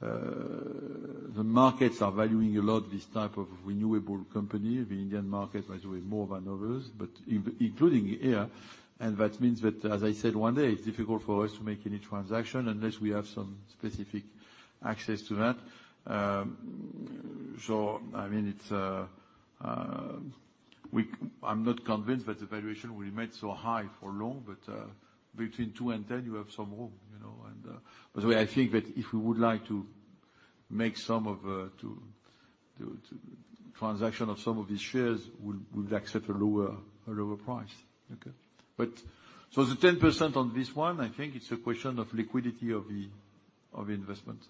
Speaker 2: the markets are valuing a lot, this type of renewable company. The Indian market, by the way, more than others, but including Adani. That means that, as I said, today it's difficult for us to make any transaction unless we have some specific access to that. I mean, it's, I'm not convinced that the valuation will remain so high for long, but between 2% and 10%, you have some room, you know. By the way, I think that if we would like to make some transaction of some of these shares, we'll accept a lower price. Okay? The 10% on this one, I think it's a question of liquidity of the investment.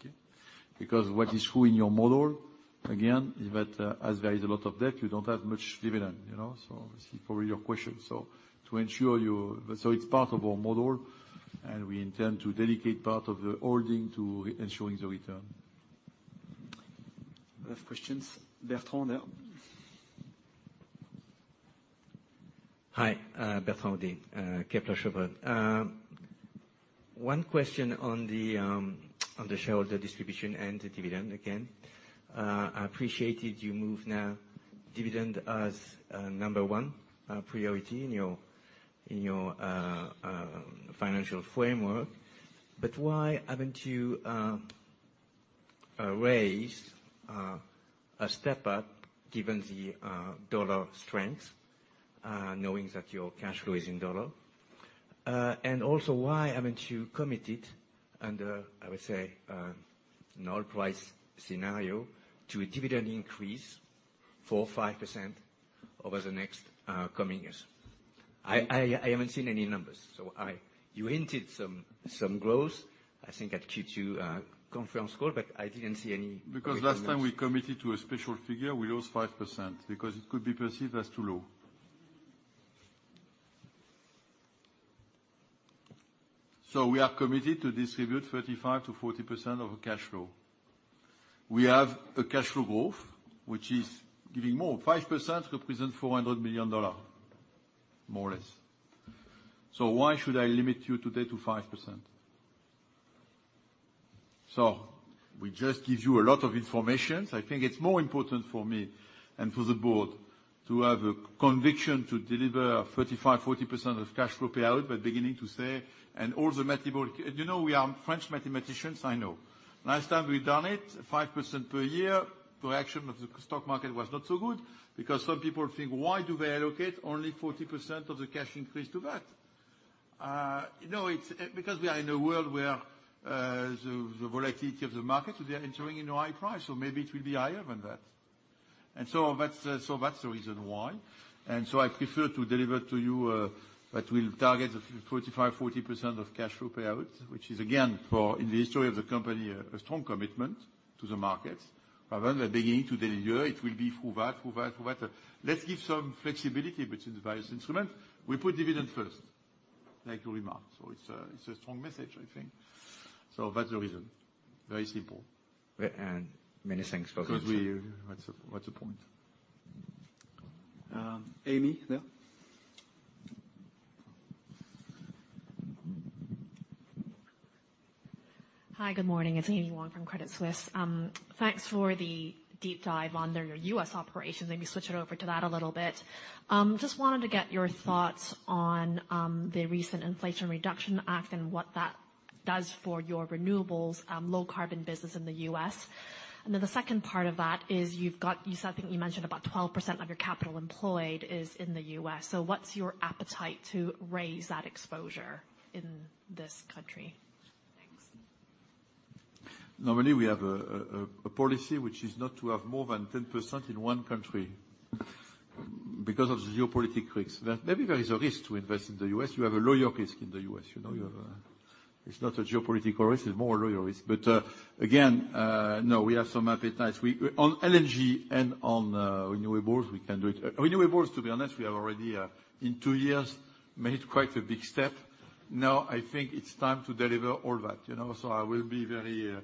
Speaker 2: Okay? Because what is true in your model, again, is that as there is a lot of debt, you don't have much dividend, you know. To ensure you, it's part of our model, and we intend to dedicate part of the holding to ensuring the return.
Speaker 1: Other questions? Bertrand Hodée.
Speaker 9: Hi, Bertrand Hodée, Kepler Cheuvreux. One question on the shareholder distribution and the dividend, again. I appreciated you move now dividend as number one priority in your financial framework. Why haven't you raised a step up given the dollar strength, knowing that your cash flow is in dollar? Also why haven't you committed under, I would say, an oil price scenario to a dividend increase 4% or 5% over the next coming years? I haven't seen any numbers. You hinted some growth. I think that keeps you conference call, but I didn't see any.
Speaker 2: Because last time we committed to a special figure, we lost 5% because it could be perceived as too low. We are committed to distribute 35%-40% of our cash flow. We have a cash flow growth which is giving more. 5% represent $400 million, more or less. Why should I limit you today to 5%? We just give you a lot of information. I think it's more important for me and for the board to have a conviction to deliver 35%-40% of cash flow payout. You know, we are French mathematicians, I know. Last time we done it, 5% per year, the reaction of the stock market was not so good because some people think, "Why do they allocate only 40% of the cash increase to that?" You know, it's because we are in a world where the volatility of the market, they are entering at a high price, so maybe it will be higher than that. That's the reason why. I prefer to deliver to you that we'll target the 35%-40% of cash flow payouts, which is again in the history of the company, a strong commitment to the markets. Rather than beginning to deliver, it will be through that. Let's give some flexibility between the various instruments. We put dividend first, like you remarked. It's a strong message, I think. That's the reason. Very simple.
Speaker 9: Many thanks for.
Speaker 2: What's the point?
Speaker 1: Amy there.
Speaker 10: Hi, good morning. It's Amy Wong from Credit Suisse. Thanks for the deep dive on your U.S. operations. Let me switch it over to that a little bit. Just wanted to get your thoughts on the recent Inflation Reduction Act and what that does for your renewables, low carbon business in the U.S. Then the second part of that is you've got, you said, I think you mentioned about 12% of your capital employed is in the U.S., so what's your appetite to raise that exposure in this country? Thanks.
Speaker 2: Normally, we have a policy which is not to have more than 10% in one country because of the geopolitical risks. Maybe there is a risk to invest in the U.S. You have a litigation risk in the U.S., you know. It's not a geopolitical risk, it's more a litigation risk. Again, no, we have some appetite. We, on LNG and on renewables, we can do it. Renewables, to be honest, we have already in two years made quite a big step. Now I think it's time to deliver all that, you know. I will be very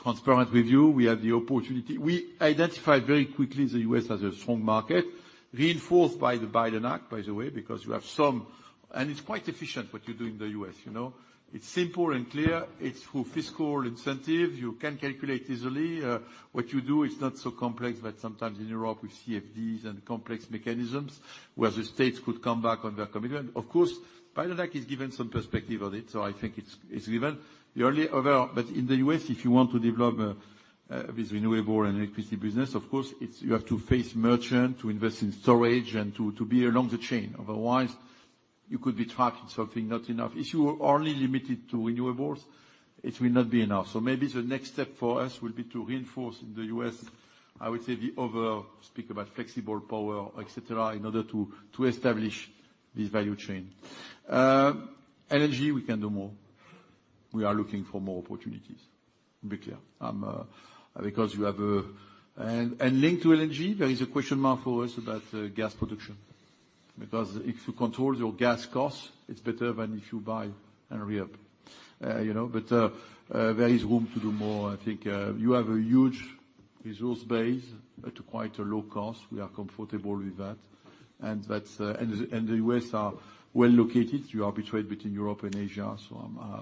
Speaker 2: transparent with you. We have the opportunity. We identified very quickly the U.S. as a strong market, reinforced by the Biden Act, by the way, because you have some. It's quite efficient what you do in the U.S., you know. It's simple and clear. It's through fiscal incentive. You can calculate easily. What you do is not so complex, but sometimes in Europe with CFDs and complex mechanisms, where the states could come back on their commitment. Of course, Biden Act has given some perspective on it, so I think it's given. But in the U.S., if you want to develop this renewable and electricity business, of course, you have to face merchant to invest in storage and to be along the chain. Otherwise, you could be trapped in something not enough. If you are only limited to renewables, it will not be enough. Maybe the next step for us will be to reinforce in the U.S., I would say, the other, speak about flexible power, et cetera, in order to establish this value chain. LNG, we can do more. We are looking for more opportunities, to be clear. Because you have, and linked to LNG, there is a question mark for us about gas production. Because if you control your gas costs, it's better than if you buy and regas, you know. There is room to do more. I think you have a huge resource base at quite a low cost. We are comfortable with that. That's the U.S., are well located. You arbitrage between Europe and Asia.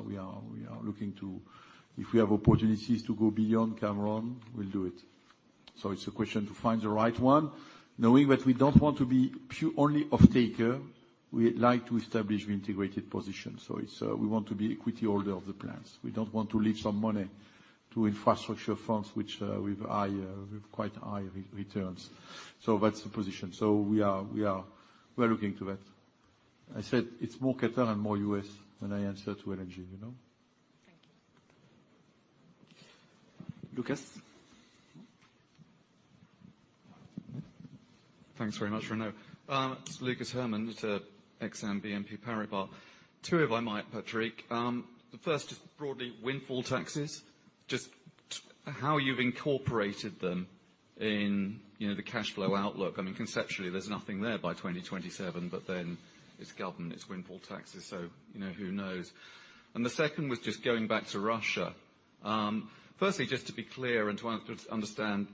Speaker 2: We are looking to if we have opportunities to go beyond Cameron, we'll do it. It's a question to find the right one, knowing that we don't want to be purely an offtaker. We like to establish the integrated position. We want to be equity holder of the plants. We don't want to leave some money to infrastructure funds which with quite high returns. That's the position. We are looking to that. I said it's more Qatar and more U.S., when I answer to LNG, you know?
Speaker 10: Thank you.
Speaker 1: Lucas?
Speaker 11: Thanks very much, Renaud. It's Lucas Herrmann at Exane BNP Paribas. Two, if I might, Patrick. The first is broadly windfall taxes, just how you've incorporated them in, you know, the cash flow outlook. I mean, conceptually, there's nothing there by 2027, but then it's government, it's windfall taxes, so, you know, who knows. The second was just going back to Russia. Firstly, just to be clear and to understand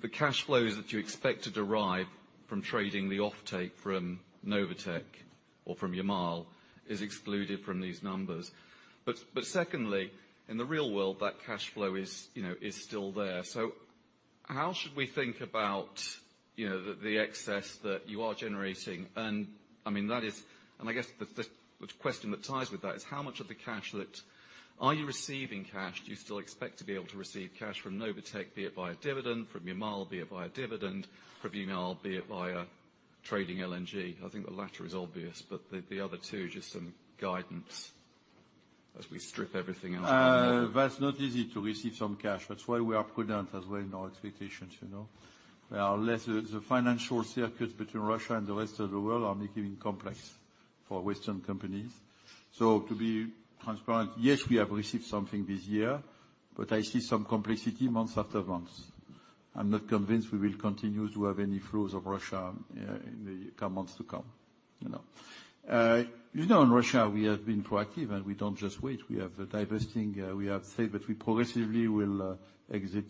Speaker 11: the cash flows that you expect to derive from trading the offtake from Novatek or from Yamal is excluded from these numbers. But secondly, in the real world, that cash flow is, you know, is still there. So how should we think about, you know, the excess that you are generating? I mean, that is. I guess the question that ties with that is how much of the cash are you receiving? Do you still expect to be able to receive cash from Novatek, be it via dividend, from Yamal, be it via trading LNG? I think the latter is obvious, but the other two, just some guidance as we strip everything else down.
Speaker 2: That's not easy to receive some cash. That's why we are prudent as well in our expectations, you know. There are less, the financial circuits between Russia and the rest of the world are becoming complex for Western companies. So to be transparent, yes, we have received something this year, but I see some complexity month after month. I'm not convinced we will continue to have any flows of Russia in the coming months to come, you know. You know, in Russia, we have been proactive, and we don't just wait. We have divesting, we have said that we progressively will exit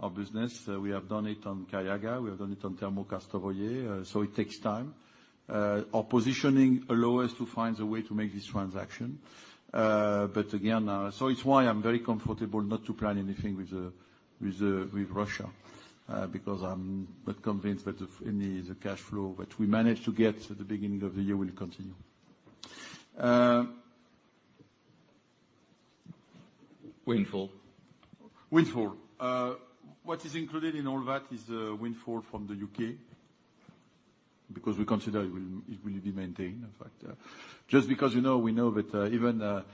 Speaker 2: our business. We have done it on Kharyaga, we have done it on Termokarstovoye, so it takes time. Our positioning allow us to find a way to make this transaction. again, it's why I'm very comfortable not to plan anything with Russia, because I'm not convinced that if any of the cash flow that we managed to get at the beginning of the year will continue.
Speaker 4: Windfall.
Speaker 2: Windfall. What is included in all that is the windfall from the U.K., because we consider it will be maintained, in fact. Just because you know, we know that even the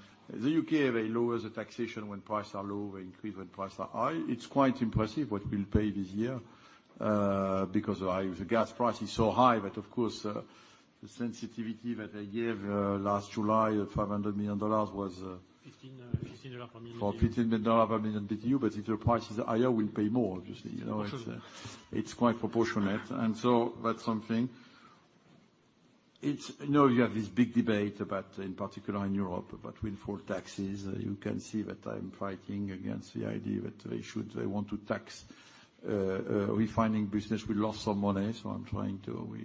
Speaker 2: U.K., they lower the taxation when prices are low, they increase when prices are high. It's quite impressive what we'll pay this year, because of high, the gas price is so high that of course, the sensitivity that I gave last July at $500 million was.
Speaker 4: $15 per million BTU.
Speaker 2: $14 million per million BTU, but if the price is higher, we'll pay more, obviously, you know. It's quite proportionate. That's something. You know, you have this big debate about, in particular in Europe, about windfall taxes. You can see that I'm fighting against the idea that they want to tax refining business. We lost some money, so I'm trying to.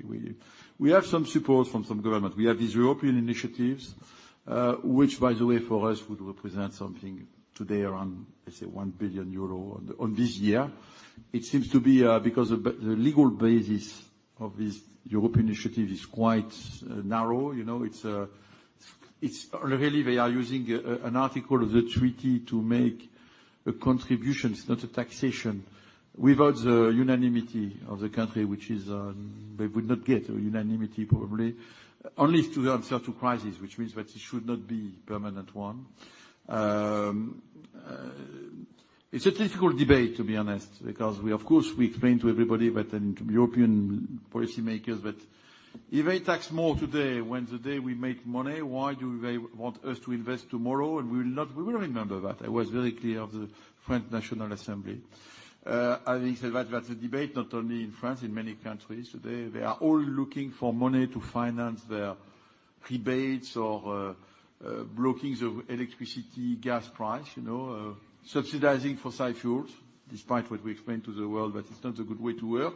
Speaker 2: We have some support from some government. We have these European initiatives, which by the way, for us, would represent something today around, let's say 1 billion euro on this year. It seems to be because the legal basis of this European initiative is quite narrow. You know, it's. Really, they are using an article of the treaty to make contributions, not a taxation, without the unanimity of the country, which is, they would not get a unanimity probably. Only to answer to crisis, which means that it should not be permanent one. It's a difficult debate, to be honest, because we of course explain to everybody, but then to European policymakers that if they tax more today, when the day we make money, why do they want us to invest tomorrow? We will remember that. I was very clear of the French National Assembly. Having said that's a debate not only in France, in many countries today. They are all looking for money to finance their rebates or capping of electricity, gas price, you know, subsidizing fossil fuels, despite what we explained to the world that it's not a good way to work,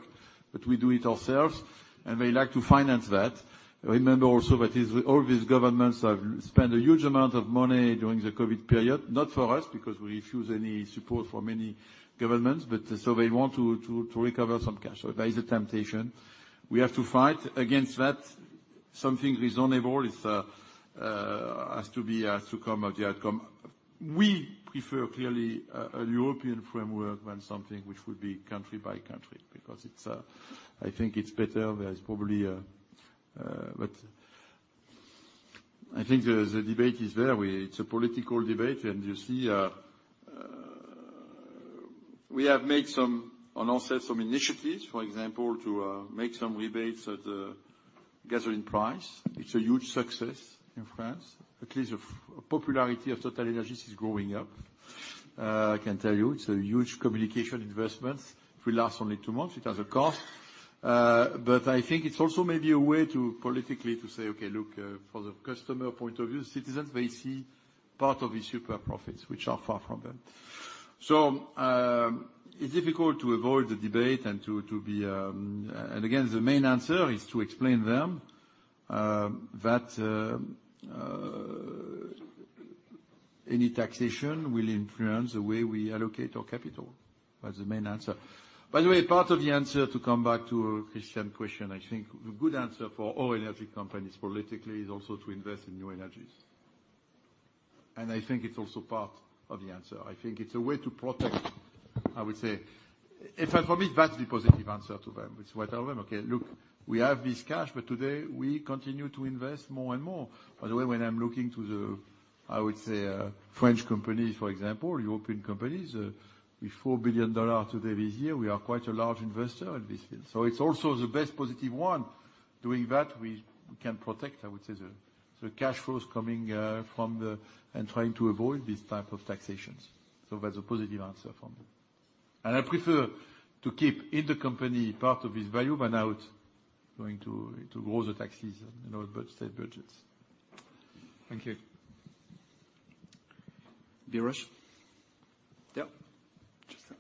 Speaker 2: but we do it ourselves, and they like to finance that. Remember also that all these governments have spent a huge amount of money during the COVID period. Not for us, because we refuse any support from any governments, but they want to recover some cash. There is a temptation. We have to fight against that. Something reasonable has to be the outcome. We prefer clearly a European framework than something which would be country by country, because it's, I think it's better. There's probably. I think the debate is there. It's a political debate and you see, we have made some, on our side, some initiatives. For example, to make some rebates at the gasoline price. It's a huge success in France. At least the popularity of TotalEnergies is going up. I can tell you it's a huge communication investment. It will last only two months. It has a cost. But I think it's also maybe a way to politically say, "Okay, look, for the customer point of view, citizens, they see part of these super profits, which are far from them." It's difficult to avoid the debate and to be. Again, the main answer is to explain them that any taxation will influence the way we allocate our capital. That's the main answer. By the way, part of the answer, to come back to Christian's question, I think a good answer for all energy companies politically is also to invest in new energies. I think it's also part of the answer. I think it's a way to protect, I would say. If I forbid, that's the positive answer to them. It's what I tell them. "Okay, look, we have this cash, but today we continue to invest more and more." By the way, when I'm looking to the, I would say, French companies, for example, European companies, with $4 billion today this year, we are quite a large investor in this field. It's also the best positive one. Doing that, we can protect, I would say, the cash flows coming from the. Trying to avoid these type of taxations. That's a positive answer from them. I prefer to keep in the company part of this value than going to grow the taxes, you know, boost state budgets.
Speaker 1: Thank you, Biraj. Yeah. Justin.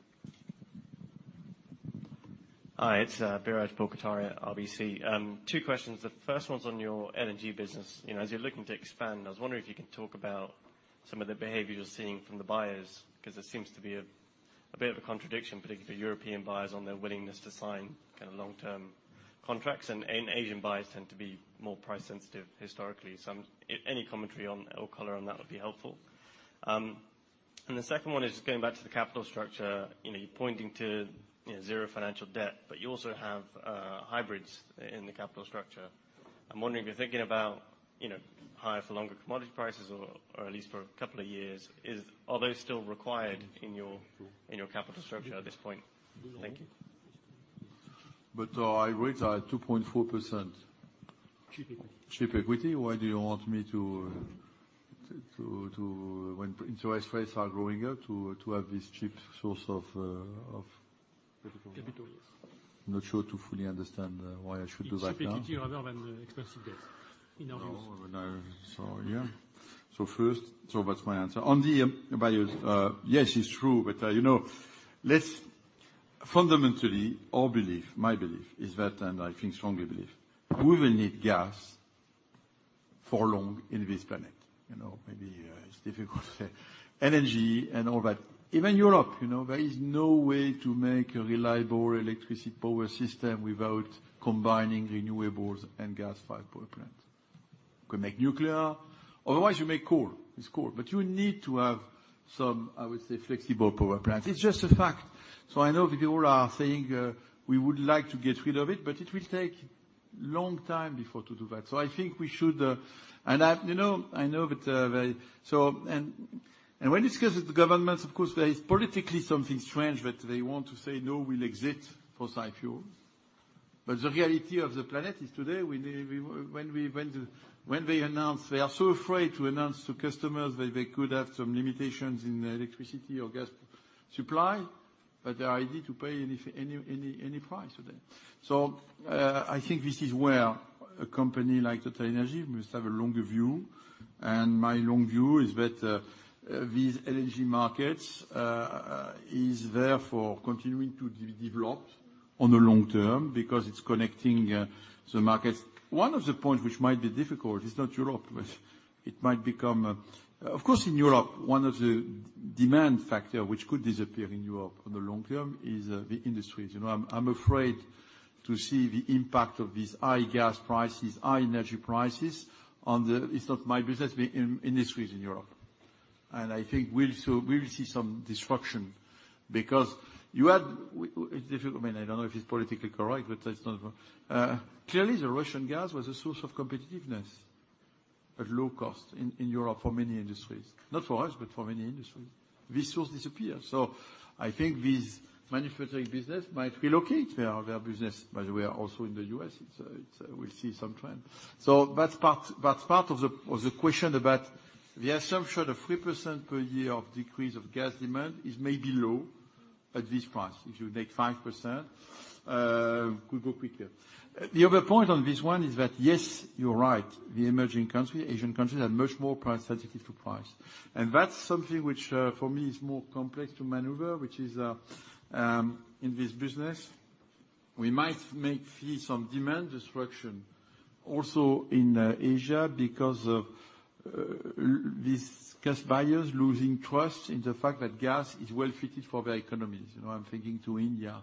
Speaker 12: Hi, it's Biraj Borkhataria, RBC. Two questions. The first one's on your LNG business. You know, as you're looking to expand, I was wondering if you could talk about some of the behavior you're seeing from the buyers, because there seems to be a bit of a contradiction, particularly European buyers, on their willingness to sign kind of long-term contracts. Asian buyers tend to be more price sensitive historically. Any commentary on or color on that would be helpful. The second one is just going back to the capital structure. You know, you're pointing to zero financial debt, but you also have hybrids in the capital structure. I'm wondering if you're thinking about higher for longer commodity prices or at least for a couple of years. Is. Are they still required in your capital structure at this point? Thank you.
Speaker 2: Our rates are 2.4%.
Speaker 12: Cheap equity.
Speaker 2: Cheap equity. Why do you want me to, when interest rates are going up, to have this cheap source of
Speaker 12: Capital.
Speaker 2: Capital? I'm not sure to fully understand why I should do that now.
Speaker 12: It's cheaper to do rather than expensive debt in our view.
Speaker 2: Back to my answer. On the buyers, yes, it's true, but you know, fundamentally, our belief, my belief is that, and I think strongly believe, we will need gas for long in this planet. You know, maybe it's difficult to say. Energy and all that. Even Europe, you know, there is no way to make a reliable electricity power system without combining renewables and gas-fired power plant. You can make nuclear. Otherwise, you make coal. It's coal. But you need to have some, I would say, flexible power plants. It's just a fact. I know people are saying we would like to get rid of it, but it will take long time before to do that. I think we should. You know, I know that very. When discussing with the governments, of course there is politically something strange that they want to say, "No, we'll exit fossil fuel." But the reality of the planet is today when they announce, they are so afraid to announce to customers that they could have some limitations in their electricity or gas supply. But they are ready to pay any price today. I think this is where a company like TotalEnergies must have a longer view. My long view is that these LNG markets is therefore continuing to develop on the long term because it's connecting the markets. One of the points which might be difficult is not Europe, but it might become. Of course, in Europe, one of the demand factor which could disappear in Europe in the long term is the industries. You know, I'm afraid to see the impact of these high gas prices, high energy prices on the. It's not my business, but in industries in Europe. I think we'll saw- we will see some disruption because you had. It's difficult. I mean, I don't know if it's politically correct, but let's not forget. Clearly the Russian gas was a source of competitiveness at low cost in Europe for many industries. Not for us, but for many industries. This source disappeared. I think these manufacturing business might relocate their business. By the way, also in the U.S., it's we see some trend. That's part of the question about the assumption of 3% per year of decrease of gas demand is maybe low at this price. If you take 5%, could go quicker. The other point on this one is that, yes, you're right, the emerging country Asian countries are much more price-sensitive to price. That's something which, for me, is more complex to maneuver, which is in this business, we might see some demand destruction also in Asia because of these gas buyers losing trust in the fact that gas is well fitted for their economies. You know, I'm thinking to India,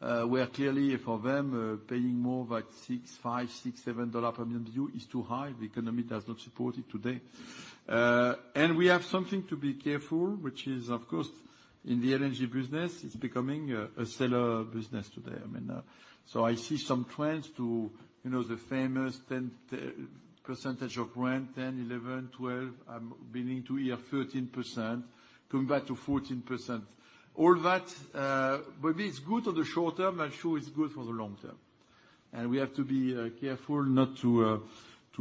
Speaker 2: where clearly for them, paying more than $5-$7 per million BTU is too high. The economy does not support it today. We have something to be careful, which is of course, in the LNG business, it's becoming a seller business today. I mean, so I see some trends to, you know, the famous 10% of Brent, 10%, 11%, 12%. I'm beginning to hear 13% coming back to 14%. All that, maybe it's good on the short term, not sure it's good for the long term. We have to be careful not to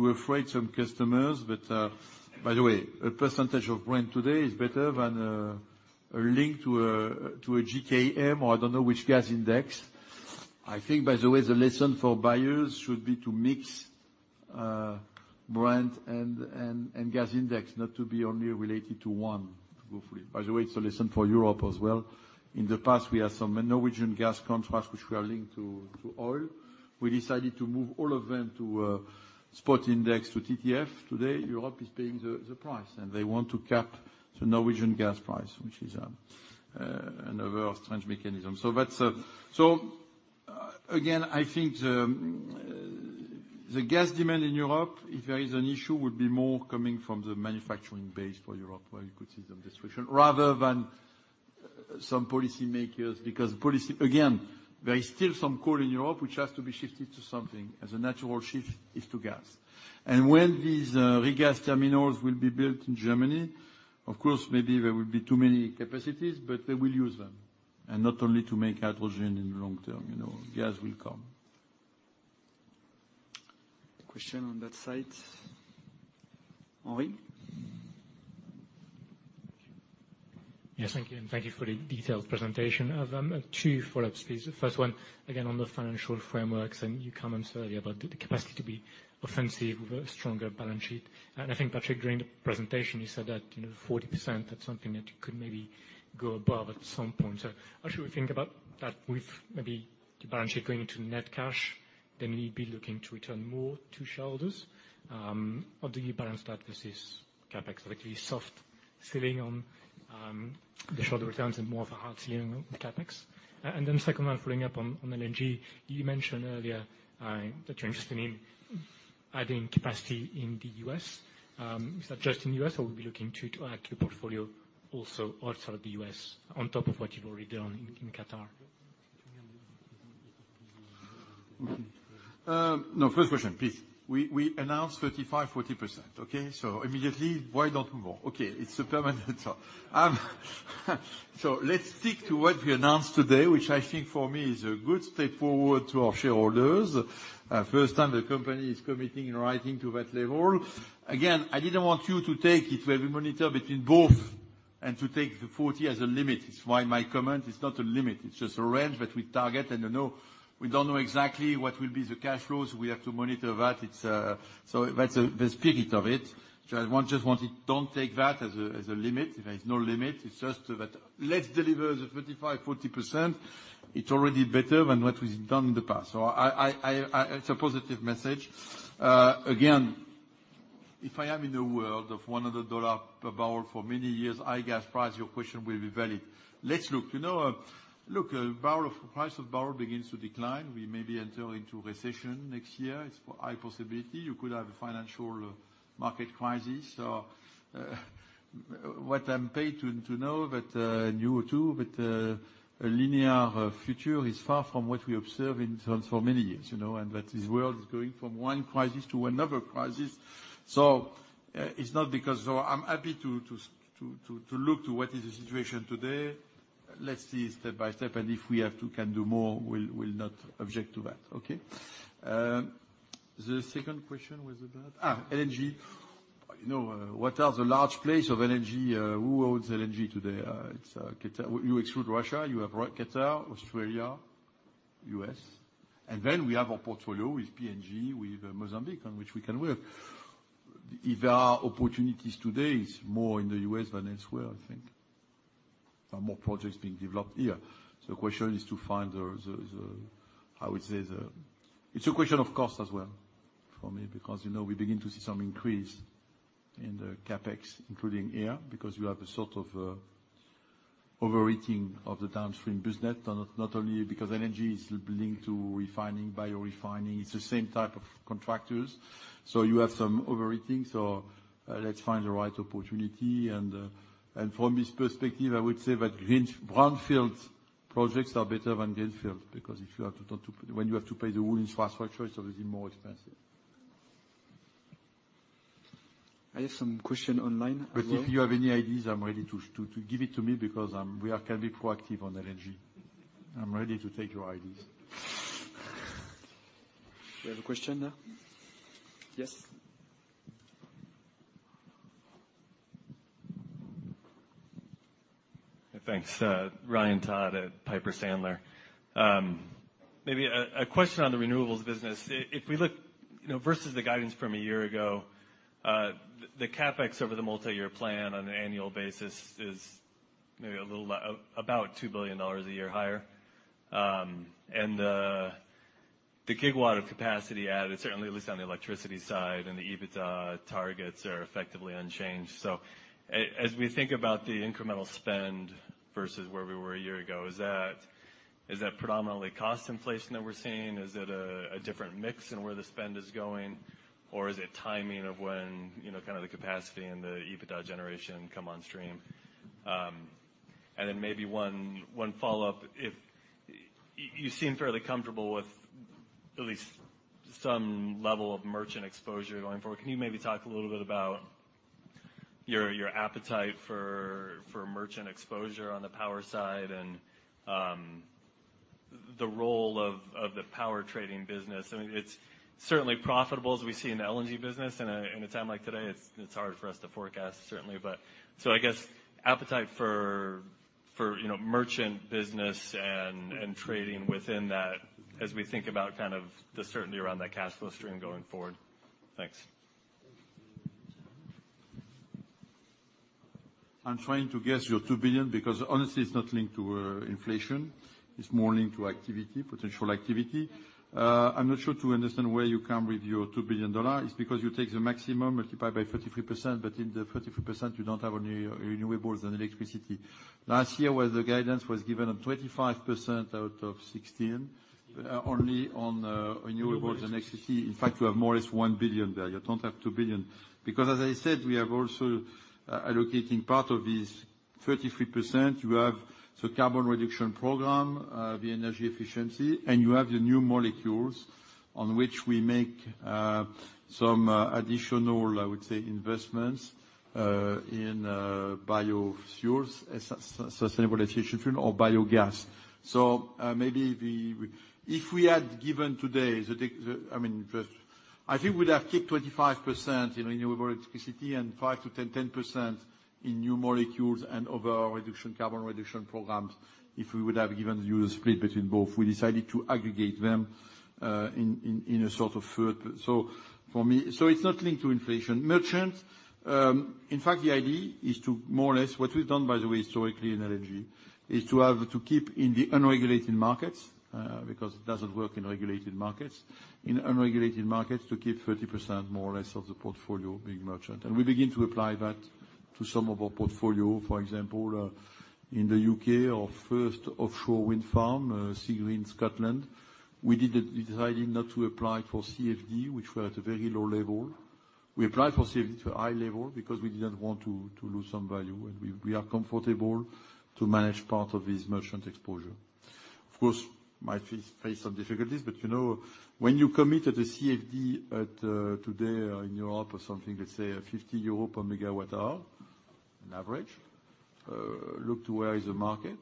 Speaker 2: estrange some customers. By the way, a percentage of Brent today is better than a link to a JKM or I don't know which gas index. I think by the way, the lesson for buyers should be to mix Brent and gas index, not to be only related to one, hopefully. By the way, it's a lesson for Europe as well. In the past, we have some Norwegian gas contracts which were linked to oil. We decided to move all of them to a spot index to TTF. Today, Europe is paying the price, and they want to cap the Norwegian gas price, which is another strange mechanism. That's another strange mechanism. Again, I think the gas demand in Europe, if there is an issue, would be more coming from the manufacturing base for Europe, where you could see some destruction rather than some policy makers. Again, there is still some coal in Europe which has to be shifted to something as a natural shift is to gas. When these regas terminals will be built in Germany, of course, maybe there will be too many capacities, but they will use them. Not only to make hydrogen in the long term, you know, gas will come. Question on that side. Henry?
Speaker 13: Yes, thank you. Thank you for the detailed presentation. I've two follow-ups, please. First one, again, on the financial frameworks and your comments earlier about the capacity to be offensive with a stronger balance sheet. I think, Patrick, during the presentation, you said that 40%, that's something that you could maybe go above at some point. How should we think about that with maybe the balance sheet going into net cash, then you'd be looking to return more to shareholders, how do you balance that versus CapEx, likely soft ceiling on the shareholder returns and more of a hard ceiling on CapEx. Then secondly, following up on LNG, you mentioned earlier that you're interested in adding capacity in the U.S. Is that just in the U.S., or will you be looking to add to your portfolio also outside the U.S. on top of what you've already done in Qatar?
Speaker 2: No. First question, please. We announced 35%-40%. Okay? Immediately, why don't we move on? Okay, it's permanent, so let's stick to what we announced today, which I think for me is a good step forward to our shareholders. First time the company is committing in writing to that level. Again, I didn't want you to take it where we monitor between both and to take the 40% as a limit. It's why my comment is not a limit. It's just a range that we target. You know, we don't know exactly what will be the cash flows. We have to monitor that. That's the spirit of it. I just want it, don't take that as a limit. There is no limit. It's just that let's deliver the 35%-40%. It's already better than what we've done in the past. It's a positive message. Again, if I am in a world of $100 per barrel for many years, high gas price, your question will be valid. Let's look. You know, the price of a barrel begins to decline. We may be entering into recession next year. It's a high possibility. You could have a financial market crisis. What I'm paid to do, but a linear future is far from what we observe in terms of many years, you know, and that this world is going from one crisis to another crisis. It's not because. I'm happy to look to what is the situation today. Let's see step by step, and if we have to, can do more, we'll not object to that. The second question was about LNG. You know, what are the large players in LNG, who owns LNG today? It's Qatar. You exclude Russia, you have Qatar, Australia, U.S. Then we have our portfolio with PNG, with Mozambique, on which we can work. If there are opportunities today, it's more in the U.S. than elsewhere, I think. There are more projects being developed here. So the question is to find the, I would say. It's a question of cost as well for me, because, you know, we begin to see some increase in the CapEx, including here, because you have a sort of overheating of the downstream business. Not only because LNG is linked to refining, biorefining, it's the same type of contractors. You have some overheating, so let's find the right opportunity. From this perspective, I would say that brownfield projects are better than greenfield, because when you have to pay the whole infrastructure, it's obviously more expensive.
Speaker 1: I have some question online as well.
Speaker 2: If you have any ideas, I'm ready to give it to me, because we can be proactive on LNG. I'm ready to take your ideas.
Speaker 1: We have a question now. Yes.
Speaker 14: Thanks. Ryan Todd at Piper Sandler. Maybe a question on the renewables business. If we look, you know, versus the guidance from a year ago, the CapEx over the multi-year plan on an annual basis is maybe a little about $2 billion a year higher. The gigawatt of capacity added, certainly at least on the electricity side, and the EBITDA targets are effectively unchanged. As we think about the incremental spend versus where we were a year ago, is that predominantly cost inflation that we're seeing? Is it a different mix in where the spend is going? Or is it timing of when, you know, kind of the capacity and the EBITDA generation come on stream? And then maybe one follow-up. You seem fairly comfortable with at least some level of merchant exposure going forward. Can you maybe talk a little bit about your appetite for merchant exposure on the power side and the role of the power trading business? I mean, it's certainly profitable as we see in the LNG business, in a time like today, it's hard for us to forecast, certainly. I guess appetite for, you know, merchant business and trading within that as we think about kind of the certainty around that cash flow stream going forward. Thanks.
Speaker 2: I'm trying to guess your $2 billion because honestly it's not linked to inflation. It's more linked to activity, potential activity. I'm not sure to understand where you come up with your $2 billion. It's because you take the maximum multiplied by 33%, but in the 33% you don't have any renewables and electricity. Last year where the guidance was given up 25% out of 16%, only on renewables and electricity. In fact, you have more or less $1 billion there. You don't have $2 billion. Because as I said, we have also allocating part of this 33%, you have the carbon reduction program, the energy efficiency, and you have the new molecules on which we make some additional, I would say, investments in biofuels, sustainable aviation fuel or biogas. Maybe we, if we had given today the, I mean, I think we'd have kept 25% in renewable electricity and 5%-10% in new molecules and other carbon reduction programs, if we would have given you the split between both. We decided to aggregate them in a sort of third. For me, it's not linked to inflation. Merchant, in fact, the idea is to more or less, what we've done by the way historically in LNG, is to keep in the unregulated markets, because it doesn't work in regulated markets. In unregulated markets, to keep 30% more or less of the portfolio being merchant. We begin to apply that to some of our portfolio. For example, in the U.K., our first offshore wind farm, Seagreen, Scotland, we did it deciding not to apply for CFD, which were at a very low level. We applied for CFD to a high level because we didn't want to lose some value, and we are comfortable to manage part of this merchant exposure. Of course, might face some difficulties, but you know, when you commit at a CFD today in Europe or something, let's say 50 euro per MWh on average, look to where is the market.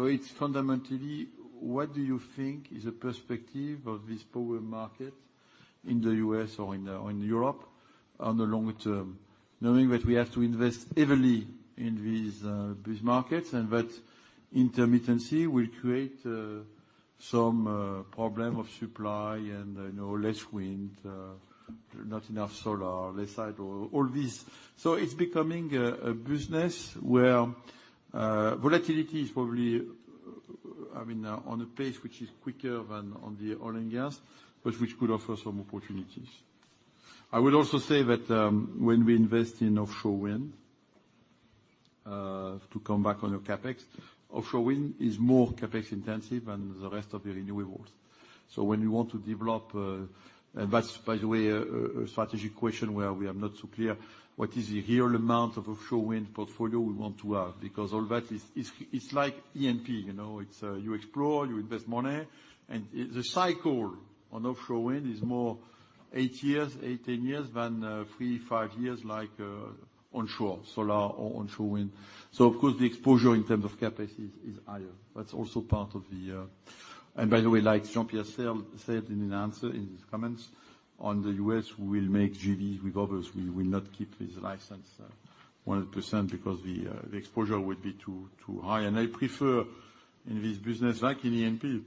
Speaker 2: It's fundamentally what do you think is the perspective of this power market in the U.S., or in Europe on the longer term? Knowing that we have to invest heavily in these markets and that intermittency will create some problem of supply and, you know, less wind, not enough solar, less hydro, all this. It's becoming a business where volatility is probably, I mean, on a pace which is quicker than on the oil and gas, but which could offer some opportunities. I would also say that when we invest in offshore wind, to come back on your CapEx, offshore wind is more CapEx intensive than the rest of the renewables. When you want to develop, and that's by the way a strategic question where we are not so clear what is the real amount of offshore wind portfolio we want to have. Because all that is, it's like E&P, you know. It's you explore, you invest money, and the cycle on offshore wind is more eight-10 years than three-five years like onshore solar or onshore wind. Of course, the exposure in terms of CapEx is higher. That's also part of the. By the way, like Jean-Pierre said in an answer in his comments on the U.S., we will make JVs with others. We will not keep this license 100% because the exposure will be too high. I prefer in this business, like in E&P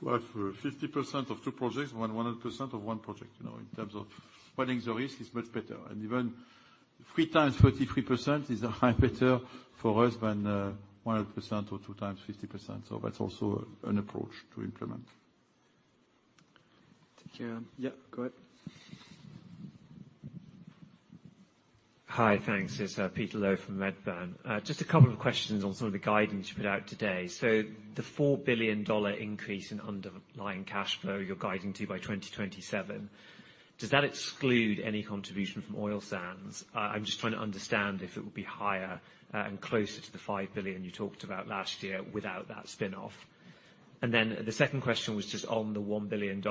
Speaker 2: to have 50% of two projects when 100% of one project, you know, in terms of running the risk is much better. Even three times 33% is a lot better for us than 100% or 2x 50%. That's also an approach to implement.
Speaker 1: Yeah. Yeah, go ahead.
Speaker 15: Hi. Thanks. It's Peter Low from Redburn. Just a couple of questions on some of the guidance you put out today. The $4 billion increase in underlying cash flow you're guiding to by 2027, does that exclude any contribution from oil sands? I'm just trying to understand if it will be higher and closer to the $5 billion you talked about last year without that spin-off. The second question was just on the $1 billion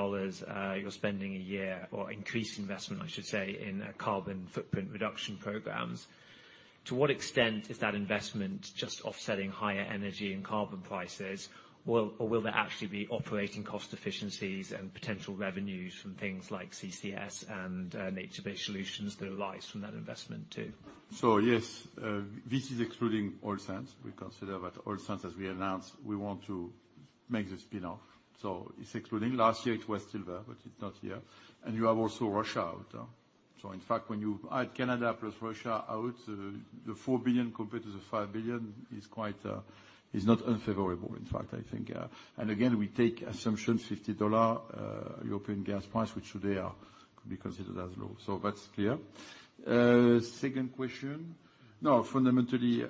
Speaker 15: you're spending a year, or increased investment I should say, in carbon footprint reduction programs. To what extent is that investment just offsetting higher energy and carbon prices? Or will there actually be operating cost efficiencies and potential revenues from things like CCS and nature-based solutions that arise from that investment too?
Speaker 2: Yes, this is excluding oil sands. We consider that oil sands, as we announced, we want to make the spin-off. It's excluding. Last year it was sold, but it's not here. You have also Russia out. In fact, when you add Canada plus Russia out, the $4 billion compared to the $5 billion is quite, is not unfavorable in fact, I think. Again, we take assumption $50 European gas price, which today could be considered as low. That's clear. Second question. No, fundamentally,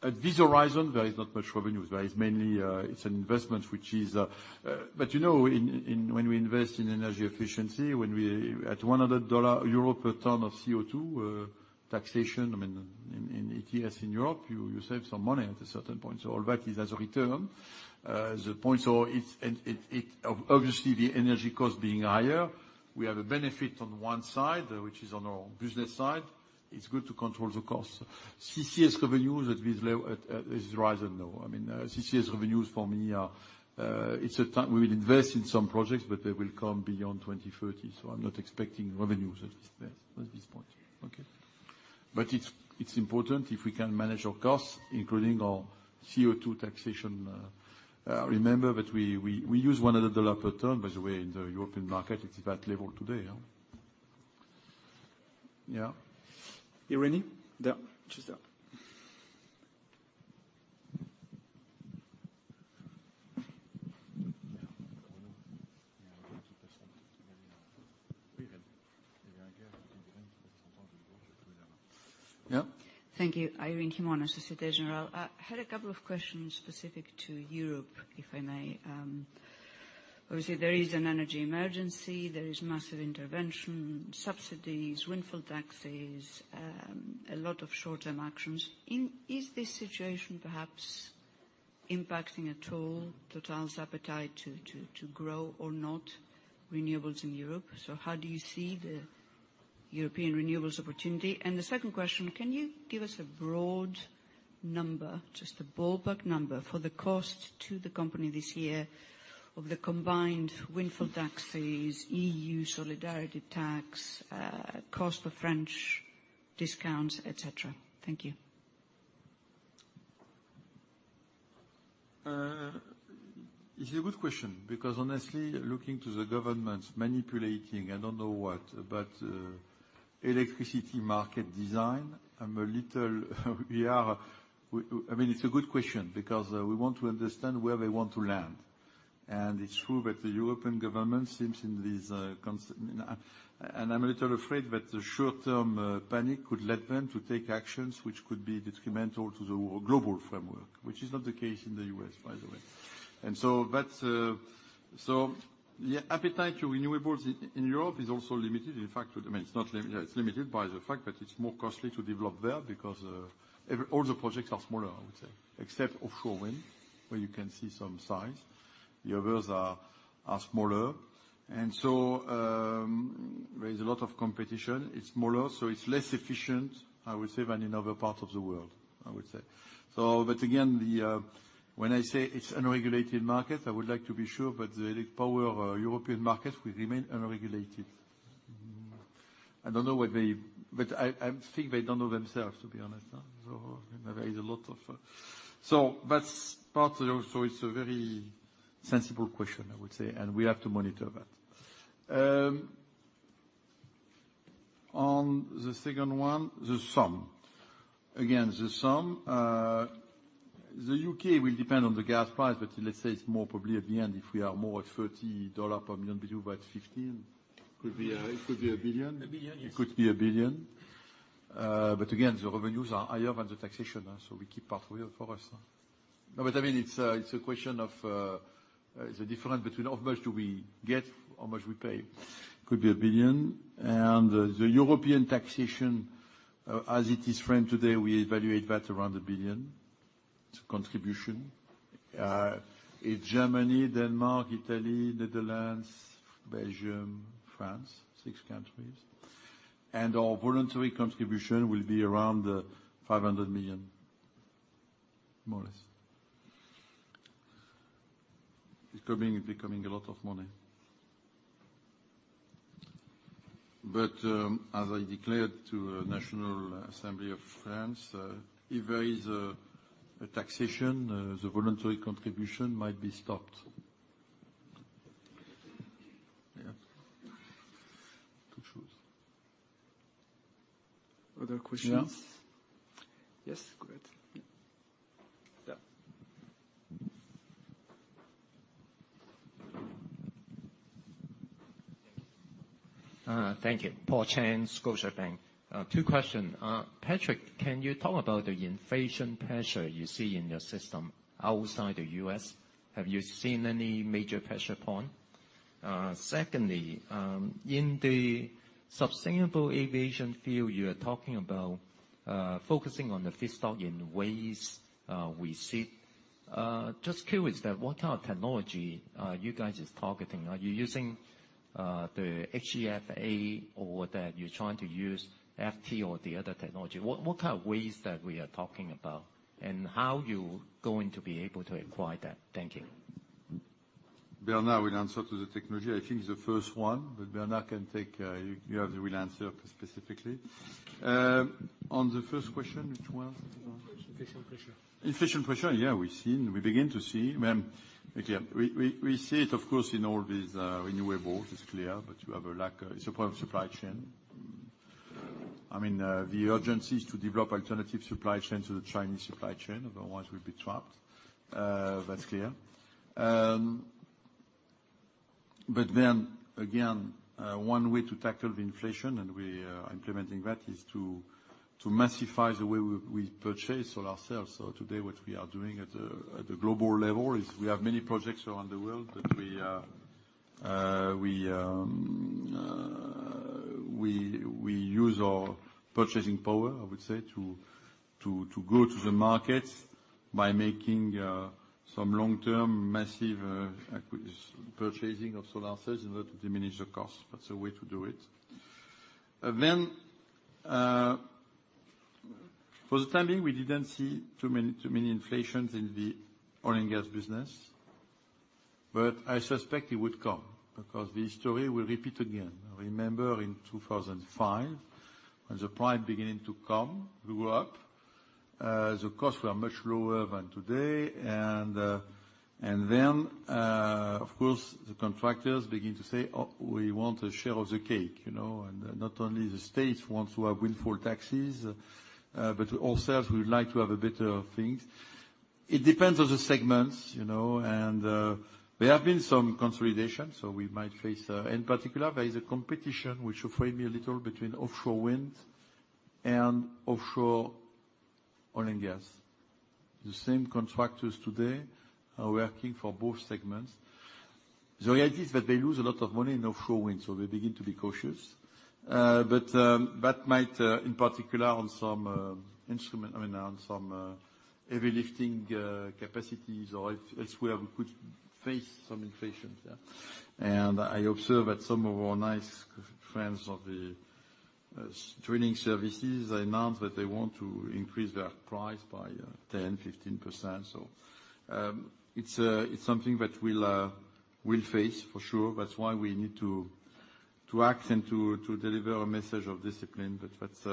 Speaker 2: at this horizon, there is not much revenues. There is mainly, it's an investment which is. You know, when we invest in energy efficiency, when we. At $100 per ton of CO2, taxation, I mean, in ETS in Europe, you save some money at a certain point. All that is as a return. The point is it's obviously the energy cost being higher, we have a benefit on one side, which is on our business side. It's good to control the costs. CCS revenues at this level, at this horizon, no. I mean, CCS revenues for me are, it's a time we will invest in some projects, but they will come beyond 2030. I'm not expecting revenues at this point. Okay. It's important if we can manage our costs, including our CO2 taxation. Remember that we use $100 per ton, by the way, in the European market. It's that level today.
Speaker 1: Yeah. Irene? Yeah, she's there. No?
Speaker 16: Thank you. Irene Himona, Société Générale. I had a couple of questions specific to Europe, if I may. Obviously there is an energy emergency. There is massive intervention, subsidies, windfall taxes, a lot of short-term actions. Is this situation perhaps impacting at all TotalEnergies' appetite to grow or not renewables in Europe? How do you see the European renewables opportunity? The second question, can you give us a broad number, just a ballpark number, for the cost to the company this year of the combined windfall taxes, EU solidarity tax, cost for French discounts, et cetera? Thank you.
Speaker 2: It's a good question because, I mean, we want to understand where they want to land. It's true that the European governments seem in this consternation. I mean, I'm a little afraid that the short-term panic could lead them to take actions which could be detrimental to the global framework, which is not the case in the U.S., by the way. Yeah, appetite for renewables in Europe is also limited. In fact, I mean, it's limited by the fact that it's more costly to develop there because all the projects are smaller, I would say, except offshore wind, where you can see some size. The others are smaller. There is a lot of competition. It's smaller, so it's less efficient, I would say, than in other parts of the world, I would say. When I say it's unregulated market, I would like to be sure that the electric power European market will remain unregulated. I don't know what they. I think they don't know themselves, to be honest. There is a lot of. That's part of it. It's a very sensible question, I would say. We have to monitor that. On the second one, the sum. Again, the sum, the U.K., will depend on the gas price. Let's say it's more probably at the end, if we are more at $30 per million BTU at 15%.
Speaker 4: Could be a billion.
Speaker 2: $1 billion, yes. It could be $1 billion. But again, the revenues are higher than the taxation, so we keep part for us. No, but I mean, it's a question of the difference between how much do we get, how much we pay. Could be $1 billion. The European taxation, as it is framed today, we evaluate that around $1 billion. It's a contribution. It's Germany, Denmark, Italy, Netherlands, Belgium, France, six countries. Our voluntary contribution will be around $500 million, more or less. It's becoming a lot of money. As I declared to National Assembly of France, if there is a taxation, the voluntary contribution might be stopped. Yeah. To choose.
Speaker 1: Other questions?
Speaker 2: Yeah.
Speaker 1: Yes, go ahead.
Speaker 2: Yeah.
Speaker 17: Thank you. Paul Cheng, Scotiabank. Two questions. Patrick, can you talk about the inflation pressure you see in your system outside the U.S.? Have you seen any major pressure point? Secondly, in the sustainable aviation field, you are talking about focusing on the feedstock and ways we see. Just curious that what kind of technology are you guys is targeting? Are you using the HEFA or that you're trying to use FT or the other technology? What kind of ways that we are talking about, and how you going to be able to acquire that? Thank you.
Speaker 2: Bernard will answer to the technology. I think the first one, but Bernard can take, you have the real answer specifically. On the first question, which one?
Speaker 1: Inflation pressure.
Speaker 2: Inflation pressure. Yeah, we've seen we begin to see. Well, again, we see it, of course, in all these renewables. It is clear. You have a lack of supply chain. I mean, the urgency is to develop alternative supply chains to the Chinese supply chain. Otherwise, we'll be trapped. That's clear. Again, one way to tackle the inflation, and we implementing that, is to massify the way we purchase solar cells. Today, what we are doing at a global level is we have many projects around the world that we use our purchasing power, I would say, to go to the market by making some long-term massive purchasing of solar cells in order to diminish the cost. That's a way to do it. For the time being, we didn't see too many inflations in the oil and gas business, but I suspect it would come because the history will repeat again. Remember in 2005 when the price beginning to come, we were up. The costs were much lower than today and then, of course, the contractors begin to say, "Oh, we want a share of the cake," you know? And not only the states want to have windfall taxes, but ourselves, we would like to have better things. It depends on the segments, you know. There have been some consolidation, so we might face. In particular, there is a competition which frightens me a little between offshore wind and offshore oil and gas. The same contractors today are working for both segments. The idea is that they lose a lot of money in offshore wind, so they begin to be cautious. That might, in particular on some heavy lifting capacities or if elsewhere we could face some inflation. Yeah. I observe that some of our nice friends in the drilling services announce that they want to increase their price by 10%-15%. It's something that we'll face for sure. That's why we need to act and to deliver a message of discipline. That's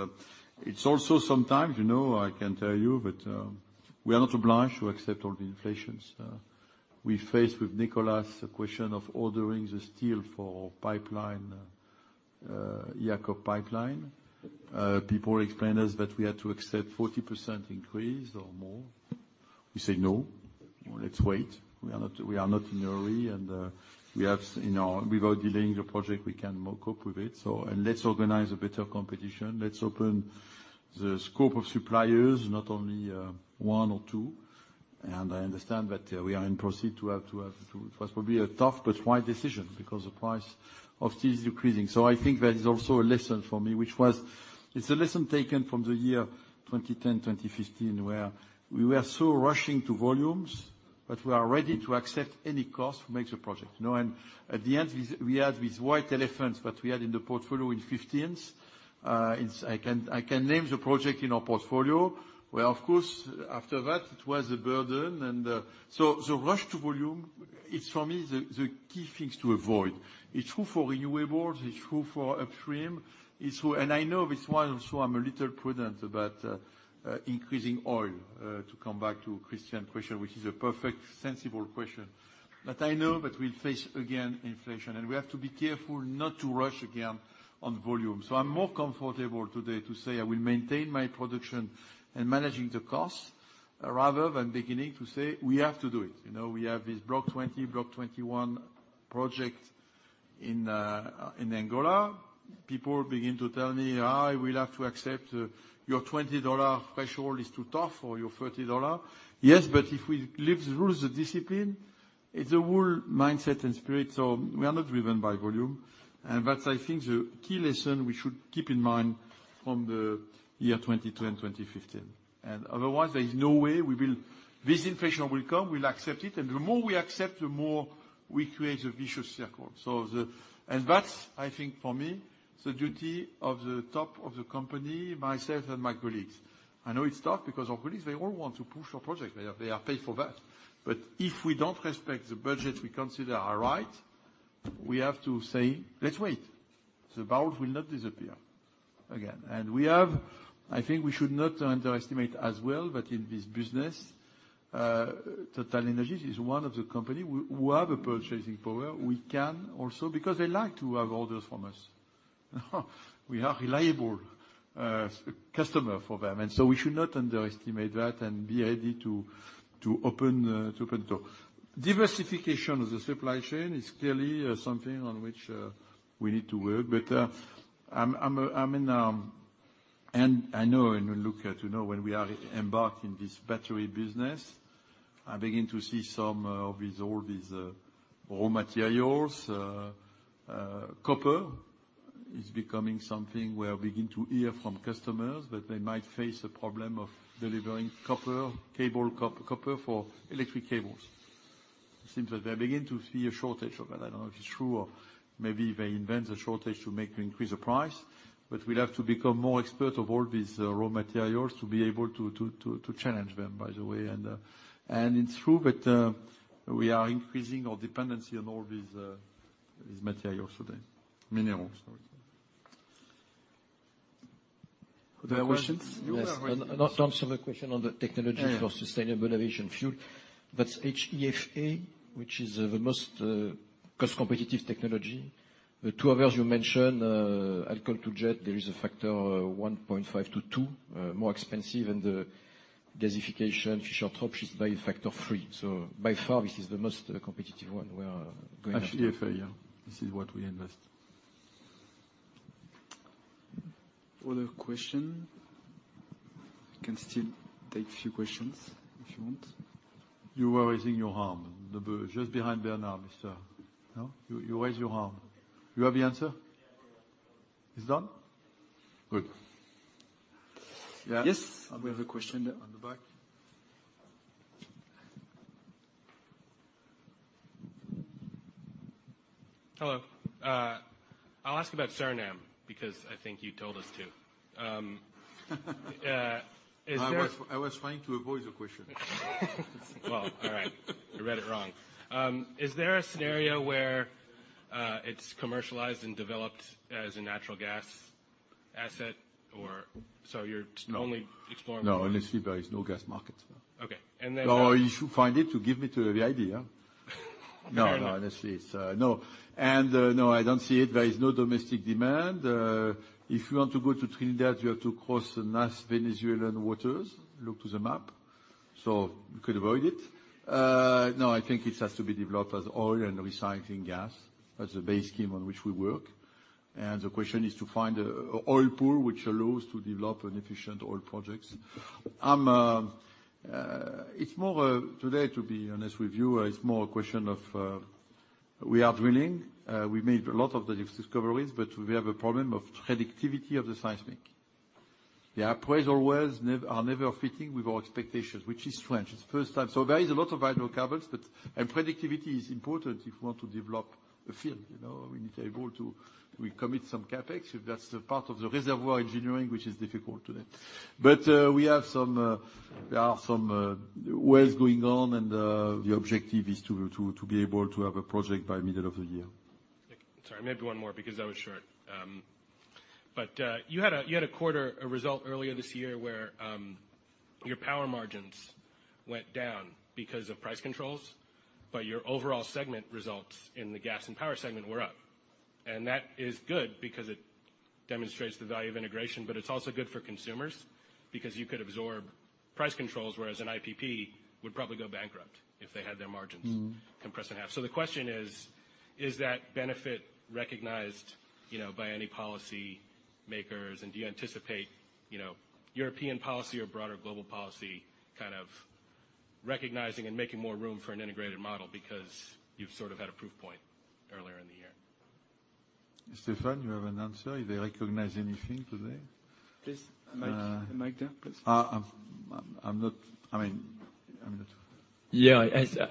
Speaker 2: also sometimes, you know, I can tell you that we are not obliged to accept all the inflations. We faced with Nicolas a question of ordering the steel for pipeline, EACOP pipeline. People explain us that we had to accept 40% increase or more. We say, "No. Let's wait. We are not in a hurry, and, you know, without delaying the project, we can more cope with it. Let's organize a better competition. Let's open the scope of suppliers, not only one or two." I understand that we are in proceed to have. It was probably a tough but wise decision because the price of steel is decreasing. I think there is also a lesson for me, which was, it's a lesson taken from the year 2010, 2015, where we were so rushing to volumes that we are ready to accept any cost to make the project, you know. At the end, we had these white elephants that we had in the portfolio in 2015. I can name the project in our portfolio where, of course, after that it was a burden. The rush to volume, it's for me, the key things to avoid. It's true for renewables. It's true for upstream. It's true. I know this one, so I'm a little prudent about increasing oil, to come back to Christian's question, which is a perfectly sensible question. I know that we'll face again inflation, and we have to be careful not to rush again on volume. I'm more comfortable today to say I will maintain my production and manage the costs rather than beginning to say, we have to do it. You know, we have this Block 20/21 project in Angola. People begin to tell me I will have to accept your $20 threshold is too tough, or your $30. Yes, but if we lift the rules of discipline, it's a whole mindset and spirit. We are not driven by volume, and that's, I think, the key lesson we should keep in mind from the year 2010, 2015. Otherwise, there is no way we will. This inflation will come, we'll accept it. The more we accept, the more we create a vicious circle. That's, I think, for me, the duty of the top of the company, myself and my colleagues. I know it's tough because our colleagues, they all want to push a project. They are paid for that. If we don't respect the budget we consider are right, we have to say, "Let's wait." The barrel will not disappear. Again. I think we should not underestimate as well that in this business, TotalEnergies is one of the company who have a purchasing power. We can also, because they like to have orders from us. We are reliable customer for them, and so we should not underestimate that and be ready to open door. Diversification of the supply chain is clearly something on which we need to work. I'm in. I know and you look at, you know, when we are embarking this battery business, I begin to see some of these, all these raw materials. Copper is becoming something where I begin to hear from customers that they might face a problem of delivering copper, cable copper for electric cables. It seems that they begin to see a shortage of it. I don't know if it's true or maybe they invent the shortage to make the price increase. We'll have to become more expert on all these raw materials to be able to challenge them, by the way. It's true that we are increasing our dependency on all these minerals today. Other questions?
Speaker 18: Yes. To answer the question on the technology.
Speaker 2: Yeah.
Speaker 18: For sustainable aviation fuel. That's HEFA, which is the most cost-competitive technology. The two others you mentioned, alcohol to jet, there is a factor of 1.5%-2% more expensive. The gasification, Fischer-Tropsch is by a factor of 3%. By far, this is the most competitive one we are going after.
Speaker 2: HEFA, yeah. This is what we invest. Another question. Can still take few questions if you want. You were raising your arm. Just behind Bernard, mister. No? You raised your arm. You have an answer? It's done? Good.
Speaker 19: Yes.
Speaker 2: We have a question at the back.
Speaker 19: Hello. I'll ask about Suriname because I think you told us to.
Speaker 2: I was trying to avoid the question.
Speaker 19: Well, all right. I read it wrong. Is there a scenario where it's commercialized and developed as a natural gas asset or so you're.
Speaker 2: No.
Speaker 19: Only exploring.
Speaker 2: No. Honestly, there is no gas markets.
Speaker 19: Okay.
Speaker 2: If you find it, to give me the idea.
Speaker 19: Fair enough.
Speaker 2: No, honestly, it's. No. No, I don't see it. There is no domestic demand. If you want to go to Trinidad, you have to cross the narrow Venezuelan waters. Look to the map. You could avoid it. No, I think it has to be developed as oil and recycling gas. That's the base scheme on which we work. The question is to find a oil pool which allows to develop an efficient oil projects. It's more today, to be honest with you, it's more a question of, we are drilling, we made a lot of the discoveries, but we have a problem of productivity of the seismic. The appraisal wells never fitting with our expectations, which is strange. It's the first time. There is a lot of hydrocarbons, but Productivity is important if we want to develop a field, you know. We need to be able to commit some CapEx. That's part of the reservoir engineering, which is difficult today. There are some wells going on, and the objective is to be able to have a project by middle of the year.
Speaker 19: Sorry, maybe one more because I was short. You had a quarter result earlier this year where your power margins went down because of price controls, but your overall segment results in the gas and power segment were up. That is good because it demonstrates the value of integration, but it's also good for consumers because you could absorb price controls, whereas an IPP would probably go bankrupt if they had their margins. Compressed in half. The question is that benefit recognized, you know, by any policy makers? Do you anticipate, you know, European policy or broader global policy kind of recognizing and making more room for an integrated model because you've sort of had a proof point earlier in the year?
Speaker 2: Stéphane, you have an answer? They recognize anything today?
Speaker 18: Please, a mic. A mic there, please.
Speaker 2: I mean, I'm not.
Speaker 18: Yeah.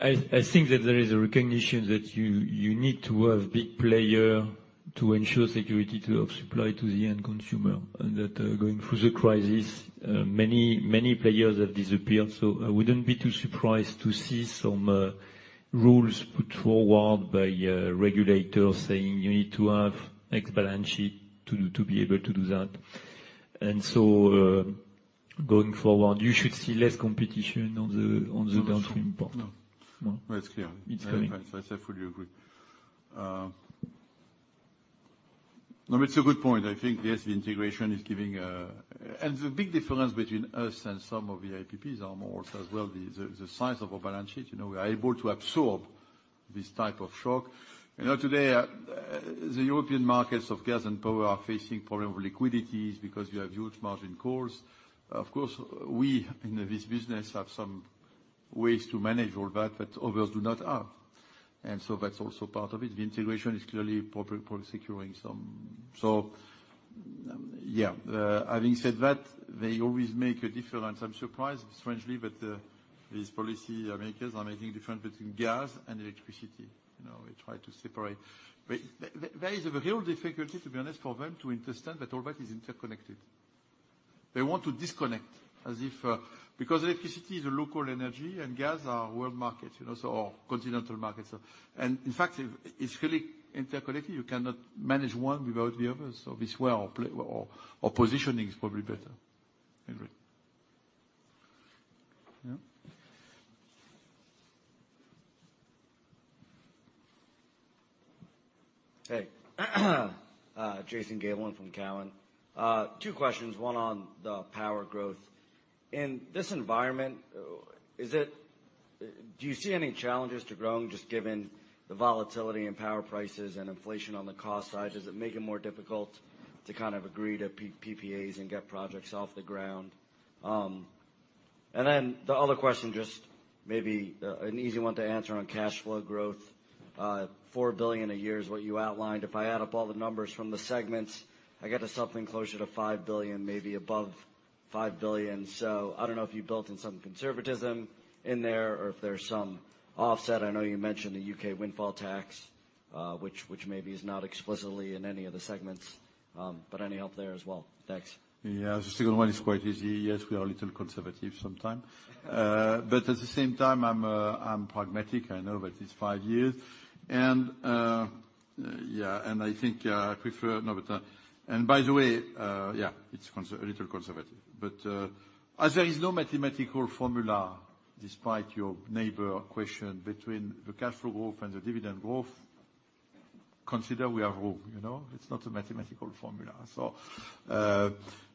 Speaker 18: I think that there is a recognition that you need to have big player to ensure security of supply to the end consumer. That, going through the crisis, many players have disappeared. I wouldn't be too surprised to see some rules put forward by regulators saying you need to have X balance sheet to be able to do that. Going forward, you should see less competition on the downstream part.
Speaker 2: No, that's true.
Speaker 18: No?
Speaker 2: That's clear.
Speaker 18: It's coming.
Speaker 2: I fully agree. No, it's a good point. I think, yes, the integration is giving. The big difference between us and some of the IPPs are more as well the size of our balance sheet. You know, we are able to absorb this type of shock. You know, today, the European markets of gas and power are facing problem of liquidity because you have huge margin calls. Of course, we in this business have some ways to manage all that, but others do not have. That's also part of it. The integration is clearly providing some security. Yeah, having said that, they always make a difference. I'm surprised, strangely, but these policy makers are making difference between gas and electricity. You know, they try to separate. There is a real difficulty, to be honest, for them to understand that all that is interconnected. They want to disconnect as if because electricity is a local energy, and gas are world market, you know, so continental markets. In fact, it's really interconnected. You cannot manage one without the other, so this way our positioning is probably better. Agree. Yeah.
Speaker 20: Hey. Jason Gabelman from Cowen. Two questions, one on the power growth. In this environment, do you see any challenges to growing, just given the volatility in power prices and inflation on the cost side? Does it make it more difficult to kind of agree to PPAs and get projects off the ground? And then the other question, just maybe, an easy one to answer on cash flow growth. $4 billion a year is what you outlined. If I add up all the numbers from the segments, I get to something closer to $5 billion, maybe above $5 billion. So I don't know if you built in some conservatism in there or if there's some offset. I know you mentioned the UK windfall tax, which maybe is not explicitly in any of the segments. Any help there as well? Thanks.
Speaker 2: Yeah. The second one is quite easy. Yes, we are a little conservative sometimes. But at the same time, I'm pragmatic. I know that it's five years, and I think I prefer. No, and by the way, it's a little conservative. But as there is no mathematical formula, despite your neighbor question, between the cash flow growth and the dividend growth, consider we have growth, you know? It's not a mathematical formula.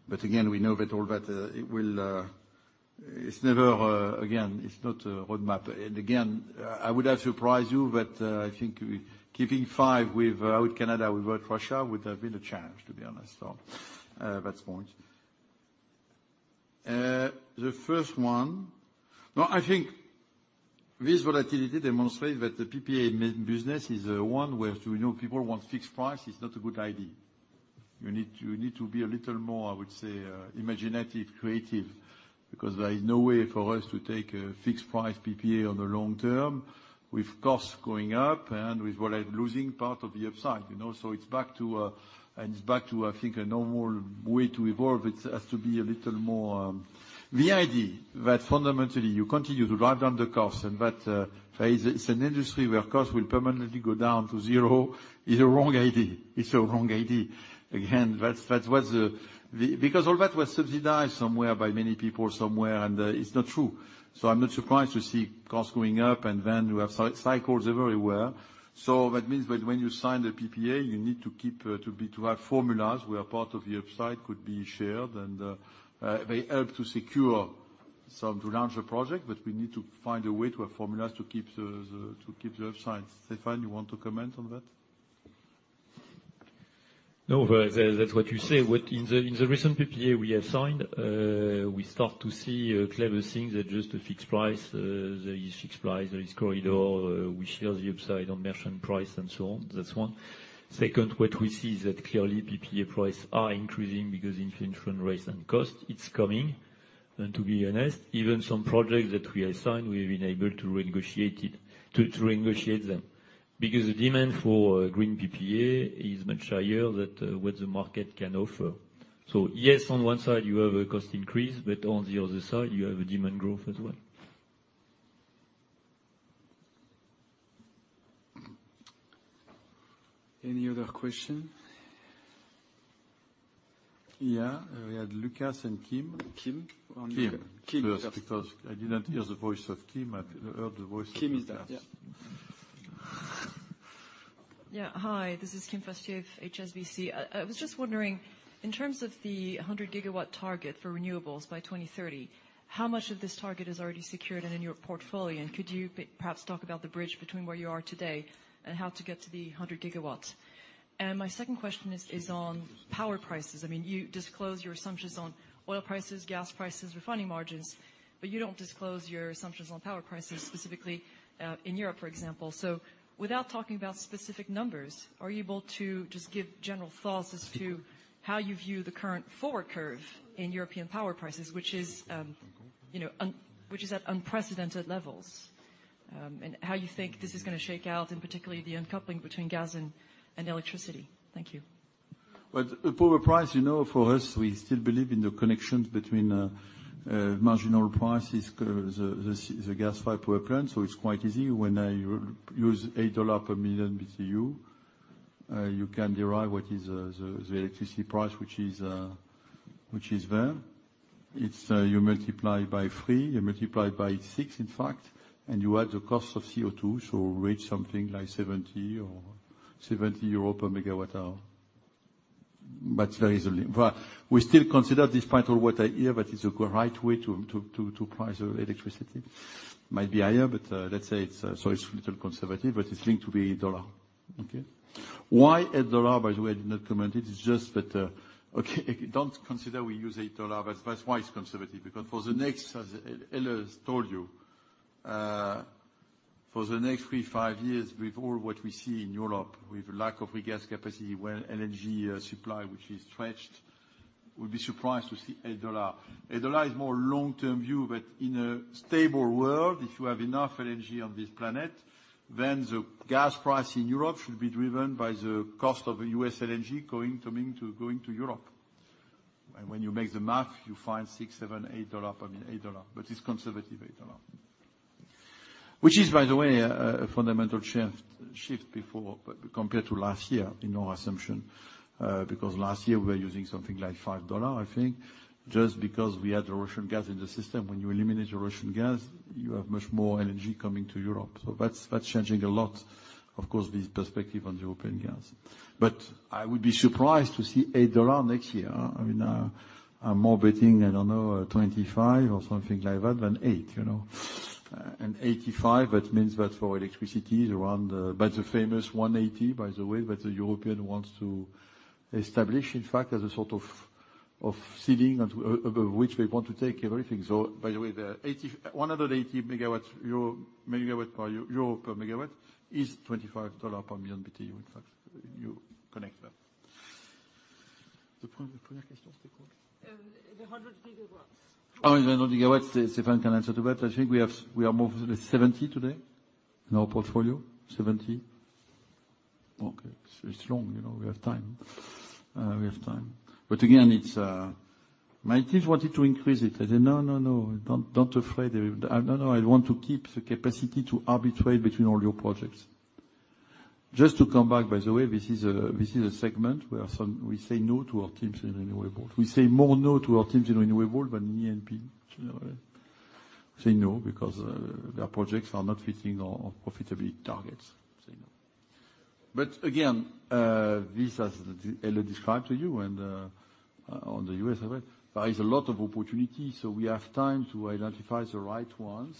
Speaker 2: But again, we know that all that it will. It's never again, it's not a roadmap. And again, I would have surprised you, but I think keeping five with, without Canada, without Russia, would have been a challenge, to be honest. So that's point. The first one. No, I think this volatility demonstrate that the PPA main business is one where you know people want fixed price is not a good idea. You need to be a little more, I would say, imaginative, creative, because there is no way for us to take a fixed price PPA on the long term with costs going up and without losing part of the upside, you know. It's back to, I think, a normal way to evolve. It has to be a little more. The idea that fundamentally you continue to drive down the cost and that phase, it's an industry where cost will permanently go down to zero is a wrong idea. It's a wrong idea. Again, that's what was the. Because all that was subsidized somewhere by many people somewhere, and it's not true. I'm not surprised to see costs going up and then we have cycles everywhere. That means that when you sign the PPA, you need to keep to have formulas where part of the upside could be shared and they help to secure some to launch the project. We need to find a way to have formulas to keep the to keep the upsides. Stéphane, you want to comment on that?
Speaker 18: No, that's what you say. What in the recent PPA we have signed, we start to see clever things than just the fixed price. There is fixed price, there is corridor. We share the upside on merchant price and so on. That's one. Second, what we see is that clearly PPA prices are increasing because inflation rises and costs, it's coming. To be honest, even some projects that we assigned, we've been able to renegotiate them because the demand for green PPA is much higher than what the market can offer. Yes, on one side you have a cost increase, but on the other side you have a demand growth as well.
Speaker 1: Any other question? Yeah. We had Lucas and Kim. Kim.
Speaker 2: On here.
Speaker 1: Kim.
Speaker 2: Kim first.
Speaker 1: First, because I didn't hear the voice of Kim. I've heard the voice of Lucas.
Speaker 2: Kim, is that, yeah.
Speaker 21: Yeah. Hi, this is Kim Fustier, HSBC. I was just wondering, in terms of the 100 GW target for renewables by 2030, how much of this target is already secured and in your portfolio? And could you perhaps talk about the bridge between where you are today and how to get to the 100 GW? And my second question is on power prices. I mean, you disclose your assumptions on oil prices, gas prices, refining margins, but you don't disclose your assumptions on power prices specifically in Europe, for example. So without talking about specific numbers, are you able to just give general thoughts as to how you view the current forward curve in European power prices, which is at unprecedented levels, and how you think this is gonna shake out, and particularly the uncoupling between gas and electricity? Thank you.
Speaker 2: Well, the power price, you know, for us, we still believe in the connections between marginal prices, the gas-fired power plant. It's quite easy. When I use $8 per million BTU, you can derive what is the electricity price, which is there. It's you multiply by three, you multiply by six in fact, and you add the cost of CO2, so it's something like 70 or 80 euro per MWh. But very easily. Well, we still consider despite all what I hear that it's a right way to price electricity. Might be higher, but, let's say it's, so it's a little conservative, but it's going to be $1, okay? Why $1, by the way, I did not comment it. It's just that, okay, don't consider a use $1. That's why it's conservative, because for the next, as Helle has told you, for the next three-five years, with all that we see in Europe, with lack of regas capacity, LNG supply, which is stretched, we'll be surprised to see $1. $1 is more long-term view, but in a stable world, if you have enough LNG on this planet, then the gas price in Europe should be driven by the cost of US LNG going to Europe. When you do the math, you find $6-$8, I mean, $8, but it's conservative $8. Which is, by the way, a fundamental shift before but compared to last year in our assumption. Because last year we were using something like $5, I think. Just because we had the Russian gas in the system. When you eliminate the Russian gas, you have much more energy coming to Europe. That's changing a lot of course with perspective on European gas. I would be surprised to see $8 next year. I mean, I'm more betting, I don't know, $25 or something like that, than $8, you know? And $85, that means that for electricity is around, by the famous 180, by the way, that the European wants to establish in fact as a sort of ceiling above which they want to take everything. By the way, 180 euro per MW is $25 per million BTU, in fact. You connect that. The previous question was what?
Speaker 18: The 100 GW.
Speaker 2: Oh, yeah, the 100 GW. Stéphane can answer to that. I think we are more than 70 today in our portfolio. Okay. It's long, you know, we have time. We have time. Again, my team wanted to increase it. I said, "No. Don't be afraid." I don't know. I want to keep the capacity to arbitrate between all your projects. Just to come back, by the way, this is a segment where we say no to our teams in renewables. We say no more to our teams in renewables than in E&P, you know. We say no because their projects are not fitting our profitability targets. Again, this as Helle described to you and on the U.S., there is a lot of opportunity, so we have time to identify the right ones.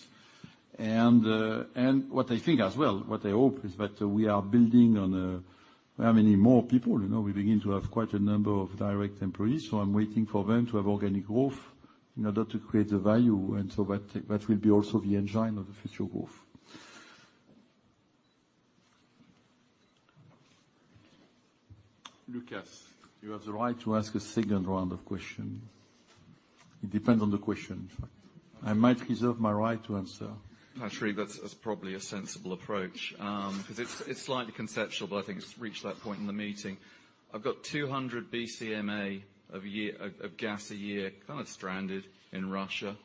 Speaker 2: And what I think as well, what I hope is that we are building on how many more people. You know, we begin to have quite a number of direct employees. So I'm waiting for them to have organic growth in order to create the value, and so that will be also the engine of the future growth. Lucas Herrmann, you have the right to ask a second round of question. It depends on the question. I might reserve my right to answer.
Speaker 11: Actually, that's probably a sensible approach. 'Cause it's slightly conceptual, but I think it's reached that point in the meeting. I've got 200 BCM a year of gas a year kind of stranded in Russia.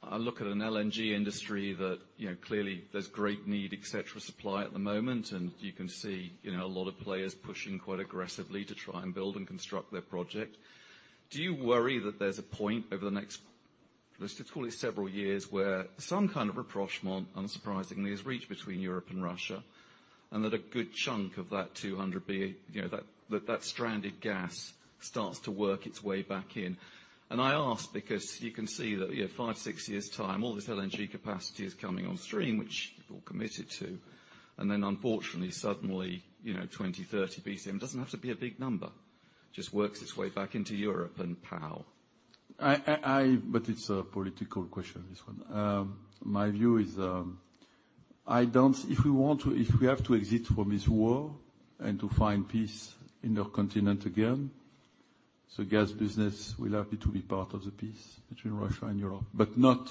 Speaker 11: I look at an LNG industry that, you know, clearly there's great need et cetera, supply at the moment. You can see, you know, a lot of players pushing quite aggressively to try and build and construct their project. Do you worry that there's a point over the next, let's just call it several years, where some kind of a rapprochement, unsurprisingly, is reached between Europe and Russia and that a good chunk of that 200 BCM, you know, that stranded gas starts to work its way back in? I ask because you can see that, you know, five, six years' time, all this LNG capacity is coming on stream, which you're all committed to. Then unfortunately, suddenly, you know, 20, 30 BCM, doesn't have to be a big number. Just works its way back into Europe and pow.
Speaker 2: It's a political question, this one. My view is, I don't. If we have to exit from this war and to find peace in our continent again, the gas business will happy to be part of the peace between Russia and Europe, but not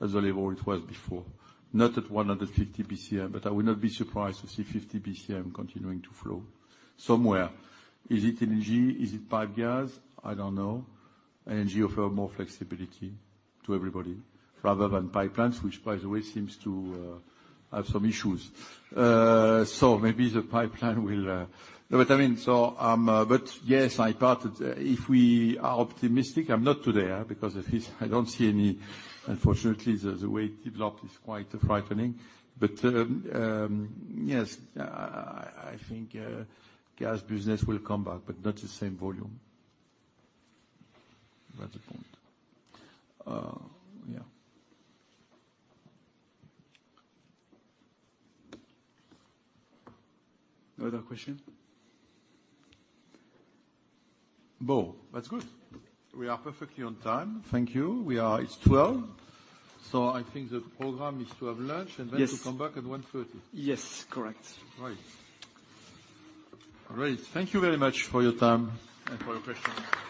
Speaker 2: at the level it was before. Not at 150 BCM, but I would not be surprised to see 50 BCM continuing to flow somewhere. Is it LNG? Is it pipe gas? I don't know. LNG offers more flexibility to everybody rather than pipelines, which by the way seems to have some issues. Maybe the pipeline will. No, I mean, I'm. Yes, I parted. If we are optimistic, I'm not today, because at this I don't see any. Unfortunately, the way it developed is quite frightening. Yes, I think gas business will come back, but not the same volume. That's the point. Yeah. No other question? Bo, that's good. We are perfectly on time. Thank you. It's 12. I think the program is to have lunch.
Speaker 1: Yes.
Speaker 2: To come back at 1:30 P.M.
Speaker 1: Yes. Correct.
Speaker 2: Right. All right. Thank you very much for your time and for your questions.